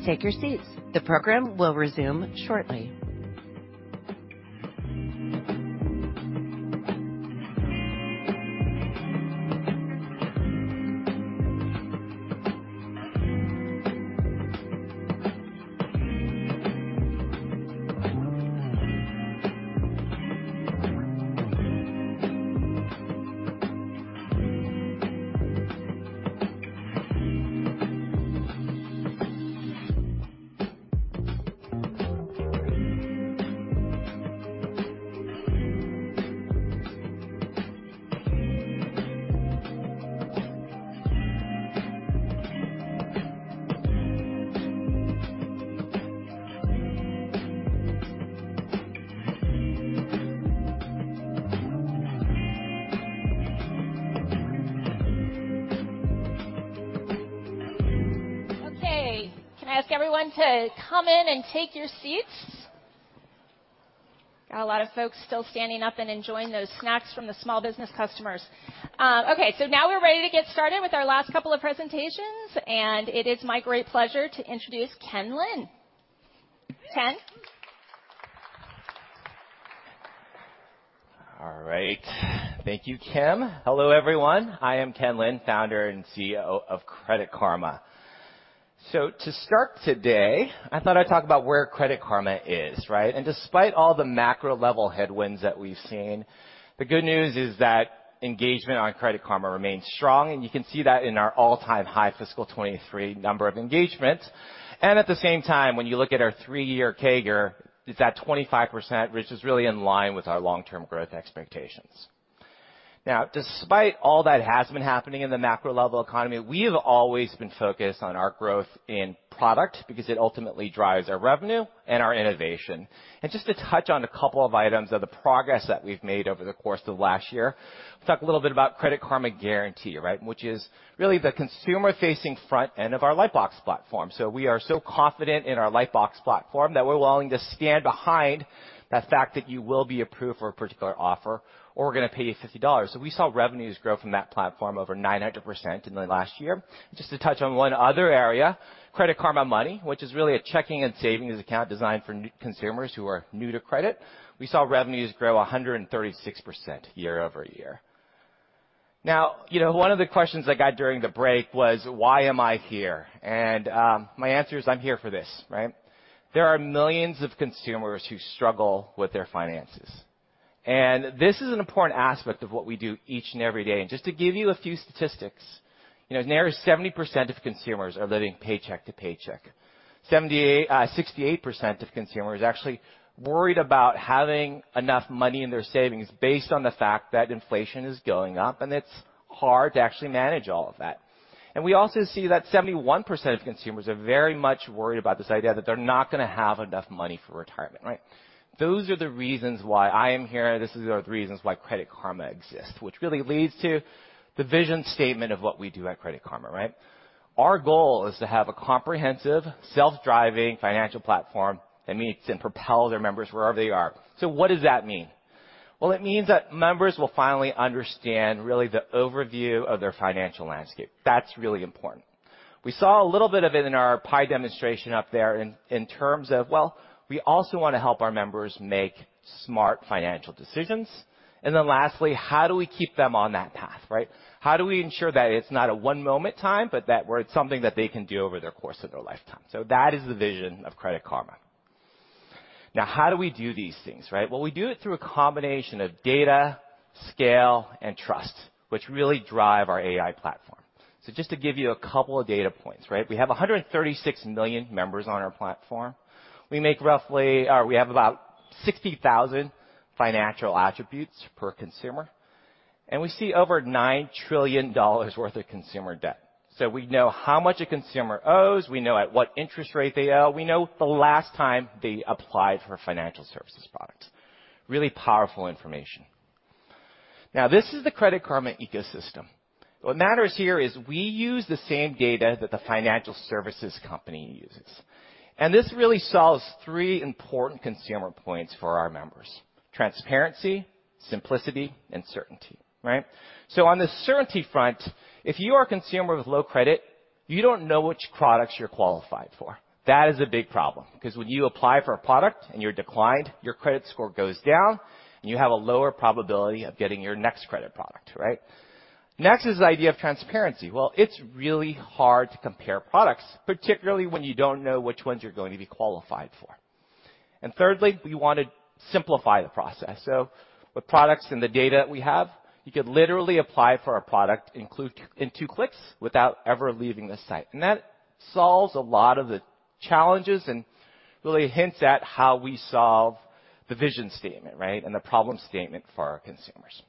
Please take your seats. The program will resume shortly. Okay, can I ask everyone to come in and take your seats? Got a lot of folks still standing up and enjoying those snacks from the small business customers. Okay, so now we're ready to get started with our last couple of presentations, and it is my great pleasure to introduce Ken Lin. Ken? All right. Thank you, Kim. Hello, everyone. I am Ken Lin, founder and CEO of Credit Karma. To start today, I thought I'd talk about where Credit Karma is, right? Despite all the macro level headwinds that we've seen, the good news is that engagement on Credit Karma remains strong, and you can see that in our all-time high fiscal 2023 number of engagements. At the same time, when you look at our three-year CAGR, it's at 25%, which is really in line with our long-term growth expectations. Now, despite all that has been happening in the macro level economy, we have always been focused on our growth in product because it ultimately drives our revenue and our innovation. Just to touch on a couple of items of the progress that we've made over the course of last year, let's talk a little bit about Credit Karma Guarantee, right? Which is really the consumer-facing front end of our Lightbox platform. So we are so confident in our Lightbox platform that we're willing to stand behind the fact that you will be approved for a particular offer or we're going to pay you $50. So we saw revenues grow from that platform over 900% in the last year. Just to touch on one other area, Credit Karma Money, which is really a checking and savings account designed for non-consumers who are new to credit. We saw revenues grow 136% year-over-year.... Now, you know, one of the questions I got during the break was, why am I here? My answer is, I'm here for this, right? There are millions of consumers who struggle with their finances, and this is an important aspect of what we do each and every day. Just to give you a few statistics, you know, nearly 70% of consumers are living paycheck to paycheck. 68% of consumers are actually worried about having enough money in their savings based on the fact that inflation is going up, and it's hard to actually manage all of that. And we also see that 71% of consumers are very much worried about this idea that they're not gonna have enough money for retirement, right? Those are the reasons why I am here. This is the reasons why Credit Karma exists, which really leads to the vision statement of what we do at Credit Karma, right? Our goal is to have a comprehensive, self-driving financial platform that meets and propel their members wherever they are. So what does that mean? Well, it means that members will finally understand, really, the overview of their financial landscape. That's really important. We saw a little bit of it in our pie demonstration up there in terms of... Well, we also want to help our members make smart financial decisions. And then lastly, how do we keep them on that path, right? How do we ensure that it's not a one moment time, but that where it's something that they can do over the course of their lifetime? So that is the vision of Credit Karma. Now, how do we do these things, right? Well, we do it through a combination of data, scale, and trust, which really drive our AI platform. So just to give you a couple of data points, right? We have 136 million members on our platform. We have about 60,000 financial attributes per consumer, and we see over $9 trillion worth of consumer debt. So we know how much a consumer owes, we know at what interest rate they owe, we know the last time they applied for financial services products. Really powerful information. Now, this is the Credit Karma ecosystem. What matters here is we use the same data that the financial services company uses. And this really solves three important consumer points for our members: transparency, simplicity, and certainty, right? So on the certainty front, if you are a consumer with low credit, you don't know which products you're qualified for. That is a big problem, because when you apply for a product and you're declined, your credit score goes down, and you have a lower probability of getting your next credit product, right? Next is the idea of transparency. Well, it's really hard to compare products, particularly when you don't know which ones you're going to be qualified for. And thirdly, we want to simplify the process. So with products and the data that we have, you could literally apply for our product in two clicks without ever leaving the site. And that solves a lot of the challenges and really hints at how we solve the vision statement, right, and the problem statement for our consumers.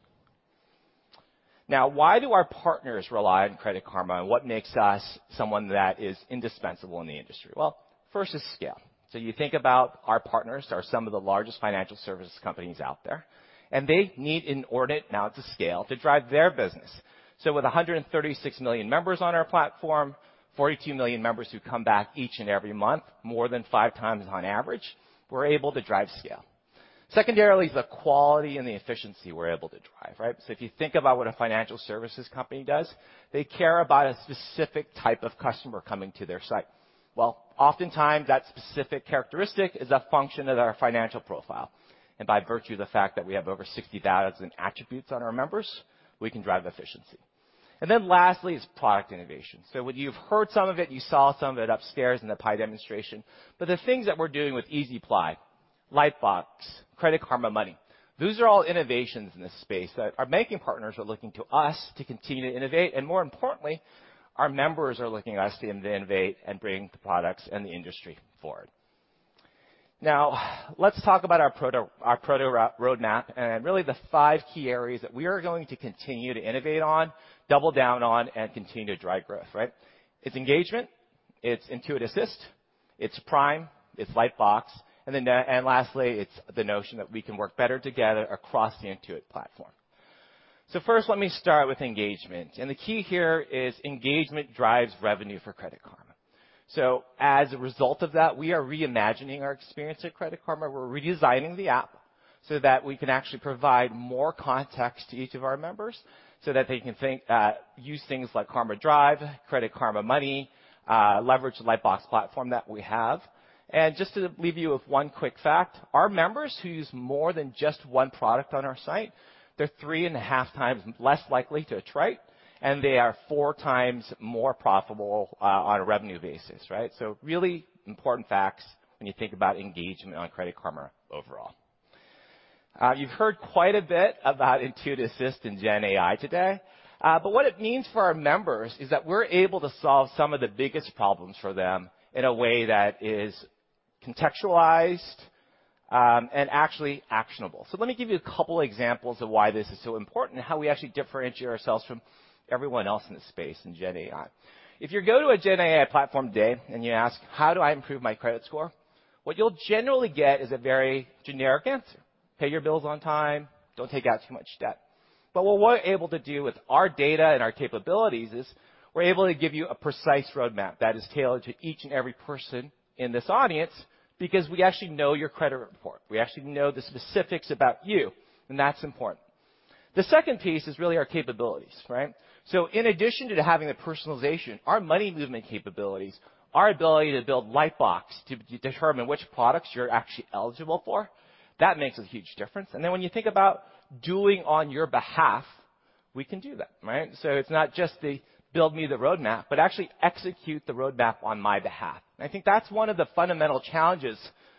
Now, why do our partners rely on Credit Karma, and what makes us someone that is indispensable in the industry? Well, first is scale. So you think about our partners are some of the largest financial services companies out there, and they need inordinate amounts of scale to drive their business. So with 136 million members on our platform, 42 million members who come back each and every month, more than 5x on average, we're able to drive scale. Secondarily is the quality and the efficiency we're able to drive, right? So if you think about what a financial services company does, they care about a specific type of customer coming to their site. Well, oftentimes, that specific characteristic is a function of their financial profile, and by virtue of the fact that we have over 60,000 attributes on our members, we can drive efficiency. And then lastly is product innovation. So what you've heard some of it, you saw some of it upstairs in the AI demonstration, but the things that we're doing with Easy Apply, Lightbox, Credit Karma Money, those are all innovations in this space that our banking partners are looking to us to continue to innovate, and more importantly, our members are looking at us to innovate and bring the products and the industry forward. Now, let's talk about our product roadmap and really the five key areas that we are going to continue to innovate on, double down on, and continue to drive growth, right? It's engagement, it's Intuit Assist, it's prime, it's Lightbox, and then—and lastly, it's the notion that we can work better together across the Intuit platform. So first, let me start with engagement, and the key here is engagement drives revenue for Credit Karma. So as a result of that, we are reimagining our experience at Credit Karma. We're redesigning the app so that we can actually provide more context to each of our members so that they can think, use things like Karma Drive, Credit Karma Money, leverage the Lightbox platform that we have. And just to leave you with one quick fact, our members who use more than just one product on our site, they're 3.5x less likely to attrite, and they are 4x more profitable, on a revenue basis, right? So really important facts when you think about engagement on Credit Karma overall. You've heard quite a bit about Intuit Assist and GenAI today, but what it means for our members is that we're able to solve some of the biggest problems for them in a way that is contextualized, and actually actionable. Let me give you a couple examples of why this is so important and how we actually differentiate ourselves from everyone else in this space in GenAI. If you go to a GenAI platform today and you ask: How do I improve my credit score? What you'll generally get is a very generic answer. Pay your bills on time. Don't take out too much debt. But what we're able to do with our data and our capabilities is we're able to give you a precise roadmap that is tailored to each and every person in this audience because we actually know your credit report. We actually know the specifics about you, and that's important. The second piece is really our capabilities, right? So in addition to having the personalization, our money movement capabilities, our ability to build Lightbox, to, to determine which products you're actually eligible for, that makes a huge difference. And then when you think about doing on your behalf-... We can do that, right? So it's not just the build me the roadmap, but actually execute the roadmap on my behalf. And I think that's one of the fundamental challenges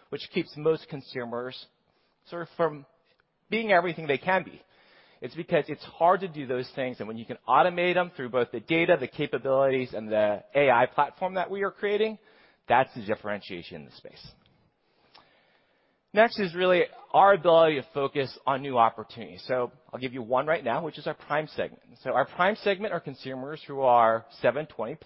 which keeps most consumers sort of from being everything they can be. It's because it's hard to do those things, and when you can automate them through both the data, the capabilities, and the AI platform that we are creating, that's the differentiation in the space. Next is really our ability to focus on new opportunities. So I'll give you one right now, which is our prime segment. So our prime segment are consumers who are 720+.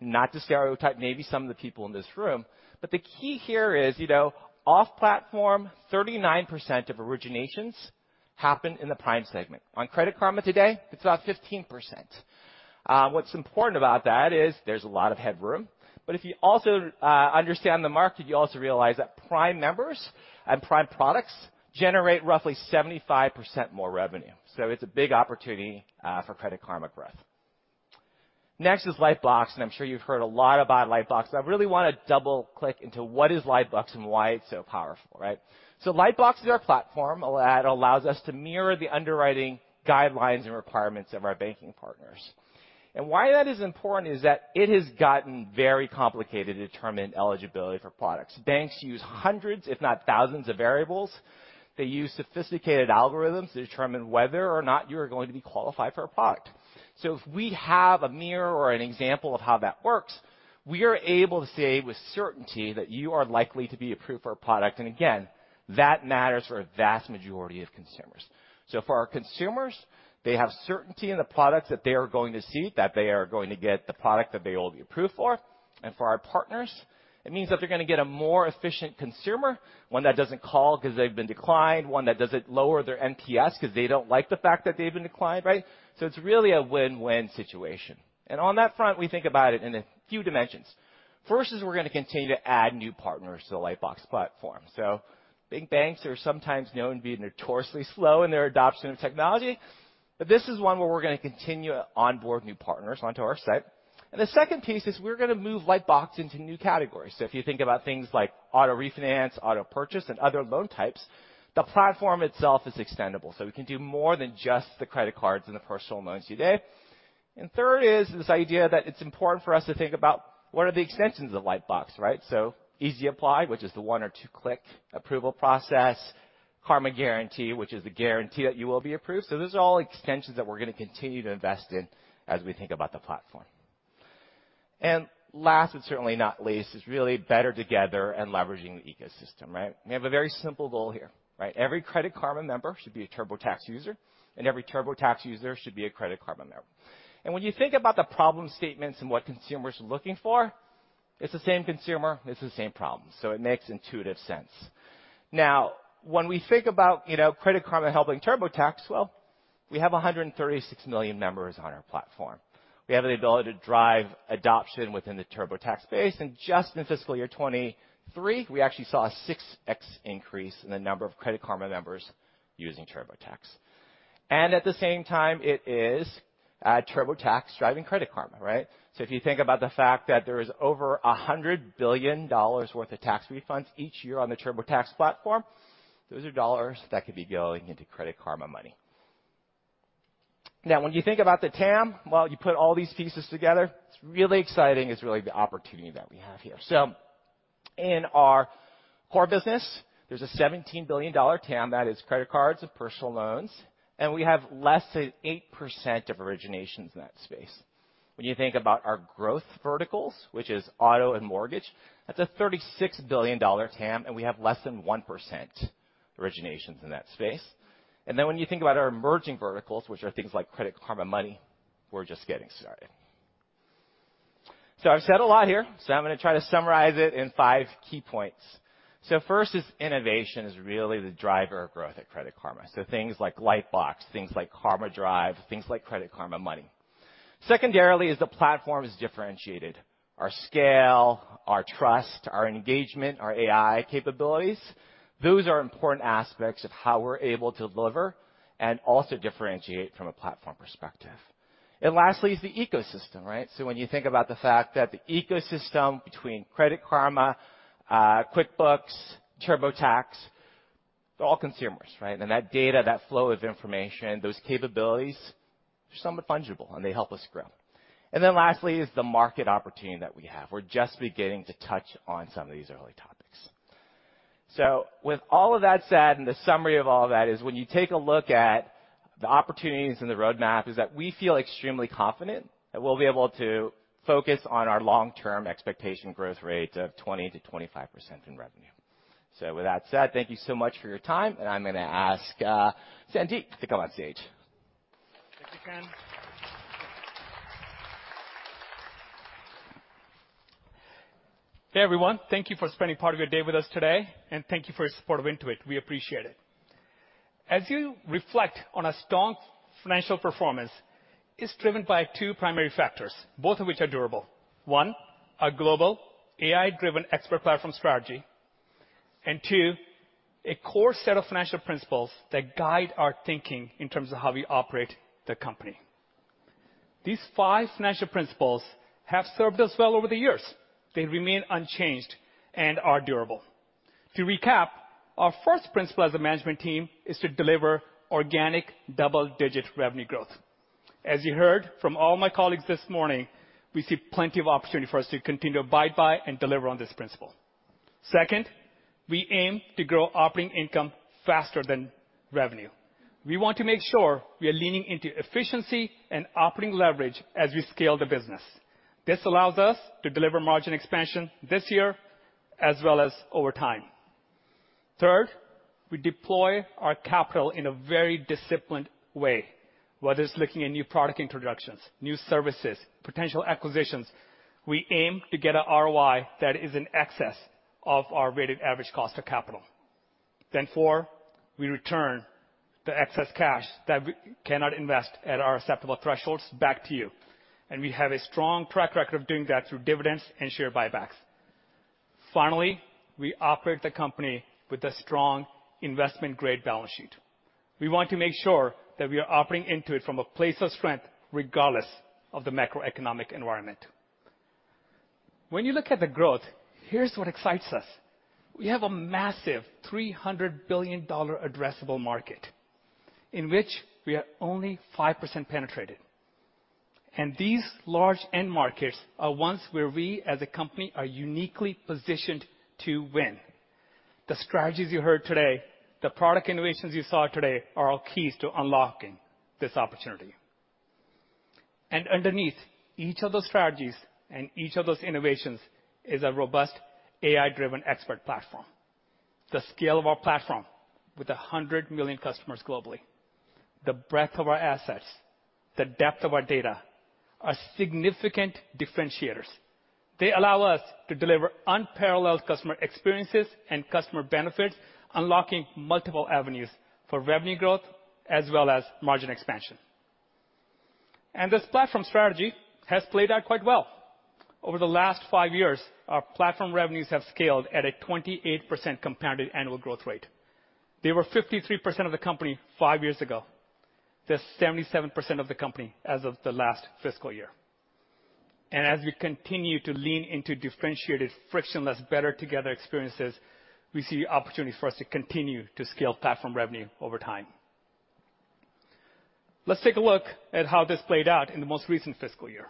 Not to stereotype, maybe some of the people in this room, but the key here is, you know, off-platform, 39% of originations happen in the prime segment. On Credit Karma today, it's about 15%. What's important about that is there's a lot of headroom, but if you also understand the market, you also realize that prime members and prime products generate roughly 75% more revenue. So it's a big opportunity for Credit Karma growth. Next is Lightbox, and I'm sure you've heard a lot about Lightbox. I really wanna double-click into what is Lightbox and why it's so powerful, right? So Lightbox is our platform that allows us to mirror the underwriting guidelines and requirements of our banking partners. And why that is important is that it has gotten very complicated to determine eligibility for products. Banks use hundreds, if not thousands of variables. They use sophisticated algorithms to determine whether or not you're going to be qualified for a product. So if we have a mirror or an example of how that works, we are able to say with certainty that you are likely to be approved for a product, and again, that matters for a vast majority of consumers. For our consumers, they have certainty in the products that they are going to see, that they are going to get the product that they will be approved for. For our partners, it means that they're gonna get a more efficient consumer, one that doesn't call 'cause they've been declined, one that doesn't lower their NPS 'cause they don't like the fact that they've been declined, right? It's really a win-win situation. On that front, we think about it in a few dimensions. First is we're gonna continue to add new partners to the Lightbox platform. Big banks are sometimes known to be notoriously slow in their adoption of technology, but this is one where we're gonna continue to onboard new partners onto our site. The second piece is we're gonna move Lightbox into new categories. So if you think about things like auto refinance, auto purchase, and other loan types, the platform itself is extendable. So we can do more than just the credit cards and the personal loans today. And third is this idea that it's important for us to think about what are the extensions of Lightbox, right? So Easy Apply, which is the one or two-click approval process, Karma Guarantee, which is the guarantee that you will be approved. So those are all extensions that we're gonna continue to invest in as we think about the platform. And last, but certainly not least, is really better together and leveraging the ecosystem, right? We have a very simple goal here, right? Every Credit Karma member should be a TurboTax user, and every TurboTax user should be a Credit Karma member. And when you think about the problem statements and what consumers are looking for, it's the same consumer, it's the same problem, so it makes intuitive sense. Now, when we think about, you know, Credit Karma helping TurboTax, well, we have 136 million members on our platform. We have the ability to drive adoption within the TurboTax base, and just in fiscal year 2023, we actually saw a 6x increase in the number of Credit Karma members using TurboTax. And at the same time, it is TurboTax driving Credit Karma, right? So if you think about the fact that there is over $100 billion worth of tax refunds each year on the TurboTax platform, those are dollars that could be going into Credit Karma Money. Now, when you think about the TAM, well, you put all these pieces together, it's really exciting, it's really the opportunity that we have here. So in our core business, there's a $17 billion TAM, that is credit cards and personal loans, and we have less than 8% of originations in that space. When you think about our growth verticals, which is auto and mortgage, that's a $36 billion TAM, and we have less than 1% originations in that space. And then when you think about our emerging verticals, which are things like Credit Karma Money, we're just getting started. So I've said a lot here, so I'm gonna try to summarize it in 5 key points. So first is innovation is really the driver of growth at Credit Karma, so things like Lightbox, things like Karma Drive, things like Credit Karma Money. Secondarily, is the platform is differentiated. Our scale, our trust, our engagement, our AI capabilities, those are important aspects of how we're able to deliver and also differentiate from a platform perspective. And lastly is the ecosystem, right? So when you think about the fact that the ecosystem between Credit Karma, QuickBooks, TurboTax, they're all consumers, right? And that data, that flow of information, those capabilities are somewhat fungible, and they help us grow. And then lastly is the market opportunity that we have. We're just beginning to touch on some of these early topics. So with all of that said, and the summary of all that, is when you take a look at the opportunities and the roadmap, is that we feel extremely confident that we'll be able to focus on our long-term expectation growth rates of 20%-25% in revenue. So with that said, thank you so much for your time, and I'm gonna ask Sandeep to come on stage. Thank you, Ken. Hey, everyone. Thank you for spending part of your day with us today, and thank you for your support of Intuit. We appreciate it. As you reflect on our strong financial performance, it's driven by two primary factors, both of which are durable. One, a global AI-driven expert platform strategy, and two, a core set of financial principles that guide our thinking in terms of how we operate the company.... These five financial principles have served us well over the years. They remain unchanged and are durable. To recap, our first principle as a management team is to deliver organic double-digit revenue growth. As you heard from all my colleagues this morning, we see plenty of opportunity for us to continue to abide by and deliver on this principle. Second, we aim to grow operating income faster than revenue. We want to make sure we are leaning into efficiency and operating leverage as we scale the business. This allows us to deliver margin expansion this year, as well as over time. Third, we deploy our capital in a very disciplined way, whether it's looking at new product introductions, new services, potential acquisitions, we aim to get an ROI that is in excess of our weighted average cost of capital. Then four, we return the excess cash that we cannot invest at our acceptable thresholds back to you, and we have a strong track record of doing that through dividends and share buybacks. Finally, we operate the company with a strong investment-grade balance sheet. We want to make sure that we are operating Intuit from a place of strength, regardless of the macroeconomic environment. When you look at the growth, here's what excites us. We have a massive $300 billion addressable market, in which we are only 5% penetrated, and these large end markets are ones where we, as a company, are uniquely positioned to win. The strategies you heard today, the product innovations you saw today, are all keys to unlocking this opportunity. And underneath each of those strategies and each of those innovations is a robust AI-driven expert platform. The scale of our platform, with 100 million customers globally, the breadth of our assets, the depth of our data, are significant differentiators. They allow us to deliver unparalleled customer experiences and customer benefits, unlocking multiple avenues for revenue growth as well as margin expansion. And this platform strategy has played out quite well. Over the last five years, our platform revenues have scaled at a 28% compounded annual growth rate. They were 53% of the company five years ago. They're 77% of the company as of the last fiscal year. As we continue to lean into differentiated, frictionless, better together experiences, we see opportunity for us to continue to scale platform revenue over time. Let's take a look at how this played out in the most recent fiscal year.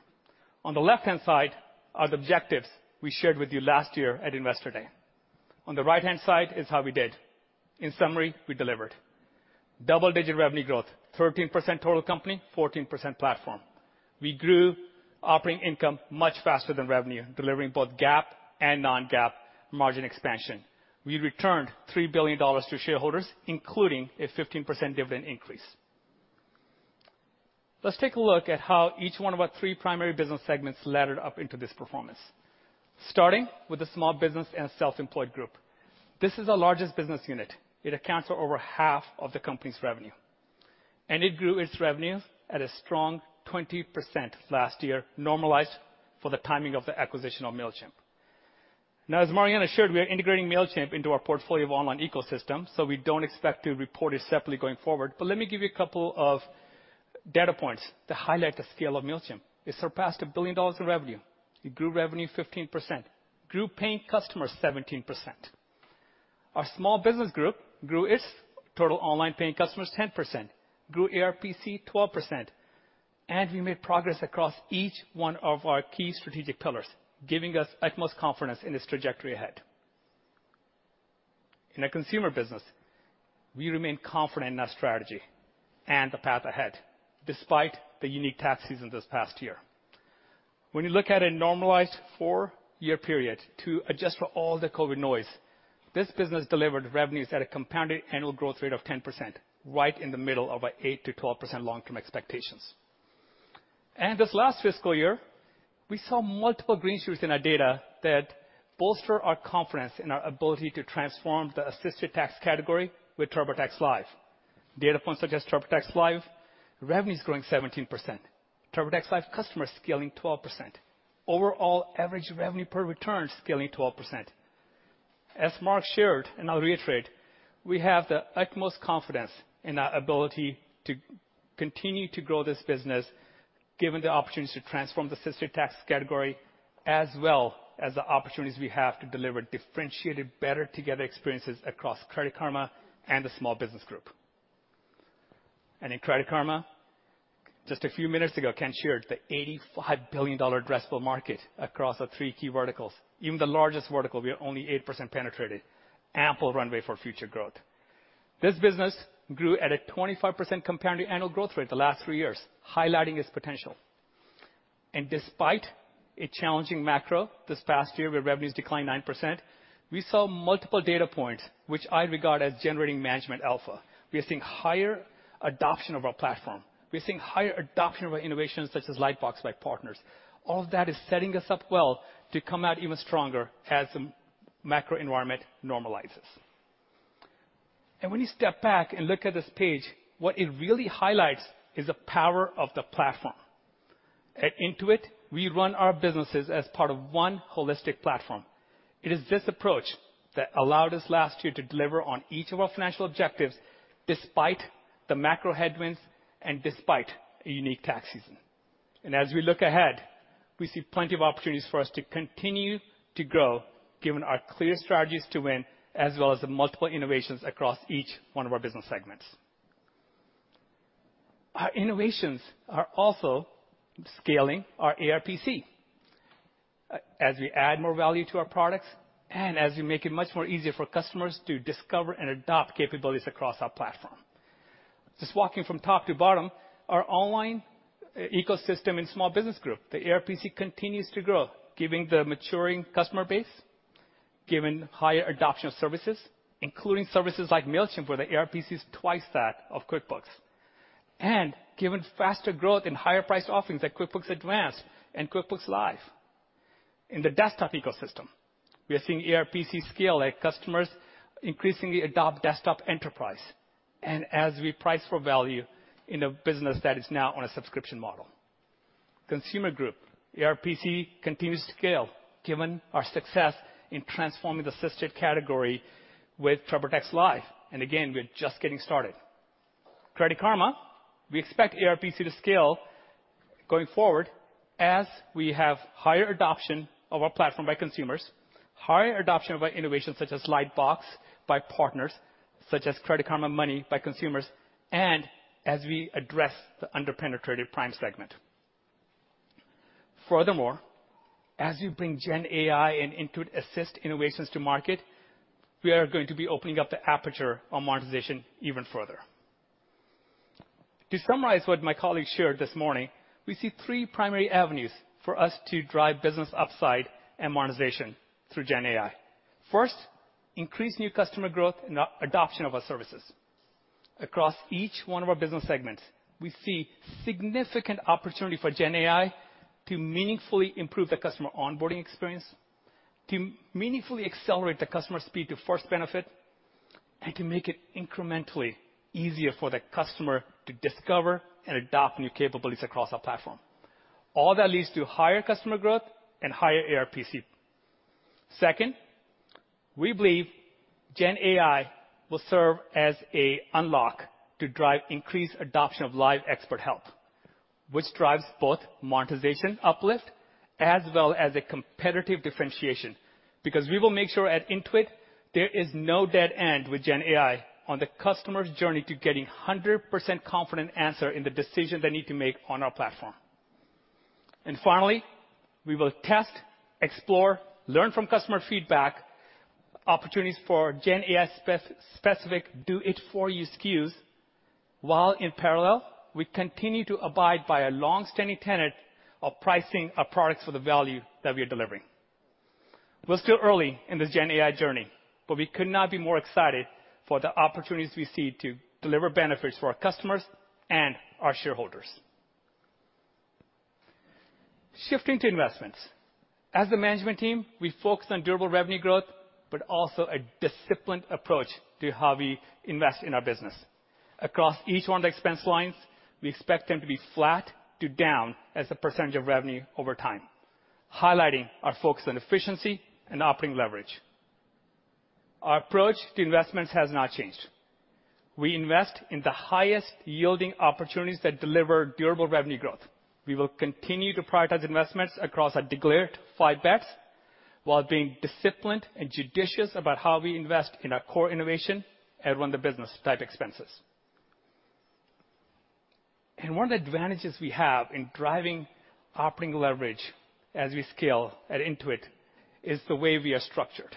On the left-hand side are the objectives we shared with you last year at Investor Day. On the right-hand side is how we did. In summary, we delivered. Double-digit revenue growth, 13% total company, 14% platform. We grew operating income much faster than revenue, delivering both GAAP and non-GAAP margin expansion. We returned $3 billion to shareholders, including a 15% dividend increase. Let's take a look at how each one of our three primary business segments laddered up into this performance. Starting with the Small Business and Self-Employed Group. This is our largest business unit. It accounts for over half of the company's revenue, and it grew its revenues at a strong 20% last year, normalized for the timing of the acquisition of Mailchimp. Now, as Marianna shared, we are integrating Mailchimp into our portfolio of online ecosystems, so we don't expect to report it separately going forward. But let me give you a couple of data points to highlight the scale of Mailchimp. It surpassed $1 billion in revenue. It grew revenue 15%, grew paying customers 17%. Our small business group grew its total online paying customers 10%, grew ARPC 12%, and we made progress across each one of our key strategic pillars, giving us utmost confidence in this trajectory ahead. In our consumer business, we remain confident in our strategy and the path ahead, despite the unique tax season this past year. When you look at a normalized four-year period to adjust for all the COVID noise, this business delivered revenues at a compounded annual growth rate of 10%, right in the middle of our 8%-12% long-term expectations. This last fiscal year, we saw multiple green shoots in our data that bolster our confidence in our ability to transform the assisted tax category with TurboTax Live. Data points suggest TurboTax Live revenue is growing 17%. TurboTax Live customers scaling 12%. Overall, average revenue per return scaling 12%. As Mark shared, and I'll reiterate, we have the utmost confidence in our ability to continue to grow this business, given the opportunities to transform the assisted tax category, as well as the opportunities we have to deliver differentiated, better together experiences across Credit Karma and the small business group. And in Credit Karma, just a few minutes ago, Ken shared the $85 billion addressable market across our three key verticals. Even the largest vertical, we are only 8% penetrated. Ample runway for future growth. This business grew at a 25% compounded annual growth rate the last 3 years, highlighting its potential. And despite a challenging macro this past year, where revenues declined 9%, we saw multiple data points, which I regard as generating management alpha. We are seeing higher adoption of our platform. We are seeing higher adoption of our innovations, such as Lightbox by partners. All of that is setting us up well to come out even stronger as the macro environment normalizes. And when you step back and look at this page, what it really highlights is the power of the platform. At Intuit, we run our businesses as part of one holistic platform.... It is this approach that allowed us last year to deliver on each of our financial objectives, despite the macro headwinds and despite a unique tax season. And as we look ahead, we see plenty of opportunities for us to continue to grow, given our clear strategies to win, as well as the multiple innovations across each one of our business segments. Our innovations are also scaling our ARPC, as we add more value to our products, and as we make it much more easier for customers to discover and adopt capabilities across our platform. Just walking from top to bottom, our online ecosystem and small business group, the ARPC, continues to grow, giving the maturing customer base, given higher adoption of services, including services like Mailchimp, where the ARPC is twice that of QuickBooks. And given faster growth in higher-priced offerings like QuickBooks Advanced and QuickBooks Live. In the desktop ecosystem, we are seeing ARPC scale as customers increasingly adopt Desktop Enterprise, and as we price for value in a business that is now on a subscription model. Consumer Group, ARPC continues to scale given our success in transforming the assisted category with TurboTax Live, and again, we are just getting started. Credit Karma, we expect ARPC to scale going forward as we have higher adoption of our platform by consumers, higher adoption of our innovations, such as Lightbox, by partners, such as Credit Karma Money by consumers, and as we address the under-penetrated prime segment. Furthermore, as you bring GenAI and Intuit Assist innovations to market, we are going to be opening up the aperture on monetization even further. To summarize what my colleagues shared this morning, we see three primary avenues for us to drive business upside and monetization through GenAI. First, increase new customer growth and adoption of our services. Across each one of our business segments, we see significant opportunity for GenAI to meaningfully improve the customer onboarding experience, to meaningfully accelerate the customer speed to first benefit, and to make it incrementally easier for the customer to discover and adopt new capabilities across our platform. All that leads to higher customer growth and higher ARPC. Second, we believe GenAI will serve as an unlock to drive increased adoption of live expert help, which drives both monetization uplift as well as a competitive differentiation, because we will make sure at Intuit there is no dead end with GenAI on the customer's journey to getting 100% confident answer in the decision they need to make on our platform. Finally, we will test, explore, learn from customer feedback, opportunities for GenAI specific, do-it-for-you SKUs, while in parallel, we continue to abide by a long-standing tenet of pricing our products for the value that we are delivering. We're still early in this GenAI journey, but we could not be more excited for the opportunities we see to deliver benefits for our customers and our shareholders. Shifting to investments. As the management team, we focus on durable revenue growth, but also a disciplined approach to how we invest in our business. Across each one of the expense lines, we expect them to be flat to down as a percentage of revenue over time, highlighting our focus on efficiency and operating leverage. Our approach to investments has not changed. We invest in the highest-yielding opportunities that deliver durable revenue growth. We will continue to prioritize investments across our declared five bets while being disciplined and judicious about how we invest in our core innovation and run the business type expenses. One of the advantages we have in driving operating leverage as we scale at Intuit is the way we are structured.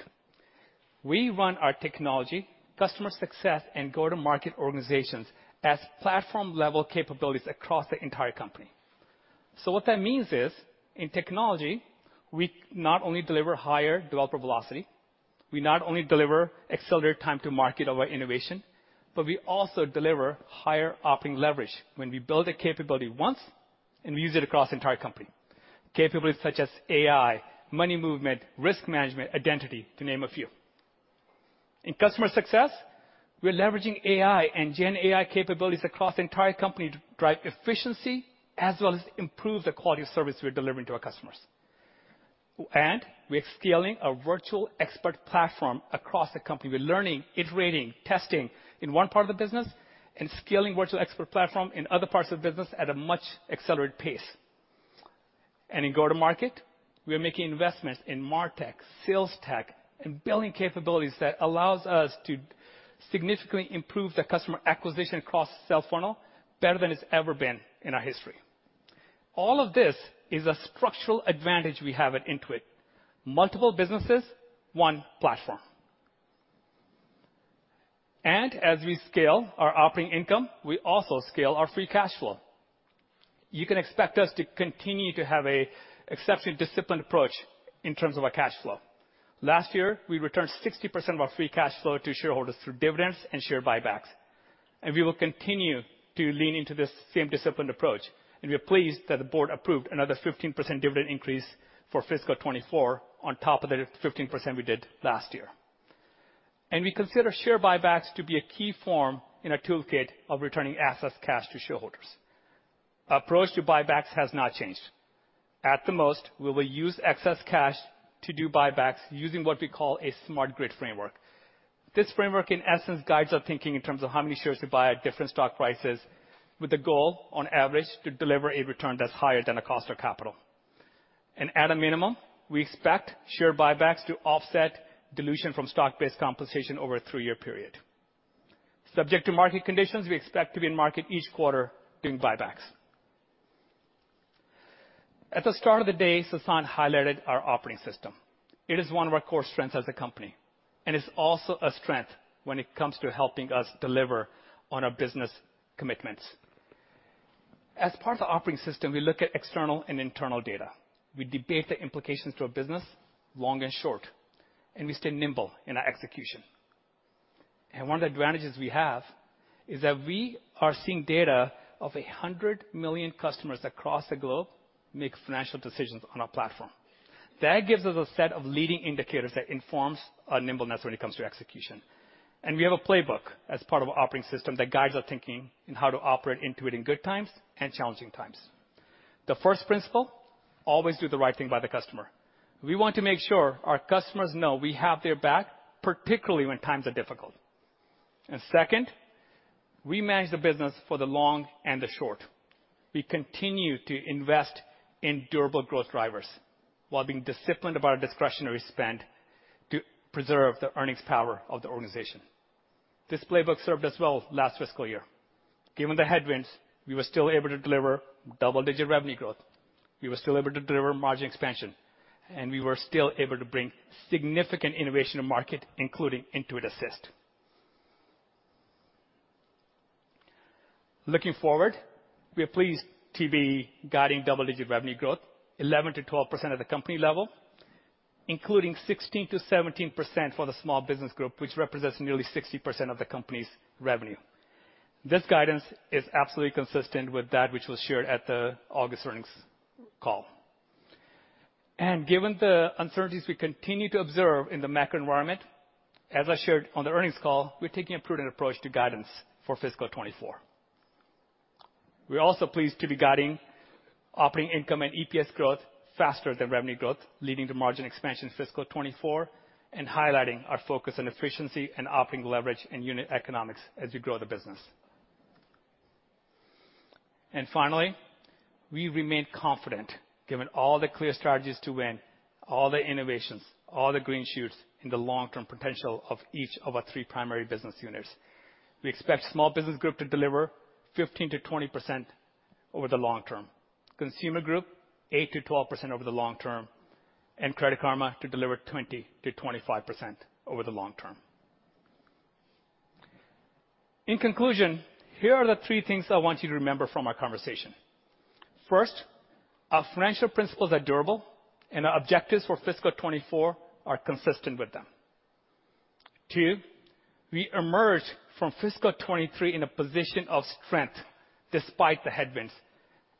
We run our technology, customer success, and go-to-market organizations as platform-level capabilities across the entire company. What that means is, in technology, we not only deliver higher developer velocity, we not only deliver accelerated time to market of our innovation, but we also deliver higher operating leverage when we build a capability once and we use it across the entire company. Capabilities such as AI, money movement, risk management, identity, to name a few. In customer success, we're leveraging AI and GenAI capabilities across the entire company to drive efficiency, as well as improve the quality of service we're delivering to our customers. We are scaling a Virtual Expert Platform across the company. We're learning, iterating, testing in one part of the business, and scaling Virtual Expert Platform in other parts of the business at a much accelerated pace. In go-to-market, we are making investments in Martech, sales tech, and building capabilities that allows us to significantly improve the customer acquisition across sales funnel better than it's ever been in our history. All of this is a structural advantage we have at Intuit. Multiple businesses, one platform. As we scale our operating income, we also scale our free cash flow. You can expect us to continue to have a exceptionally disciplined approach in terms of our cash flow. Last year, we returned 60% of our free cash flow to shareholders through dividends and share buybacks, and we will continue to lean into this same disciplined approach, and we are pleased that the board approved another 15% dividend increase for fiscal 2024 on top of the 15% we did last year. We consider share buybacks to be a key form in our toolkit of returning excess cash to shareholders. Our approach to buybacks has not changed. At the most, we will use excess cash to do buybacks using what we call a smart grid framework. This framework, in essence, guides our thinking in terms of how many shares to buy at different stock prices, with the goal, on average, to deliver a return that's higher than the cost of capital. At a minimum, we expect share buybacks to offset dilution from stock-based compensation over a three-year period. Subject to market conditions, we expect to be in market each quarter doing buybacks. At the start of the day, Sasan highlighted our operating system. It is one of our core strengths as a company, and it's also a strength when it comes to helping us deliver on our business commitments. As part of the operating system, we look at external and internal data. We debate the implications to our business, long and short, and we stay nimble in our execution. One of the advantages we have is that we are seeing data of 100 million customers across the globe make financial decisions on our platform. That gives us a set of leading indicators that informs our nimbleness when it comes to execution. We have a playbook as part of our operating system that guides our thinking in how to operate Intuit in good times and challenging times. The first principle, always do the right thing by the customer. We want to make sure our customers know we have their back, particularly when times are difficult. And second, we manage the business for the long and the short. We continue to invest in durable growth drivers while being disciplined about our discretionary spend to preserve the earnings power of the organization. This playbook served us well last fiscal year. Given the headwinds, we were still able to deliver double-digit revenue growth, we were still able to deliver margin expansion, and we were still able to bring significant innovation to market, including Intuit Assist. Looking forward, we are pleased to be guiding double-digit revenue growth, 11%-12% at the company level, including 16%-17% for the small business group, which represents nearly 60% of the company's revenue. This guidance is absolutely consistent with that which was shared at the August earnings call. Given the uncertainties we continue to observe in the macro environment, as I shared on the earnings call, we're taking a prudent approach to guidance for fiscal 2024. We're also pleased to be guiding operating income and EPS growth faster than revenue growth, leading to margin expansion in fiscal 2024, and highlighting our focus on efficiency and operating leverage and unit economics as we grow the business. Finally, we remain confident, given all the clear strategies to win, all the innovations, all the green shoots, and the long-term potential of each of our three primary business units. We expect small business group to deliver 15%-20% over the long term, consumer group, 8%-12% over the long term, and Credit Karma to deliver 20%-25% over the long term. In conclusion, here are the three things I want you to remember from our conversation. First, our financial principles are durable, and our objectives for fiscal 2024 are consistent with them. Two, we emerged from fiscal 2023 in a position of strength despite the headwinds,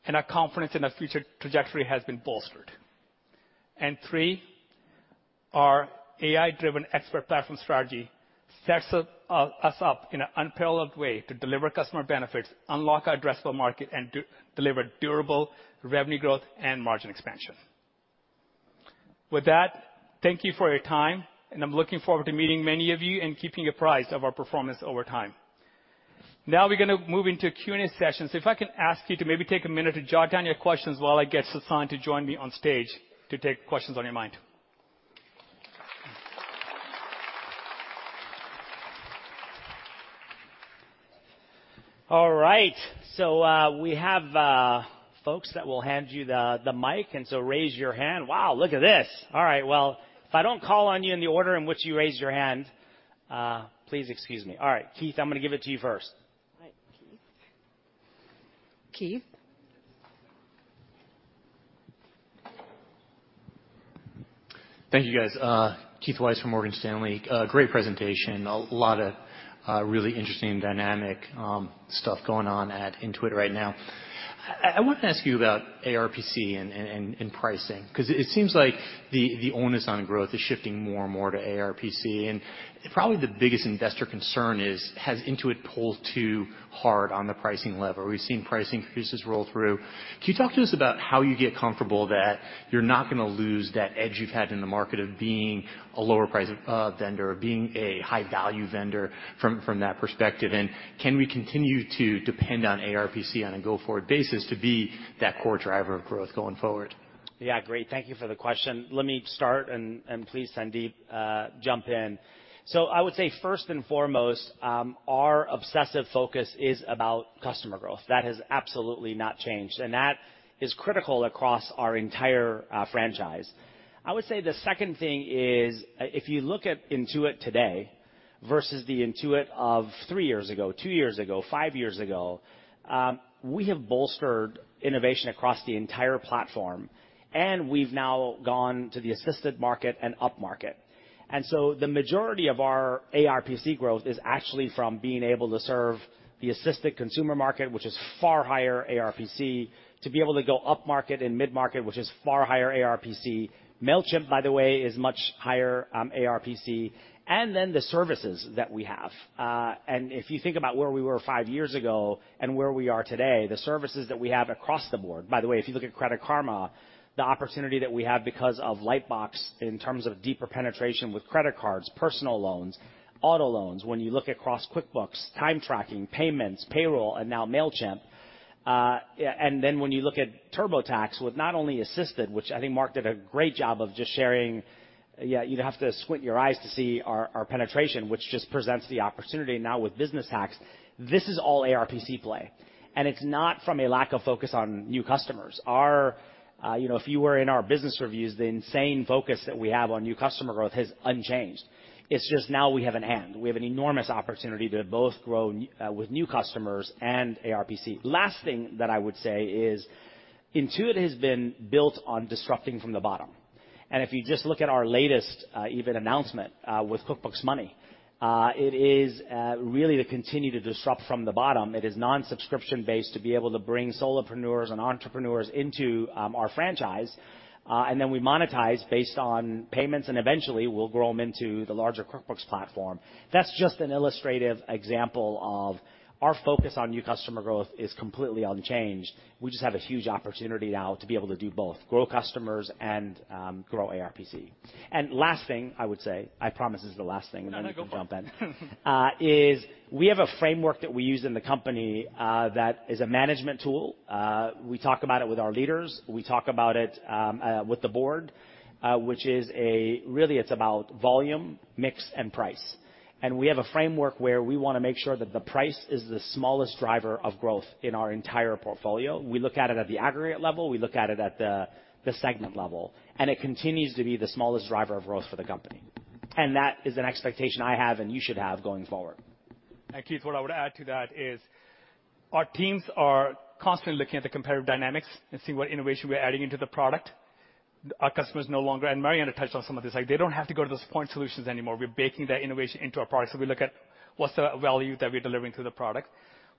and our confidence in our future trajectory has been bolstered. And three, our AI-driven expert platform strategy sets us up in an unparalleled way to deliver customer benefits, unlock our addressable market, and deliver durable revenue growth and margin expansion. With that, thank you for your time, and I'm looking forward to meeting many of you and keeping you apprised of our performance over time. Now we're gonna move into a Q&A session, so if I can ask you to maybe take a minute to jot down your questions while I get Sasan to join me on stage to take questions on your mind. All right, so, we have folks that will hand you the mic, and so raise your hand. Wow, look at this! All right, well, if I don't call on you in the order in which you raised your hand, please excuse me. All right, Keith, I'm gonna give it to you first. All right, Keith. Keith? Thank you, guys. Keith Weiss from Morgan Stanley. Great presentation. A lot of really interesting dynamic stuff going on at Intuit right now. I wanted to ask you about ARPC and pricing, 'cause it seems like the onus on growth is shifting more and more to ARPC, and probably the biggest investor concern is, has Intuit pulled too hard on the pricing level? We've seen pricing increases roll through. Can you talk to us about how you get comfortable that you're not gonna lose that edge you've had in the market of being a lower price vendor, or being a high-value vendor from that perspective, and can we continue to depend on ARPC on a go-forward basis to be that core driver of growth going forward? Yeah, great. Thank you for the question. Let me start, and please, Sandeep, jump in. So I would say, first and foremost, our obsessive focus is about customer growth. That has absolutely not changed, and that is critical across our entire franchise. I would say the second thing is, if you look at Intuit today versus the Intuit of three years ago, two years ago, five years ago, we have bolstered innovation across the entire platform, and we've now gone to the assisted market and upmarket. And so the majority of our ARPC growth is actually from being able to serve the assisted consumer market, which is far higher ARPC, to be able to go upmarket and mid-market, which is far higher ARPC. Mailchimp, by the way, is much higher ARPC, and then the services that we have. And if you think about where we were five years ago and where we are today, the services that we have across the board. By the way, if you look at Credit Karma, the opportunity that we have because of Lightbox in terms of deeper penetration with credit cards, personal loans, auto loans, when you look across QuickBooks, time tracking, payments, payroll, and now Mailchimp, yeah, and then when you look at TurboTax with not only Assisted, which I think Mark did a great job of just sharing, yeah, you'd have to squint your eyes to see our, our penetration, which just presents the opportunity now with Business Tax, this is all ARPC play. And it's not from a lack of focus on new customers. Our, you know, if you were in our business reviews, the insane focus that we have on new customer growth has unchanged. It's just now we have a hand. We have an enormous opportunity to both grow with new customers and ARPC. Last thing that I would say is, Intuit has been built on disrupting from the bottom.... And if you just look at our latest, even announcement, with QuickBooks Money, it is really to continue to disrupt from the bottom. It is non-subscription based to be able to bring solopreneurs and entrepreneurs into our franchise. And then we monetize based on payments, and eventually, we'll grow them into the larger QuickBooks platform. That's just an illustrative example of our focus on new customer growth is completely unchanged. We just have a huge opportunity now to be able to do both, grow customers and grow ARPC. Last thing I would say, I promise this is the last thing, and then I can jump in. Is we have a framework that we use in the company, that is a management tool. We talk about it with our leaders, we talk about it with the board, which is a really, it's about volume, mix, and price. We have a framework where we wanna make sure that the price is the smallest driver of growth in our entire portfolio. We look at it at the aggregate level, we look at it at the segment level, and it continues to be the smallest driver of growth for the company. That is an expectation I have, and you should have going forward. Keith, what I would add to that is our teams are constantly looking at the comparative dynamics and seeing what innovation we're adding into the product. Our customers no longer, and Marianna touched on some of this, like, they don't have to go to those Point solutions anymore. We're baking that innovation into our product. So we look at what's the value that we're delivering to the product.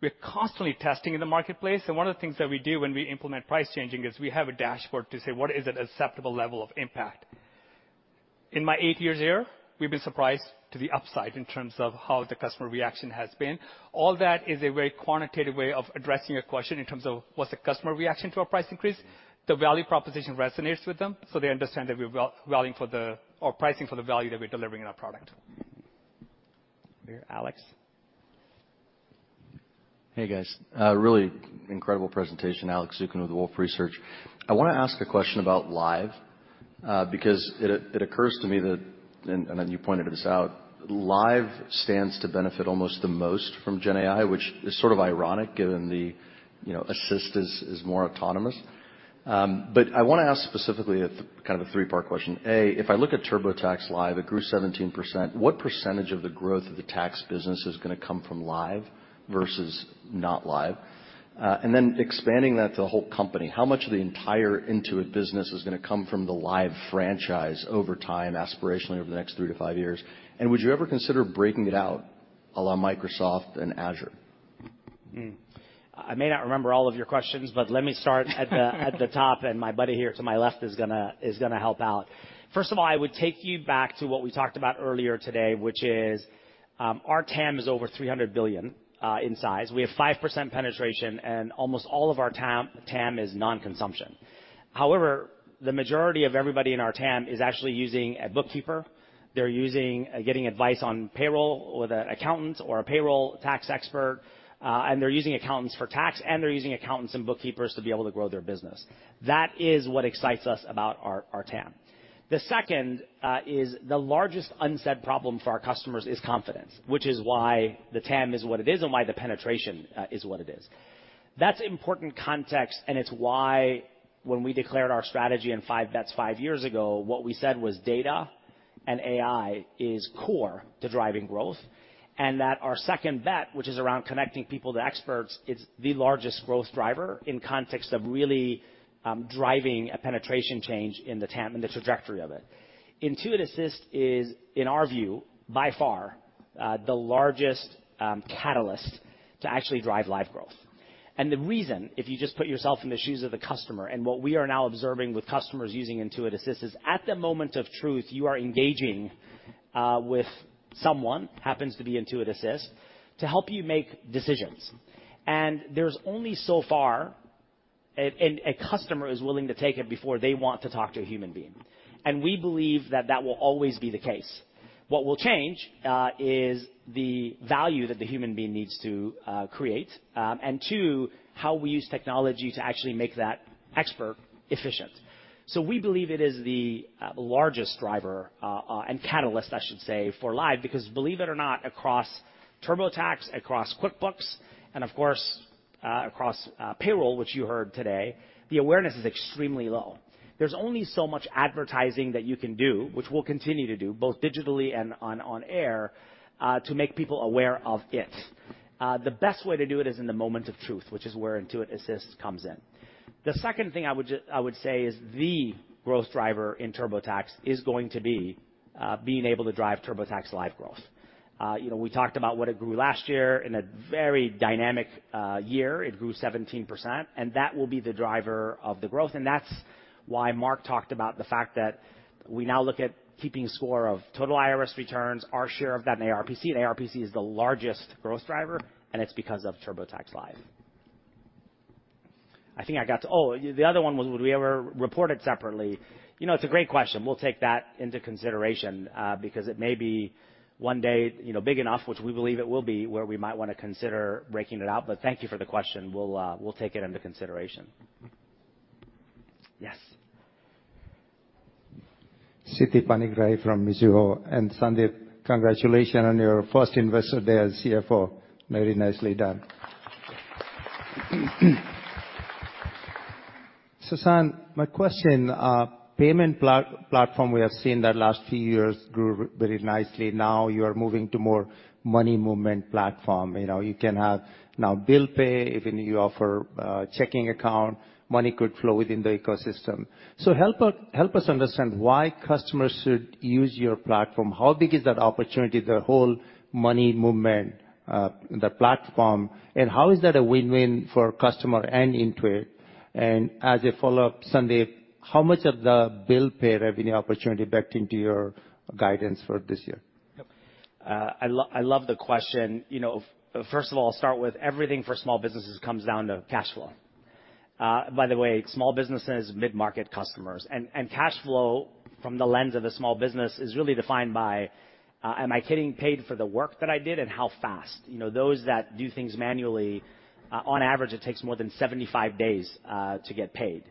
We're constantly testing in the marketplace, and one of the things that we do when we implement price changing is we have a dashboard to say, what is an acceptable level of impact? In my eight years here, we've been surprised to the upside in terms of how the customer reaction has been. All that is a very quantitative way of addressing a question in terms of what's the customer reaction to our price increase. The value proposition resonates with them, so they understand that we're valuing for the, or pricing for the value that we're delivering in our product. Alex? Hey, guys. Really incredible presentation. Alex Zukin with Wolfe Research. I wanna ask a question about Live, because it occurs to me that, and you pointed this out, Live stands to benefit almost the most from GenAI, which is sort of ironic given the, you know, Assist is more autonomous. But I wanna ask specifically at the kind of a three-part question. A, if I look at TurboTax Live, it grew 17%. What percentage of the growth of the tax business is gonna come from Live versus not Live? And then expanding that to the whole company, how much of the entire Intuit business is gonna come from the Live franchise over time, aspirationally, over the next three to five years? And would you ever consider breaking it out a la Microsoft and Azure? I may not remember all of your questions, but let me start at the top, and my buddy here to my left is gonna help out. First of all, I would take you back to what we talked about earlier today, which is, our TAM is over $300 billion in size. We have 5% penetration, and almost all of our TAM is non-consumption. However, the majority of everybody in our TAM is actually using a bookkeeper. They're using... getting advice on payroll with an accountant or a payroll tax expert, and they're using accountants for tax, and they're using accountants and bookkeepers to be able to grow their business. That is what excites us about our TAM. The second is the largest unsaid problem for our customers is confidence, which is why the TAM is what it is, and why the penetration is what it is. That's important context, and it's why when we declared our strategy in five bets five years ago, what we said was data and AI is core to driving growth, and that our second bet, which is around connecting people to experts, is the largest growth driver in context of really driving a penetration change in the TAM and the trajectory of it. Intuit Assist is, in our view, by far the largest catalyst to actually drive live growth. And the reason, if you just put yourself in the shoes of the customer, and what we are now observing with customers using Intuit Assist, is at the moment of truth, you are engaging with someone, happens to be Intuit Assist, to help you make decisions. And there's only so far a customer is willing to take it before they want to talk to a human being, and we believe that that will always be the case. What will change is the value that the human being needs to create, and too, how we use technology to actually make that expert efficient. So we believe it is the largest driver and catalyst, I should say, for Live, because believe it or not, across TurboTax, across QuickBooks, and of course, across payroll, which you heard today, the awareness is extremely low. There's only so much advertising that you can do, which we'll continue to do, both digitally and on air, to make people aware of it. The best way to do it is in the moment of truth, which is where Intuit Assist comes in. The second thing I would say is the growth driver in TurboTax is going to be being able to drive TurboTax Live growth. You know, we talked about what it grew last year. In a very dynamic year, it grew 17%, and that will be the driver of the growth, and that's why Mark talked about the fact that we now look at keeping score of total IRS returns, our share of that and ARPC. And ARPC is the largest growth driver, and it's because of TurboTax Live. I think I got to... Oh, the other one was, would we ever report it separately? You know, it's a great question. We'll take that into consideration, because it may be one day, you know, big enough, which we believe it will be, where we might wanna consider breaking it out. But thank you for the question. We'll, we'll take it into consideration. Yes. Siti Panigrahi from Mizuho. Sandeep, congratulations on your first Investor Day as CFO. Very nicely done. Sasan, my question, payment platform, we have seen that last few years grew very nicely. Now you are moving to more money movement platform. You know, you can have now bill pay, even you offer, checking account, money could flow within the ecosystem. So help us, help us understand why customers should use your platform. How big is that opportunity, the whole money movement, the platform, and how is that a win-win for customer and Intuit? And as a follow-up, Sandeep, how much of the bill pay revenue opportunity backed into your guidance for this year? Yep. I love the question. You know, first of all, I'll start with everything for small businesses comes down to cash flow. By the way, small businesses, mid-market customers, and cash flow from the lens of a small business is really defined by, am I getting paid for the work that I did, and how fast? You know, those that do things manually, on average, it takes more than 75 days to get paid.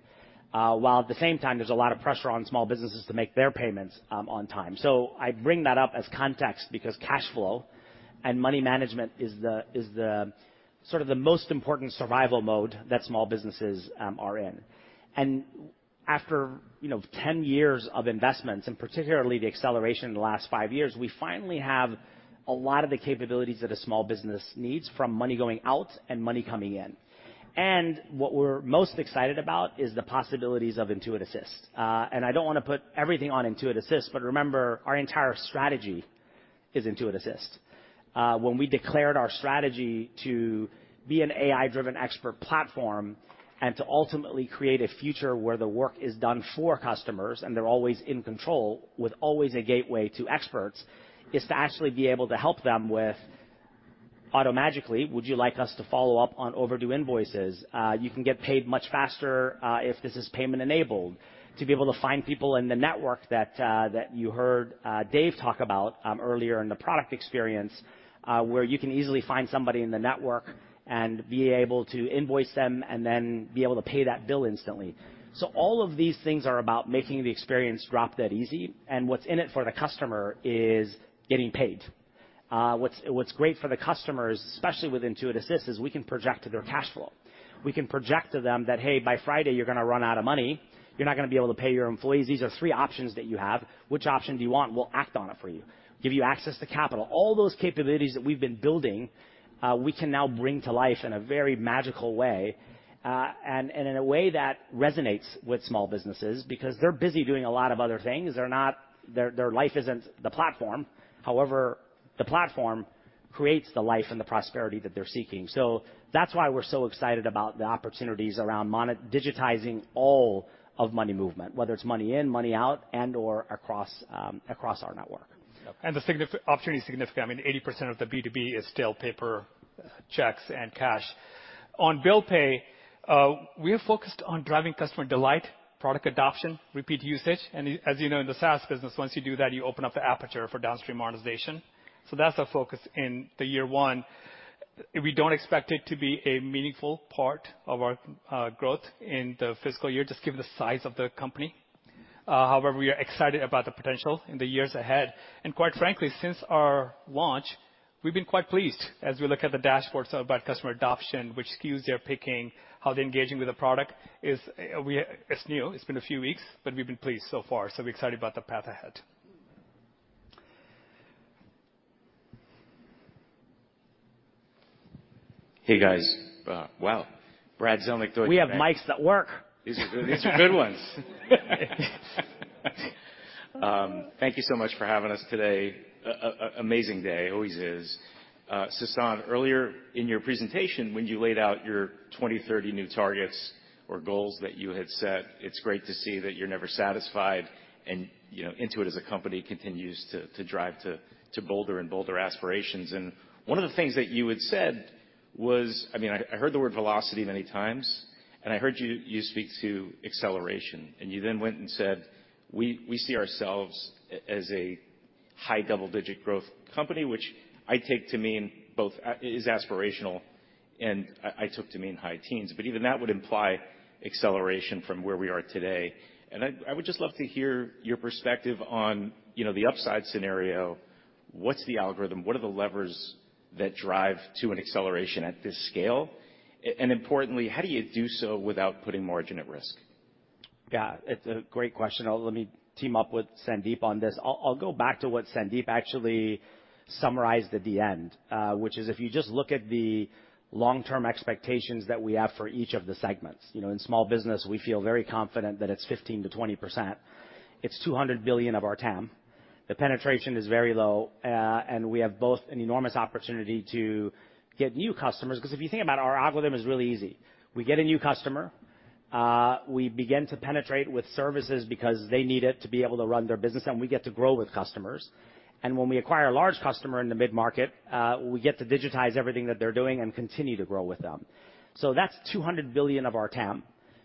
While at the same time, there's a lot of pressure on small businesses to make their payments, on time. So I bring that up as context because cash flow and money management is the, is the sort of the most important survival mode that small businesses are in. After, you know, 10 years of investments, and particularly the acceleration in the last 5 years, we finally have a lot of the capabilities that a small business needs from money going out and money coming in. What we're most excited about is the possibilities of Intuit Assist. I don't want to put everything on Intuit Assist, but remember, our entire strategy is Intuit Assist. When we declared our strategy to be an AI-driven expert platform and to ultimately create a future where the work is done for customers, and they're always in control with always a gateway to experts, is to actually be able to help them with automatically, "Would you like us to follow up on overdue invoices? You can get paid much faster if this is payment-enabled." To be able to find people in the network that you heard Dave talk about earlier in the product experience, where you can easily find somebody in the network and be able to invoice them and then be able to pay that bill instantly. So all of these things are about making the experience drop-dead easy, and what's in it for the customer is getting paid. What's great for the customers, especially with Intuit Assist, is we can project to their cash flow. We can project to them that, "Hey, by Friday, you're gonna run out of money. You're not gonna be able to pay your employees. These are three options that you have. Which option do you want? We'll act on it for you, give you access to capital. All those capabilities that we've been building, we can now bring to life in a very magical way, and, and in a way that resonates with small businesses because they're busy doing a lot of other things. They're not... Their, their life isn't the platform. However, the platform creates the life and the prosperity that they're seeking. So that's why we're so excited about the opportunities around digitizing all of money movement, whether it's money in, money out, and/or across, across our network. And the significant opportunity is significant. I mean, 80% of the B2B is still paper, checks, and cash. On bill pay, we are focused on driving customer delight, product adoption, repeat usage, and as you know, in the SaaS business, once you do that, you open up the aperture for downstream monetization. So that's our focus in the year one. We don't expect it to be a meaningful part of our growth in the fiscal year, just given the size of the company. However, we are excited about the potential in the years ahead. And quite frankly, since our launch, we've been quite pleased as we look at the dashboards about customer adoption, which SKUs they're picking, how they're engaging with the product. It's new. It's been a few weeks, but we've been pleased so far, so we're excited about the path ahead. Hey, guys. Wow! Brad Zelnick... We have mics that work. These are good ones. Thank you so much for having us today. An amazing day, always is. Sasan, earlier in your presentation, when you laid out your 2030 new targets or goals that you had set, it's great to see that you're never satisfied, and, you know, Intuit as a company continues to, to drive to, to bolder and bolder aspirations. And one of the things that you had said was... I mean, I heard the word velocity many times, and I heard you speak to acceleration, and you then went and said, "We see ourselves as a high double-digit growth company," which I take to mean both is aspirational, and I took to mean high teens, but even that would imply acceleration from where we are today. And I would just love to hear your perspective on, you know, the upside scenario. What's the algorithm? What are the levers that drive to an acceleration at this scale? And importantly, how do you do so without putting margin at risk? Yeah, it's a great question. I'll let me team up with Sandeep on this. I'll go back to what Sandeep actually summarized at the end, which is if you just look at the long-term expectations that we have for each of the segments. You know, in small business, we feel very confident that it's 15%-20%. It's $200 billion of our TAM. The penetration is very low, and we have both an enormous opportunity to get new customers, 'cause if you think about it, our algorithm is really easy. We get a new customer, we begin to penetrate with services because they need it to be able to run their business, and we get to grow with customers. And when we acquire a large customer in the mid-market, we get to digitize everything that they're doing and continue to grow with them. So that's $200 billion of our TAM.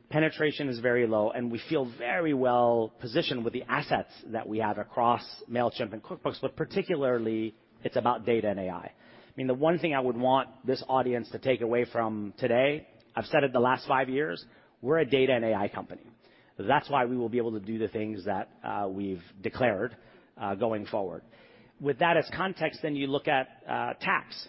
Penetration is very low, and we feel very well positioned with the assets that we have across Mailchimp and QuickBooks, but particularly, it's about data and AI. I mean, the one thing I would want this audience to take away from today, I've said it the last five years, we're a data and AI company. That's why we will be able to do the things that we've declared going forward. With that as context, then you look at tax.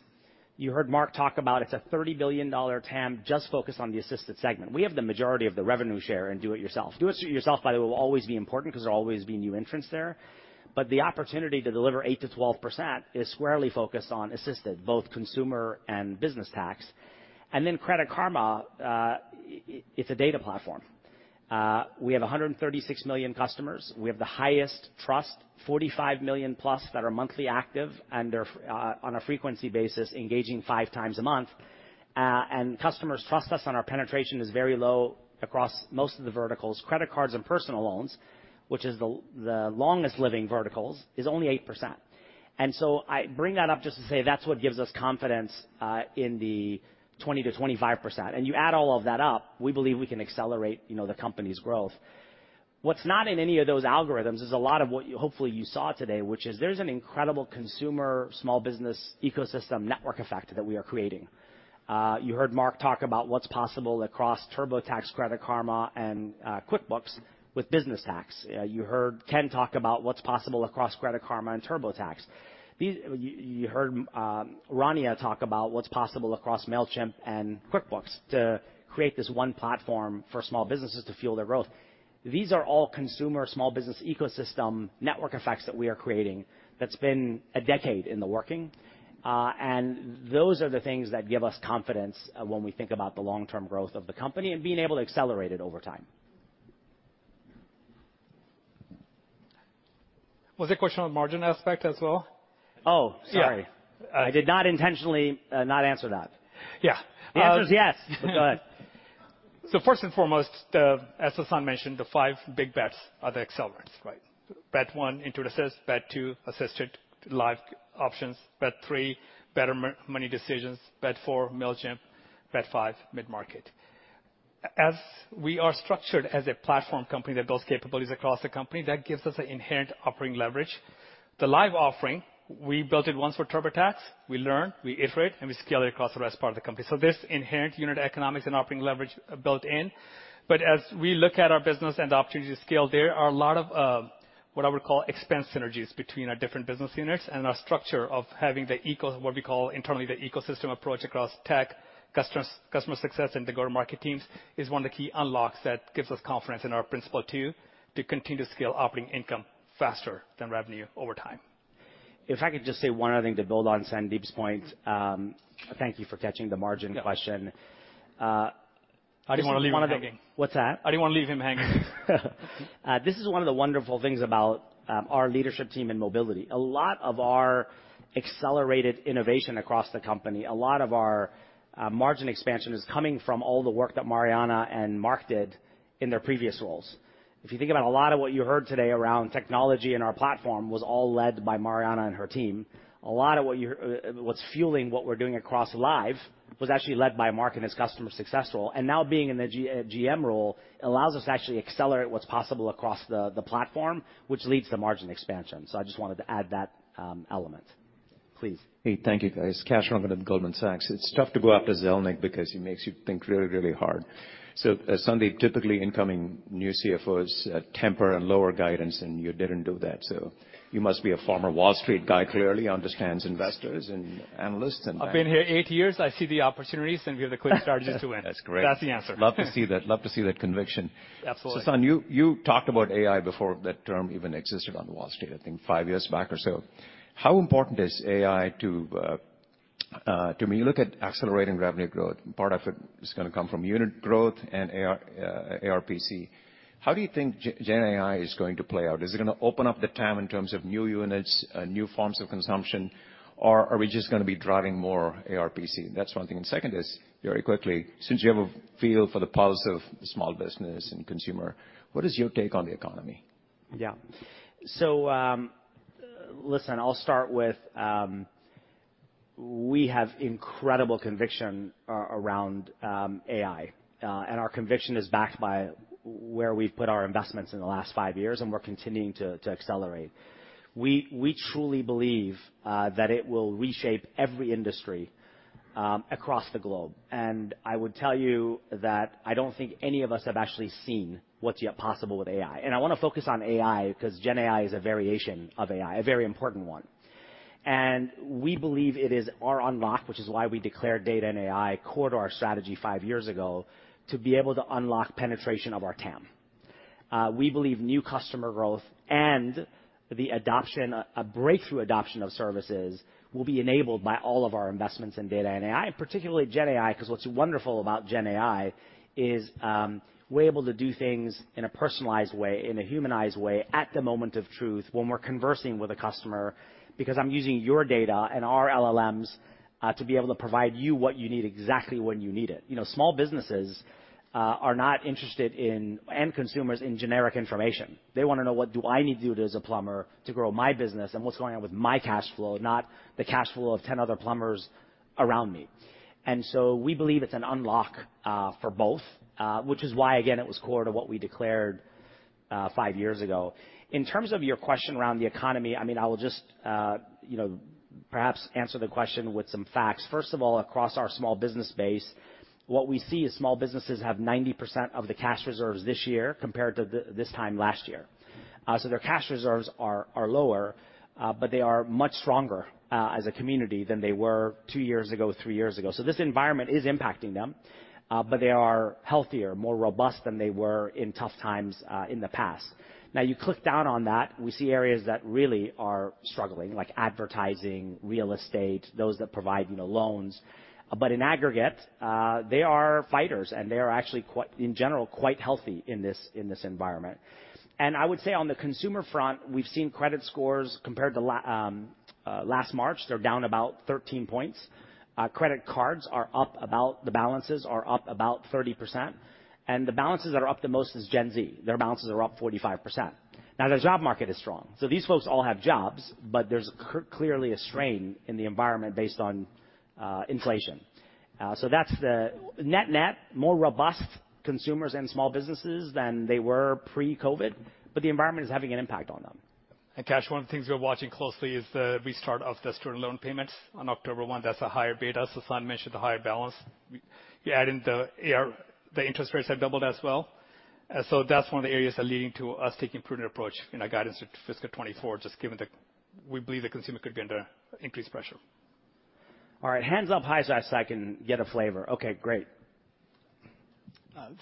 You heard Mark talk about it's a $30 billion TAM, just focused on the assisted segment. We have the majority of the revenue share in do it yourself. Do it yourself, by the way, will always be important because there'll always be new entrants there, but the opportunity to deliver 8%-12% is squarely focused on assisted, both consumer and business tax. Then Credit Karma, it's a data platform. We have 136 million customers. We have the highest trust, 45 million+ that are monthly active, and they're, on a frequency basis, engaging 5x a month. And customers trust us, and our penetration is very low across most of the verticals. Credit cards and personal loans, which is the, the longest living verticals, is only 8%. So I bring that up just to say that's what gives us confidence in the 20%-25%. And you add all of that up, we believe we can accelerate, you know, the company's growth. What's not in any of those algorithms is a lot of what you hopefully you saw today, which is there's an incredible consumer, small business ecosystem network effect that we are creating. You heard Mark talk about what's possible across TurboTax, Credit Karma, and QuickBooks with business tax. You heard Ken talk about what's possible across Credit Karma and TurboTax. You heard Rania talk about what's possible across Mailchimp and QuickBooks to create this one platform for small businesses to fuel their growth. These are all consumer small business ecosystem network effects that we are creating that's been a decade in the working. Those are the things that give us confidence when we think about the long-term growth of the company and being able to accelerate it over time. Was the question on margin aspect as well? Oh, sorry. Yeah. I did not intentionally not answer that. Yeah. Um- The answer is yes. Go ahead. So first and foremost, the—as Sasan mentioned, the five big bets are the accelerants, right? Bet one, Intuit Assist. Bet two, assisted live options. Bet three, better money decisions. Bet four, Mailchimp. Bet five, mid-market. As we are structured as a platform company that builds capabilities across the company, that gives us an inherent operating leverage. The live offering, we built it once for TurboTax, we learn, we iterate, and we scale it across the rest part of the company. So there's inherent unit economics and operating leverage built in. But as we look at our business and the opportunity to scale, there are a lot of what I would call expense synergies between our different business units and our structure of having the eco What we call internally, the ecosystem approach across tech, customers, customer success, and the go-to-market teams, is one of the key unlocks that gives us confidence in our principle two, to continue to scale operating income faster than revenue over time. If I could just say one other thing to build on Sandeep's point. Thank you for catching the margin question. Yeah. I just wanna- I didn't wanna leave him hanging. What's that? I didn't wanna leave him hanging. This is one of the wonderful things about our leadership team and mobility. A lot of our accelerated innovation across the company, a lot of our margin expansion is coming from all the work that Mariana and Mark did in their previous roles. If you think about a lot of what you heard today around technology and our platform, was all led by Mariana and her team. A lot of what you hear what's fueling what we're doing across Live was actually led by Mark and his customer success role, and now being in the GM role, allows us to actually accelerate what's possible across the platform, which leads to margin expansion. So I just wanted to add that element. Please. Hey, thank you, guys. Kash Rangan of Goldman Sachs. It's tough to go after Zelnick because he makes you think really, really hard. So, Sandeep, typically, incoming new CFOs, temper and lower guidance, and you didn't do that, so you must be a former Wall Street guy, clearly understands investors and analysts, and- I've been here eight years. I see the opportunities, and we have the clear chance to win. Yeah. That's great. That's the answer. Love to see that. Love to see that conviction. Absolutely. Sasan, you talked about AI before that term even existed on Wall Street, I think five years back or so. How important is AI to when you look at accelerating revenue growth, part of it is gonna come from unit growth and ARPC. How do you think GenAI is going to play out? Is it gonna open up the TAM in terms of new units, new forms of consumption, or are we just gonna be driving more ARPC? That's one thing, and second is, very quickly, since you have a feel for the pulse of small business and consumer, what is your take on the economy? Yeah. So, listen, I'll start with, we have incredible conviction around AI, and our conviction is backed by where we've put our investments in the last five years, and we're continuing to accelerate. We truly believe that it will reshape every industry across the globe, and I would tell you that I don't think any of us have actually seen what's yet possible with AI. And I wanna focus on AI because GenAI is a variation of AI, a very important one. And we believe it is our unlock, which is why we declared data and AI core to our strategy five years ago, to be able to unlock penetration of our TAM. We believe new customer growth and the adoption, breakthrough adoption of services, will be enabled by all of our investments in data and AI, and particularly GenAI, because what's wonderful about GenAI is, we're able to do things in a personalized way, in a humanized way, at the moment of truth, when we're conversing with a customer, because I'm using your data and our LLMs, to be able to provide you what you need, exactly when you need it. You know, small businesses are not interested in, and consumers, in generic information. They wanna know, what do I need to do as a plumber to grow my business, and what's going on with my cash flow, not the cash flow of 10 other plumbers around me. We believe it's an unlock for both, which is why, again, it was core to what we declared five years ago. In terms of your question around the economy, I mean, I will just, you know, perhaps answer the question with some facts. First of all, across our small business base, what we see is small businesses have 90% of the cash reserves this year compared to this time last year. So their cash reserves are lower, but they are much stronger as a community than they were two years ago, three years ago. So this environment is impacting them, but they are healthier, more robust than they were in tough times in the past. Now, you click down on that, we see areas that really are struggling, like advertising, real estate, those that provide, you know, loans. But in aggregate, they are fighters, and they are actually quite, in general, quite healthy in this, in this environment. And I would say on the consumer front, we've seen credit scores compared to last March, they're down about 13 points. Credit cards are up about... the balances are up about 30%, and the balances that are up the most is Gen Z. Their balances are up 45%. Now, the job market is strong, so these folks all have jobs, but there's clearly a strain in the environment based on, inflation. So that's the net-net, more robust consumers and small businesses than they were pre-COVID, but the environment is having an impact on them. Cash, one of the things we're watching closely is the restart of the student loan payments on October 1. That's a higher beta. Sasan mentioned the higher balance. We, you add in the APR, the interest rates have doubled as well. So that's one of the areas that leading to us taking a prudent approach in our guidance for fiscal 2024, just given the... we believe the consumer could be under increased pressure. All right, hands up, high so I can get a flavor. Okay, great.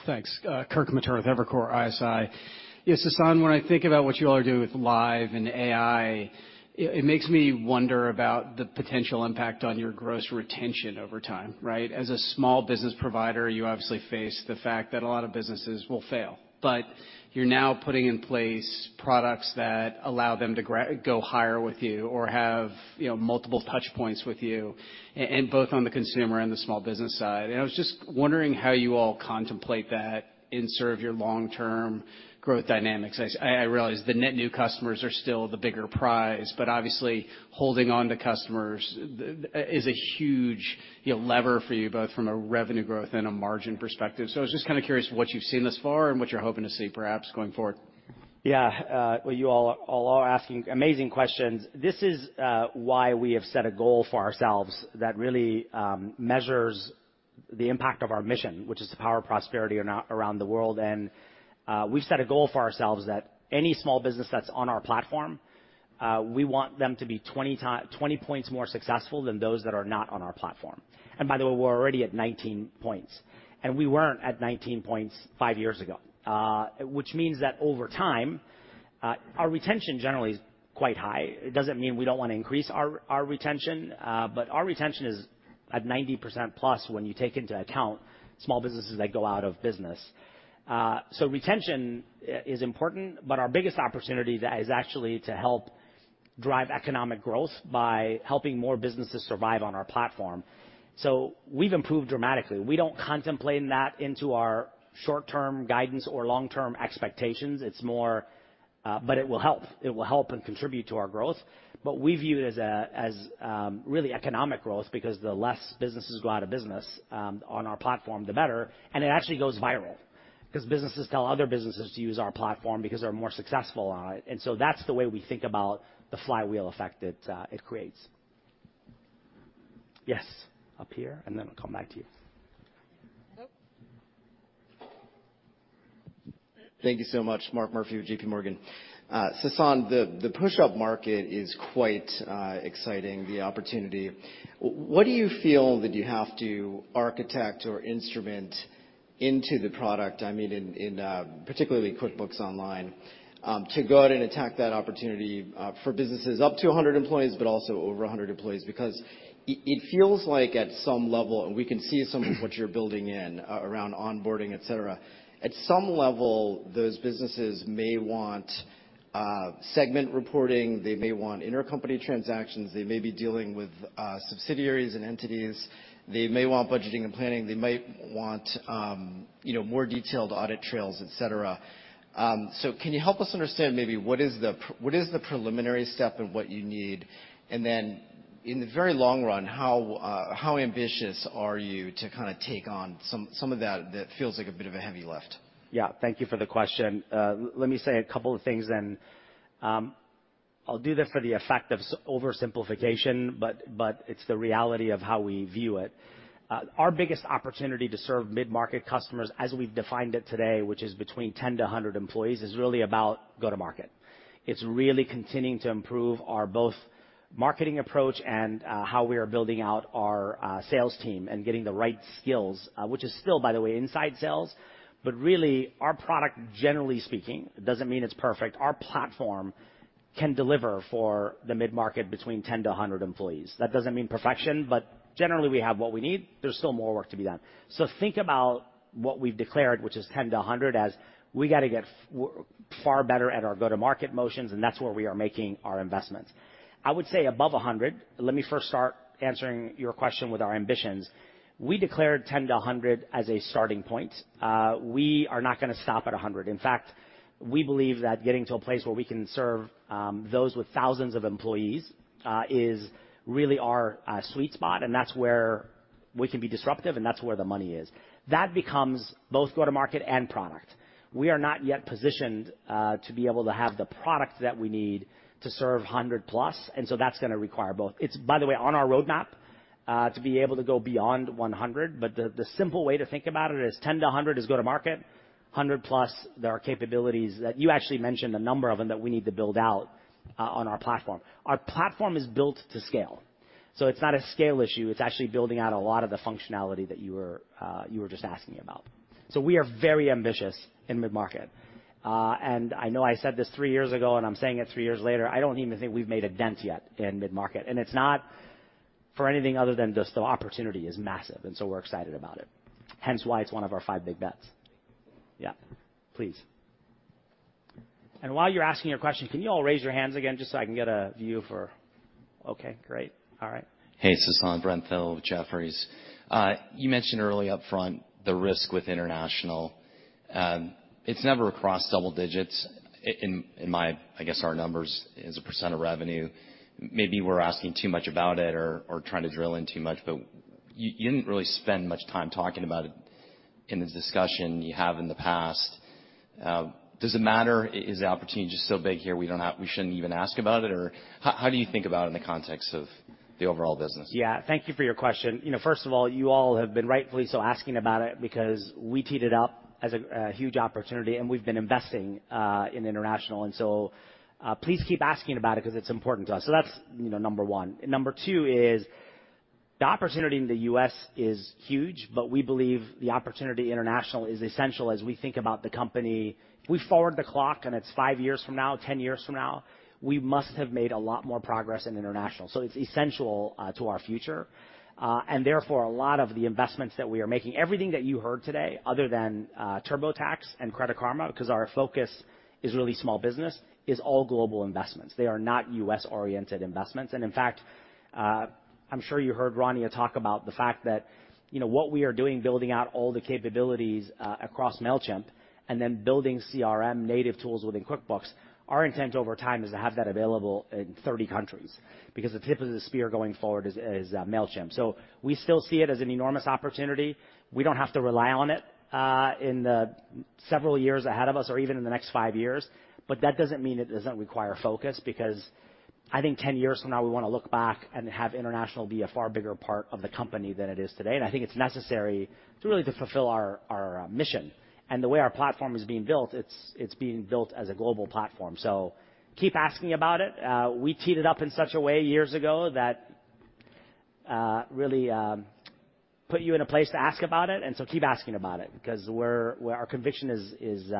Thanks. Kirk Materne with Evercore ISI. Yes, Sasan, when I think about what you all are doing with Live and AI, it makes me wonder about the potential impact on your gross retention over time, right? As a small business provider, you obviously face the fact that a lot of businesses will fail, but you're now putting in place products that allow them to go higher with you or have, you know, multiple touch points with you, and both on the consumer and the small business side. And I was just wondering how you all contemplate that in service of your long-term growth dynamics. I realize the net new customers are still the bigger prize, but obviously, holding on to customers is a huge, you know, lever for you, both from a revenue growth and a margin perspective. So I was just kinda curious what you've seen thus far and what you're hoping to see, perhaps, going forward? Yeah, well, you all are asking amazing questions. This is why we have set a goal for ourselves that really measures the impact of our mission, which is to power prosperity around the world. And we've set a goal for ourselves that any small business that's on our platform, we want them to be 20 points more successful than those that are not on our platform. And by the way, we're already at 19 points, and we weren't at 19 points five years ago. Which means that over time, our retention generally is quite high. It doesn't mean we don't want to increase our retention, but our retention is at 90% plus when you take into account small businesses that go out of business. So retention is important, but our biggest opportunity that is actually to help drive economic growth by helping more businesses survive on our platform. So we've improved dramatically. We don't contemplate that into our short-term guidance or long-term expectations. It's more, but it will help. It will help and contribute to our growth, but we view it as a, as, really economic growth, because the less businesses go out of business, on our platform, the better. And it actually goes viral, 'cause businesses tell other businesses to use our platform because they're more successful on it, and so that's the way we think about the flywheel effect it creates. Yes, up here, and then I'll come back to you. Thank you so much. Mark Murphy with JP Morgan. Sasan, the mid-market is quite exciting, the opportunity. What do you feel that ou have to architect or instrument into the product, I mean, in particularly QuickBooks Online, to go out and attack that opportunity, for businesses up to 100 employees, but also over 100 employees? Because it feels like at some level, and we can see some of what you're building in and around onboarding, et cetera, at some level, those businesses may want segment reporting, they may want intercompany transactions, they may be dealing with subsidiaries and entities, they may want budgeting and planning, they might want, you know, more detailed audit trails, et cetera. So, can you help us understand maybe what is the preliminary step and what you need? And then, in the very long run, how ambitious are you to kinda take on some of that that feels like a bit of a heavy lift? Yeah. Thank you for the question. Let me say a couple of things, then, I'll do that for the sake of oversimplification, but, but it's the reality of how we view it. Our biggest opportunity to serve mid-market customers, as we've defined it today, which is between 10-100 employees, is really about go-to-market. It's really continuing to improve our both marketing approach and, how we are building out our, sales team and getting the right skills, which is still, by the way, inside sales. But really, our product, generally speaking, doesn't mean it's perfect. Our platform can deliver for the mid-market between 10-100 employees. That doesn't mean perfection, but generally, we have what we need. There's still more work to be done. So think about what we've declared, which is 10-100 employees, as we gotta get far better at our go-to-market motions, and that's where we are making our investments. I would say above 100... Let me first start answering your question with our ambitions. We declared 10-100 employees as a starting point. We are not gonna stop at 100. In fact, we believe that getting to a place where we can serve those with thousands of employees is really our sweet spot, and that's where we can be disruptive, and that's where the money is. That becomes both go-to-market and product. We are not yet positioned to be able to have the product that we need serve 100+, and so that's gonna require both. It's, by the way, on our roadmap to be able to go beyond 100, but the simple way to think about it is 10-100 is go-to-market, 100+, there are capabilities that you actually mentioned a number of them that we need to build out on our platform. Our platform is built to scale, so it's not a scale issue, it's actually building out a lot of the functionality that you were just asking about. So we are very ambitious in mid-market. And I know I said this three years ago, and I'm saying it three years later, I don't even think we've made a dent yet in mid-market. And it's not for anything other than just the opportunity is massive, and so we're excited about it. Hence, why it's one of our five big bets. Yeah, please. And while you're asking your question, can you all raise your hands again just so I can get a view for... Okay, great. All right. Hey, Sasan, Brent Thill with Jefferies. You mentioned early upfront the risk with international. It's never across double digits in my, I guess, our numbers, as a % of revenue. Maybe we're asking too much about it or trying to drill in too much, but you didn't really spend much time talking about it in the discussion you have in the past. Does it matter? Is the opportunity just so big here, we don't have, we shouldn't even ask about it, or how do you think about it in the context of the overall business? Yeah, thank you for your question. You know, first of all, you all have been rightfully so asking about it because we teed it up as a huge opportunity, and we've been investing in international, and so please keep asking about it because it's important to us. So that's, you know, number one. Number two is the opportunity in the U.S. is huge, but we believe the opportunity international is essential as we think about the company. We forward the clock, and it's five years from now, 10 years from now, we must have made a lot more progress in international. So it's essential to our future, and therefore, a lot of the investments that we are making, everything that you heard today other than TurboTax and Credit Karma, because our focus is really small business, is all global investments. They are not U.S.-oriented investments. In fact, I'm sure you heard Rania talk about the fact that, you know, what we are doing, building out all the capabilities across Mailchimp and then building CRM native tools within QuickBooks, our intent over time is to have that available in 30 countries, because the tip of the spear going forward is Mailchimp. So we still see it as an enormous opportunity. We don't have to rely on it in the several years ahead of us or even in the next five years, but that doesn't mean it doesn't require focus, because I think 10 years from now, we wanna look back and have international be a far bigger part of the company than it is today. I think it's necessary to really to fulfill our, our, mission, and the way our platform is being built, it's, it's being built as a global platform. Keep asking about it. We teed it up in such a way years ago that, really, put you in a place to ask about it, and so keep asking about it because our conviction is, is,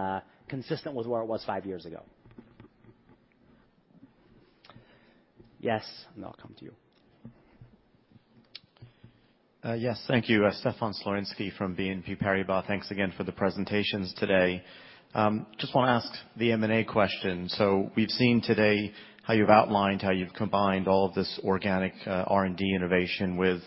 consistent with where it was five years ago. Yes, and I'll come to you. Yes. Thank you. Stefan Slowinski from BNP Paribas. Thanks again for the presentations today. Just wanna ask the M&A question. So we've seen today how you've outlined, how you've combined all of this organic, R&D innovation with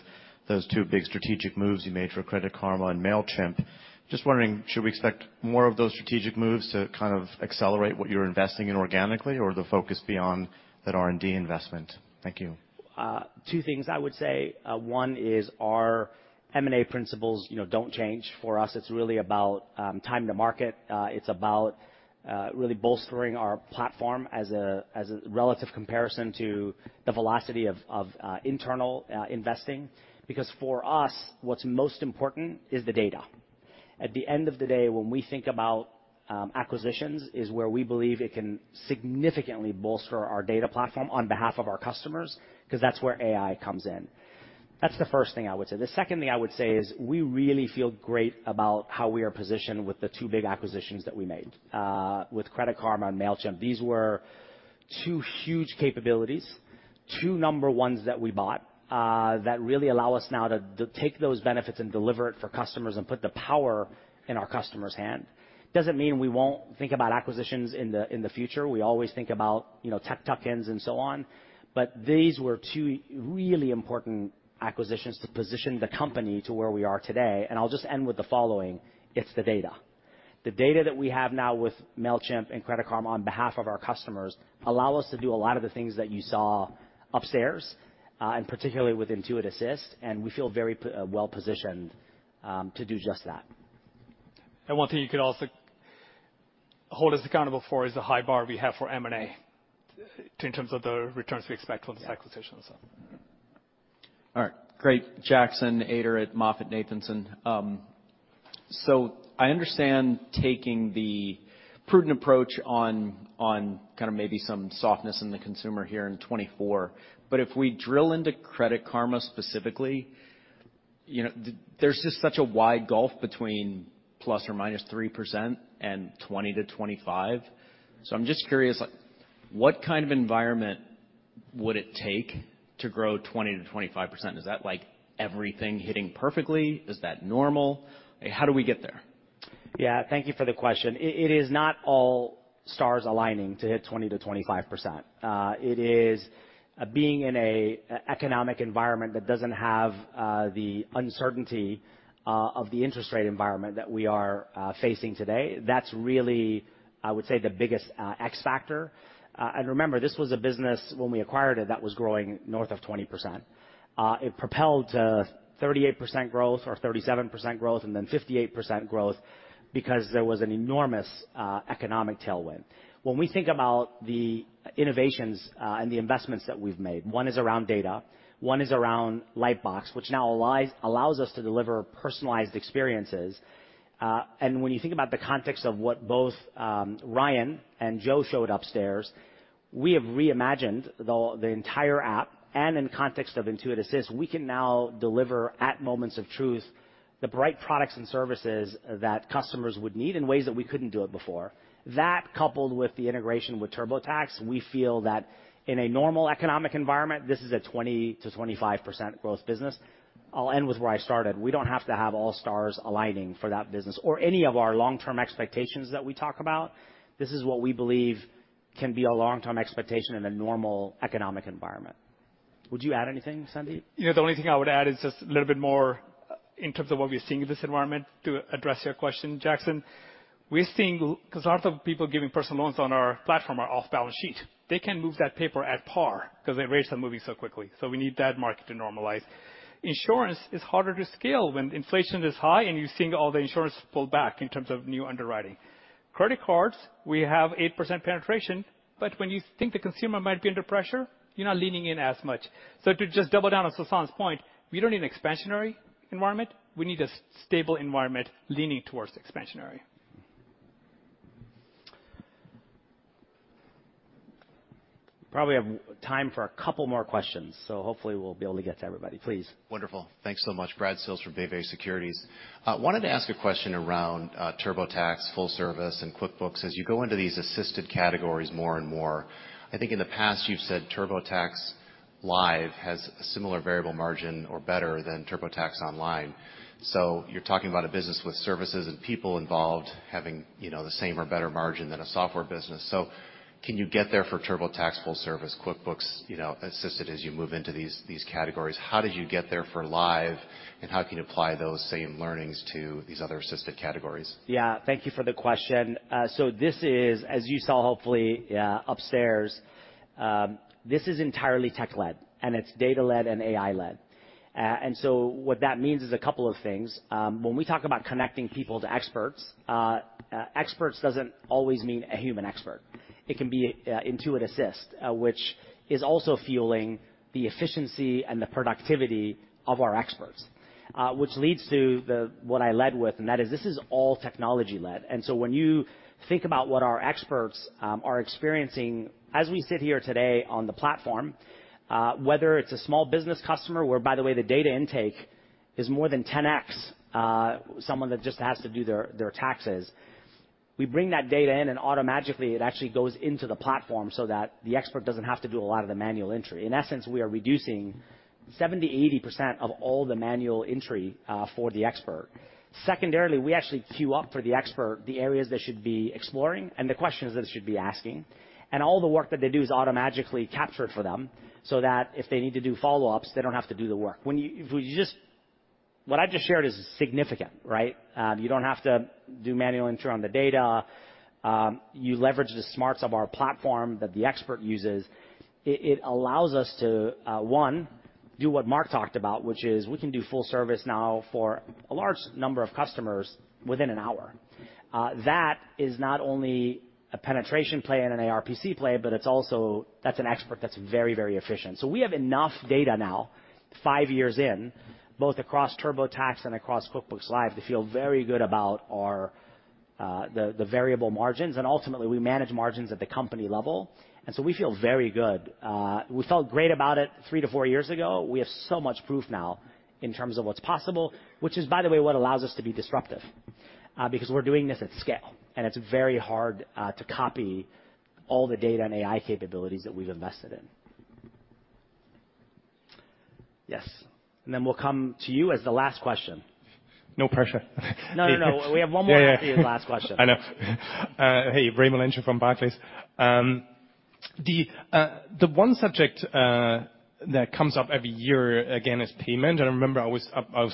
those two big strategic moves you made for Credit Karma and Mailchimp. Just wondering, should we expect more of those strategic moves to kind of accelerate what you're investing in organically, or the focus beyond that R&D investment? Thank you. Two things I would say. One is our M&A principles, you know, don't change. For us, it's really about time to market. It's about really bolstering our platform as a relative comparison to the velocity of internal investing, because for us, what's most important is the data. At the end of the day, when we think about acquisitions, is where we believe it can significantly bolster our data platform on behalf of our customers, because that's where AI comes in. That's the first thing I would say. The second thing I would say is, we really feel great about how we are positioned with the two big acquisitions that we made with Credit Karma and Mailchimp. These were two huge capabilities, two number ones that we bought that really allow us now to take those benefits and deliver it for customers and put the power in our customer's hand. Doesn't mean we won't think about acquisitions in the future. We always think about, you know, tech tuck-ins and so on, but these were two really important acquisitions to position the company to where we are today, and I'll just end with the following: It's the data. The data that we have now with Mailchimp and Credit Karma on behalf of our customers allow us to do a lot of the things that you saw upstairs, and particularly with Intuit Assist, and we feel very well-positioned to do just that. One thing you could also hold us accountable for is the high bar we have for M&A in terms of the returns we expect from these acquisitions, so. All right, great. Jackson Ader at MoffettNathanson. So I understand taking the prudent approach on kind of maybe some softness in the consumer here in 2024, but if we drill into Credit Karma specifically, you know, there's just such a wide gulf between ±3% and 20%-25%. So I'm just curious, like, what kind of environment would it take to grow 20%-25%? Is that like everything hitting perfectly? Is that normal? How do we get there? Yeah, thank you for the question. It is not all stars aligning to hit 20%-25%. It is being in an economic environment that doesn't have the uncertainty of the interest rate environment that we are facing today. That's really, I would say, the biggest X factor. And remember, this was a business, when we acquired it, that was growing north of 20%. It propelled to 38% growth or 37% growth, and then 58% growth because there was an enormous economic tailwind. When we think about the innovations and the investments that we've made, one is around data, one is around Lightbox, which now allows us to deliver personalized experiences. And when you think about the context of what both Ryan and Joe showed upstairs, we have reimagined the, the entire app, and in context of Intuit Assist, we can now deliver, at moments of truth, the right products and services that customers would need in ways that we couldn't do it before. That, coupled with the integration with TurboTax, we feel that in a normal economic environment, this is a 20%-25% growth business. I'll end with where I started. We don't have to have all stars aligning for that business or any of our long-term expectations that we talk about. This is what we believe can be a long-term expectation in a normal economic environment. Would you add anything, Sandeep? You know, the only thing I would add is just a little bit more in terms of what we're seeing in this environment, to address your question, Jackson. We're seeing, 'cause a lot of people giving personal loans on our platform are off balance sheet. They can move that paper at par 'cause the rates are moving so quickly, so we need that market to normalize. Insurance is harder to scale when inflation is high, and you're seeing all the insurance pull back in terms of new underwriting. Credit cards, we have 8% penetration, but when you think the consumer might be under pressure, you're not leaning in as much. So to just double down on Sasan's point, we don't need an expansionary environment, we need a stable environment leaning towards expansionary. Probably have time for a couple more questions, so hopefully we'll be able to get to everybody. Please. Wonderful. Thanks so much. Brad Sills from Bank of America Securities. I wanted to ask a question around TurboTax Full Service and QuickBooks. As you go into these assisted categories more and more, I think in the past, you've said TurboTax Live has a similar variable margin or better than TurboTax Online. So you're talking about a business with services and people involved having, you know, the same or better margin than a software business. So can you get there for TurboTax Full Service, QuickBooks, you know, Assisted, as you move into these, these categories? How did you get there for Live, and how can you apply those same learnings to these other assisted categories? Yeah, thank you for the question. So this is, as you saw, hopefully, upstairs, this is entirely tech-led, and it's data-led and AI-led. And so what that means is a couple of things. When we talk about connecting people to experts, experts doesn't always mean a human expert. It can be, Intuit Assist, which is also fueling the efficiency and the productivity of our experts. Which leads to the... what I led with, and that is, this is all technology-led. When you think about what our experts are experiencing as we sit here today on the platform, whether it's a small business customer, where, by the way, the data intake is more than 10x, someone that just has to do their taxes, we bring that data in, and automatically, it actually goes into the platform so that the expert doesn't have to do a lot of the manual entry. In essence, we are reducing 70%-80% of all the manual entry for the expert. Secondarily, we actually queue up for the expert, the areas they should be exploring and the questions they should be asking, and all the work that they do is automatically captured for them so that if they need to do follow-ups, they don't have to do the work. What I just shared is significant, right? You don't have to do manual entry on the data. You leverage the smarts of our platform that the expert uses. It allows us to one, do what Mark talked about, which is we can do full service now for a large number of customers within an hour. That is not only a penetration play and an ARPC play, but it's also... That's an expert that's very, very efficient. So we have enough data now, five years in, both across TurboTax and across QuickBooks Live, to feel very good about our variable margins, and ultimately, we manage margins at the company level, and so we feel very good. We felt great about it three to four years ago. We have so much proof now in terms of what's possible, which is, by the way, what allows us to be disruptive, because we're doing this at scale, and it's very hard to copy all the data and AI capabilities that we've invested in. Yes, and then we'll come to you as the last question. No pressure. No, no, no. We have one more- Yeah, yeah. And then last question. I know. Hey, Raimo Lenschow from Barclays. The one subject that comes up every year again is payment. I remember I was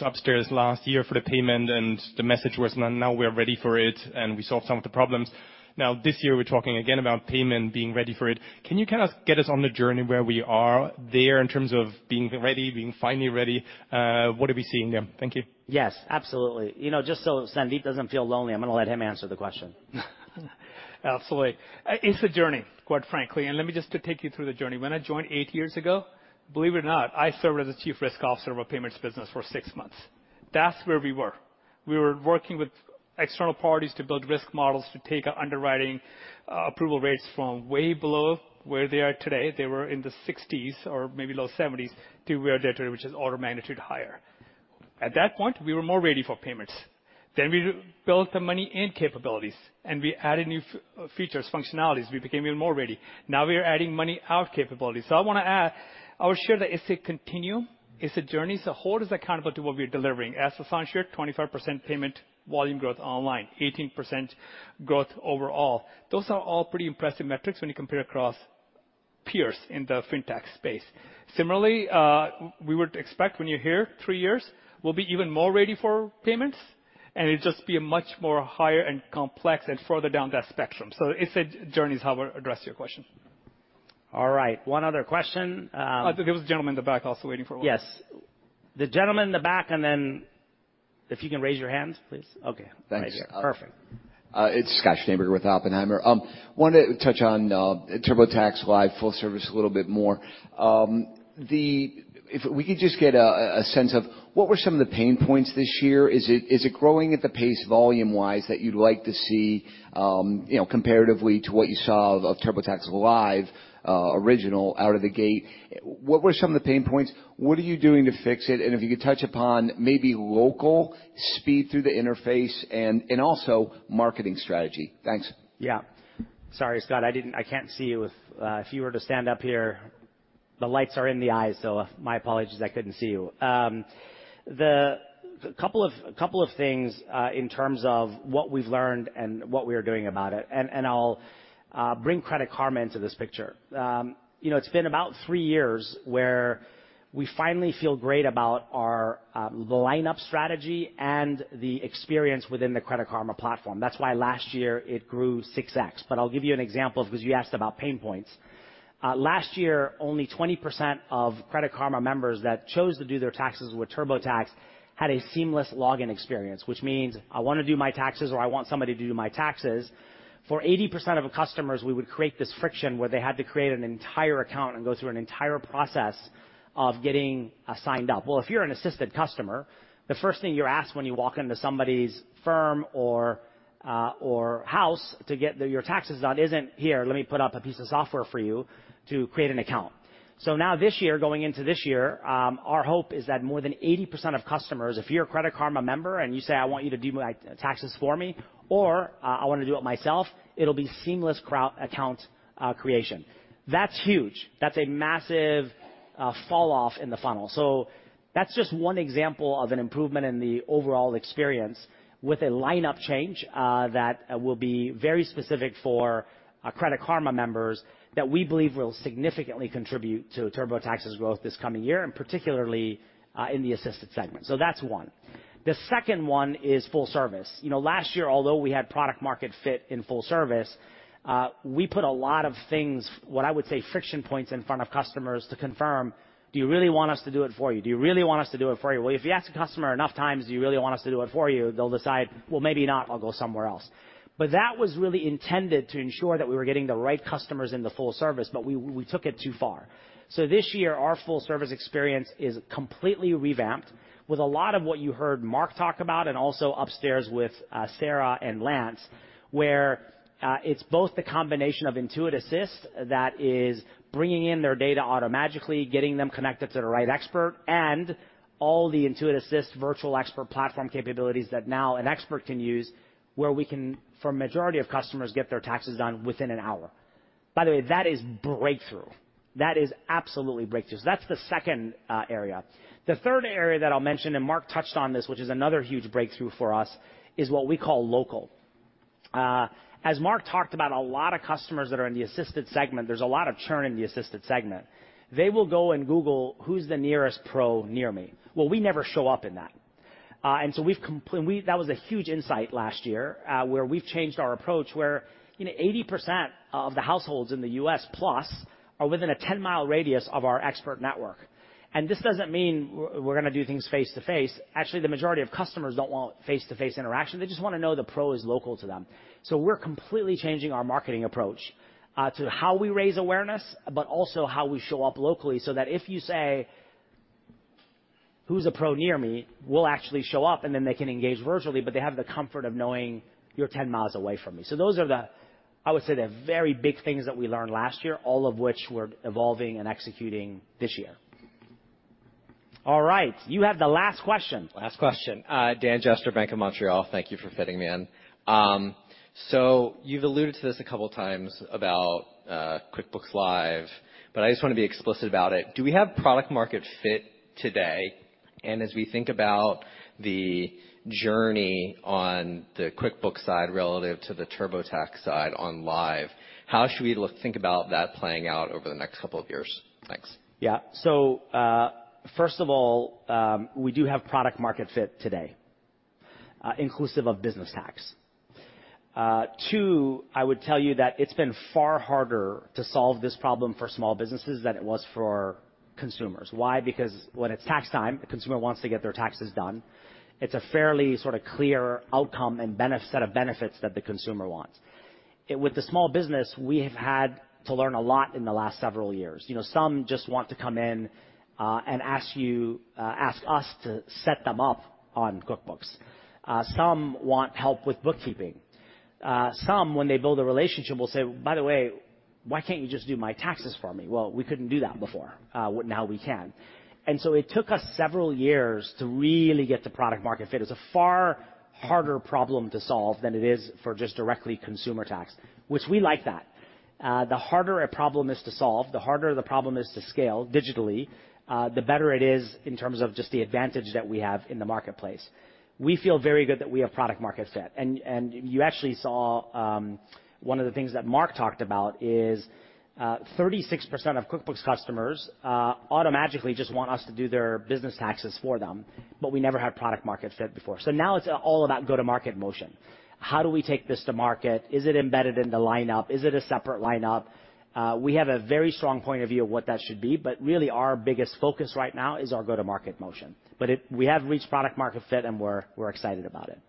upstairs last year for the payment, and the message was, "Now, now we're ready for it, and we solved some of the problems." Now, this year, we're talking again about payment, being ready for it. Can you kind of get us on the journey where we are there in terms of being ready, being finally ready? What are we seeing there? Thank you. Yes, absolutely. You know, just so Sandeep doesn't feel lonely, I'm gonna let him answer the question. Absolutely. It's a journey, quite frankly, and let me just to take you through the journey. When I joined 8 years ago, believe it or not, I served as a chief risk officer of a payments business for 6 months. That's where we were. We were working with external parties to build risk models to take our underwriting approval rates from way below where they are today. They were in the 60s or maybe low 70s, to where they, which is order of magnitude higher. At that point, we were more ready for payments. Then we built the money in capabilities, and we added new features, functionalities. We became even more ready. Now we are adding money out capabilities. So I want to add, I would share that it's a continuum, it's a journey, so hold us accountable to what we're delivering. As Sasan shared, 25% payment volume growth online, 18% growth overall. Those are all pretty impressive metrics when you compare across peers in the fintech space. Similarly, we would expect when you're here three years, we'll be even more ready for payments, and it'll just be a much more higher and complex and further down that spectrum. So it's a journey is how I address your question. All right, one other question. I think there was a gentleman in the back also waiting for one. Yes. The gentleman in the back, and then if you can raise your hands, please. Okay. Thanks. Perfect. It's Scott Schneeberger with Oppenheimer. Wanted to touch on TurboTax Live Full Service a little bit more. If we could just get a sense of what were some of the pain points this year? Is it growing at the pace volume-wise that you'd like to see, you know, comparatively to what you saw of TurboTax Live original out of the gate? What were some of the pain points? What are you doing to fix it? And if you could touch upon maybe load speed through the interface and also marketing strategy. Thanks. Yeah. Sorry, Scott, I didn't. I can't see you. If you were to stand up here, the lights are in the eyes, so my apologies, I couldn't see you. A couple of things in terms of what we've learned and what we are doing about it, and I'll bring Credit Karma into this picture. You know, it's been about three years where we finally feel great about our lineup strategy and the experience within the Credit Karma platform. That's why last year it grew 6x. But I'll give you an example because you asked about pain points. Last year, only 20% of Credit Karma members that chose to do their taxes with TurboTax had a seamless login experience, which means I wanna do my taxes or I want somebody to do my taxes. For 80% of customers, we would create this friction where they had to create an entire account and go through an entire process of getting signed up. Well, if you're an assisted customer, the first thing you're asked when you walk into somebody's firm or house to get your taxes done isn't, "Here, let me put up a piece of software for you to create an account." So now this year, going into this year, our hope is that more than 80% of customers, if you're a Credit Karma member and you say: I want you to do my taxes for me, or I wanna do it myself, it'll be seamless cross-account creation. That's huge. That's a massive falloff in the funnel. So that's just one example of an improvement in the overall experience with a lineup change that will be very specific for Credit Karma members that we believe will significantly contribute to TurboTax's growth this coming year, and particularly in the assisted segment. So that's one. The second one is full service. You know, last year, although we had product market fit in full service, we put a lot of things, what I would say, friction points in front of customers to confirm, "Do you really want us to do it for you? Do you really want us to do it for you?" Well, if you ask a customer enough times, "Do you really want us to do it for you?" They'll decide, "Well, maybe not. I'll go somewhere else." But that was really intended to ensure that we were getting the right customers in the full service, but we took it too far. So this year, our full service experience is completely revamped with a lot of what you heard Mark talk about, and also upstairs with Sarah and Lance, where it's both the combination of Intuit Assist that is bringing in their data automatically, getting them connected to the right expert, and all the Intuit Assist virtual expert platform capabilities that now an expert can use, where we can, for majority of customers, get their taxes done within an hour. By the way, that is breakthrough. That is absolutely breakthrough. So that's the second area. The third area that I'll mention, and Mark touched on this, which is another huge breakthrough for us, is what we call local. As Mark talked about, a lot of customers that are in the assisted segment, there's a lot of churn in the assisted segment. They will go and Google, "Who's the nearest pro near me?" Well, we never show up in that. And so that was a huge insight last year, where we've changed our approach, where, you know, 80% of the households in the U.S. plus are within a 10-mile radius of our expert network. And this doesn't mean we're, we're gonna do things face to face. Actually, the majority of customers don't want face-to-face interaction. They just wanna know the pro is local to them. So we're completely changing our marketing approach to how we raise awareness, but also how we show up locally, so that if you say, "Who's a pro near me?" We'll actually show up, and then they can engage virtually, but they have the comfort of knowing you're 10 miles away from me. So those are the, I would say, the very big things that we learned last year, all of which we're evolving and executing this year. All right, you have the last question. Last question. Dan Jester, Bank of Montreal. Thank you for fitting me in. So you've alluded to this a couple of times about QuickBooks Live, but I just want to be explicit about it. Do we have product market fit today? And as we think about the journey on the QuickBooks side relative to the TurboTax side on Live, how should we think about that playing out over the next couple of years? Thanks. Yeah. So, first of all, we do have product market fit today, inclusive of business tax. Two, I would tell you that it's been far harder to solve this problem for small businesses than it was for consumers. Why? Because when it's tax time, the consumer wants to get their taxes done. It's a fairly sort of clear outcome and set of benefits that the consumer wants. With the small business, we have had to learn a lot in the last several years. You know, some just want to come in and ask us to set them up on QuickBooks. Some want help with bookkeeping. Some, when they build a relationship, will say, "By the way, why can't you just do my taxes for me?" Well, we couldn't do that before. Well, now we can. And so it took us several years to really get to product market fit. It's a far harder problem to solve than it is for just directly consumer tax, which we like that. The harder a problem is to solve, the harder the problem is to scale digitally, the better it is in terms of just the advantage that we have in the marketplace. We feel very good that we have product market fit. And you actually saw. One of the things that Mark talked about is 36% of QuickBooks customers automatically just want us to do their business taxes for them, but we never had product market fit before. So now it's all about go-to-market motion. How do we take this to market? Is it embedded in the lineup? Is it a separate lineup? We have a very strong point of view of what that should be, but really our biggest focus right now is our go-to-market motion. But we have reached product market fit, and we're excited about it.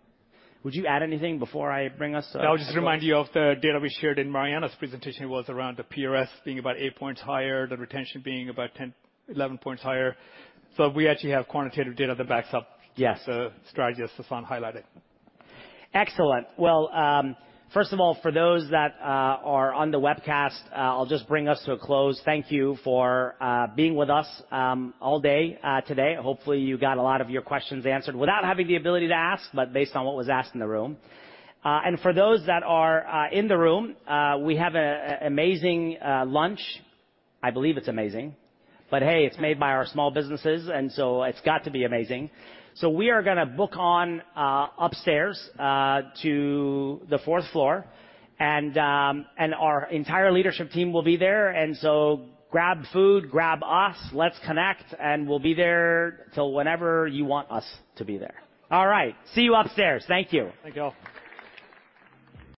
Would you add anything before I bring us to close? I'll just remind you of the data we shared in Marianna's presentation was around the PRS being about eight points higher, the retention being about 10, 11 points higher. So we actually have quantitative data that backs up- Yes. the strategy as Sasan highlighted. Excellent. Well, first of all, for those that are on the webcast, I'll just bring us to a close. Thank you for being with us all day today. Hopefully, you got a lot of your questions answered without having the ability to ask, but based on what was asked in the room. And for those that are in the room, we have an amazing lunch. I believe it's amazing, but hey, it's made by our small businesses, and so it's got to be amazing. So we are gonna head on upstairs to the fourth floor, and our entire leadership team will be there, and so grab food, grab us, let's connect, and we'll be there till whenever you want us to be there. All right, see you upstairs. Thank you. Thank you all.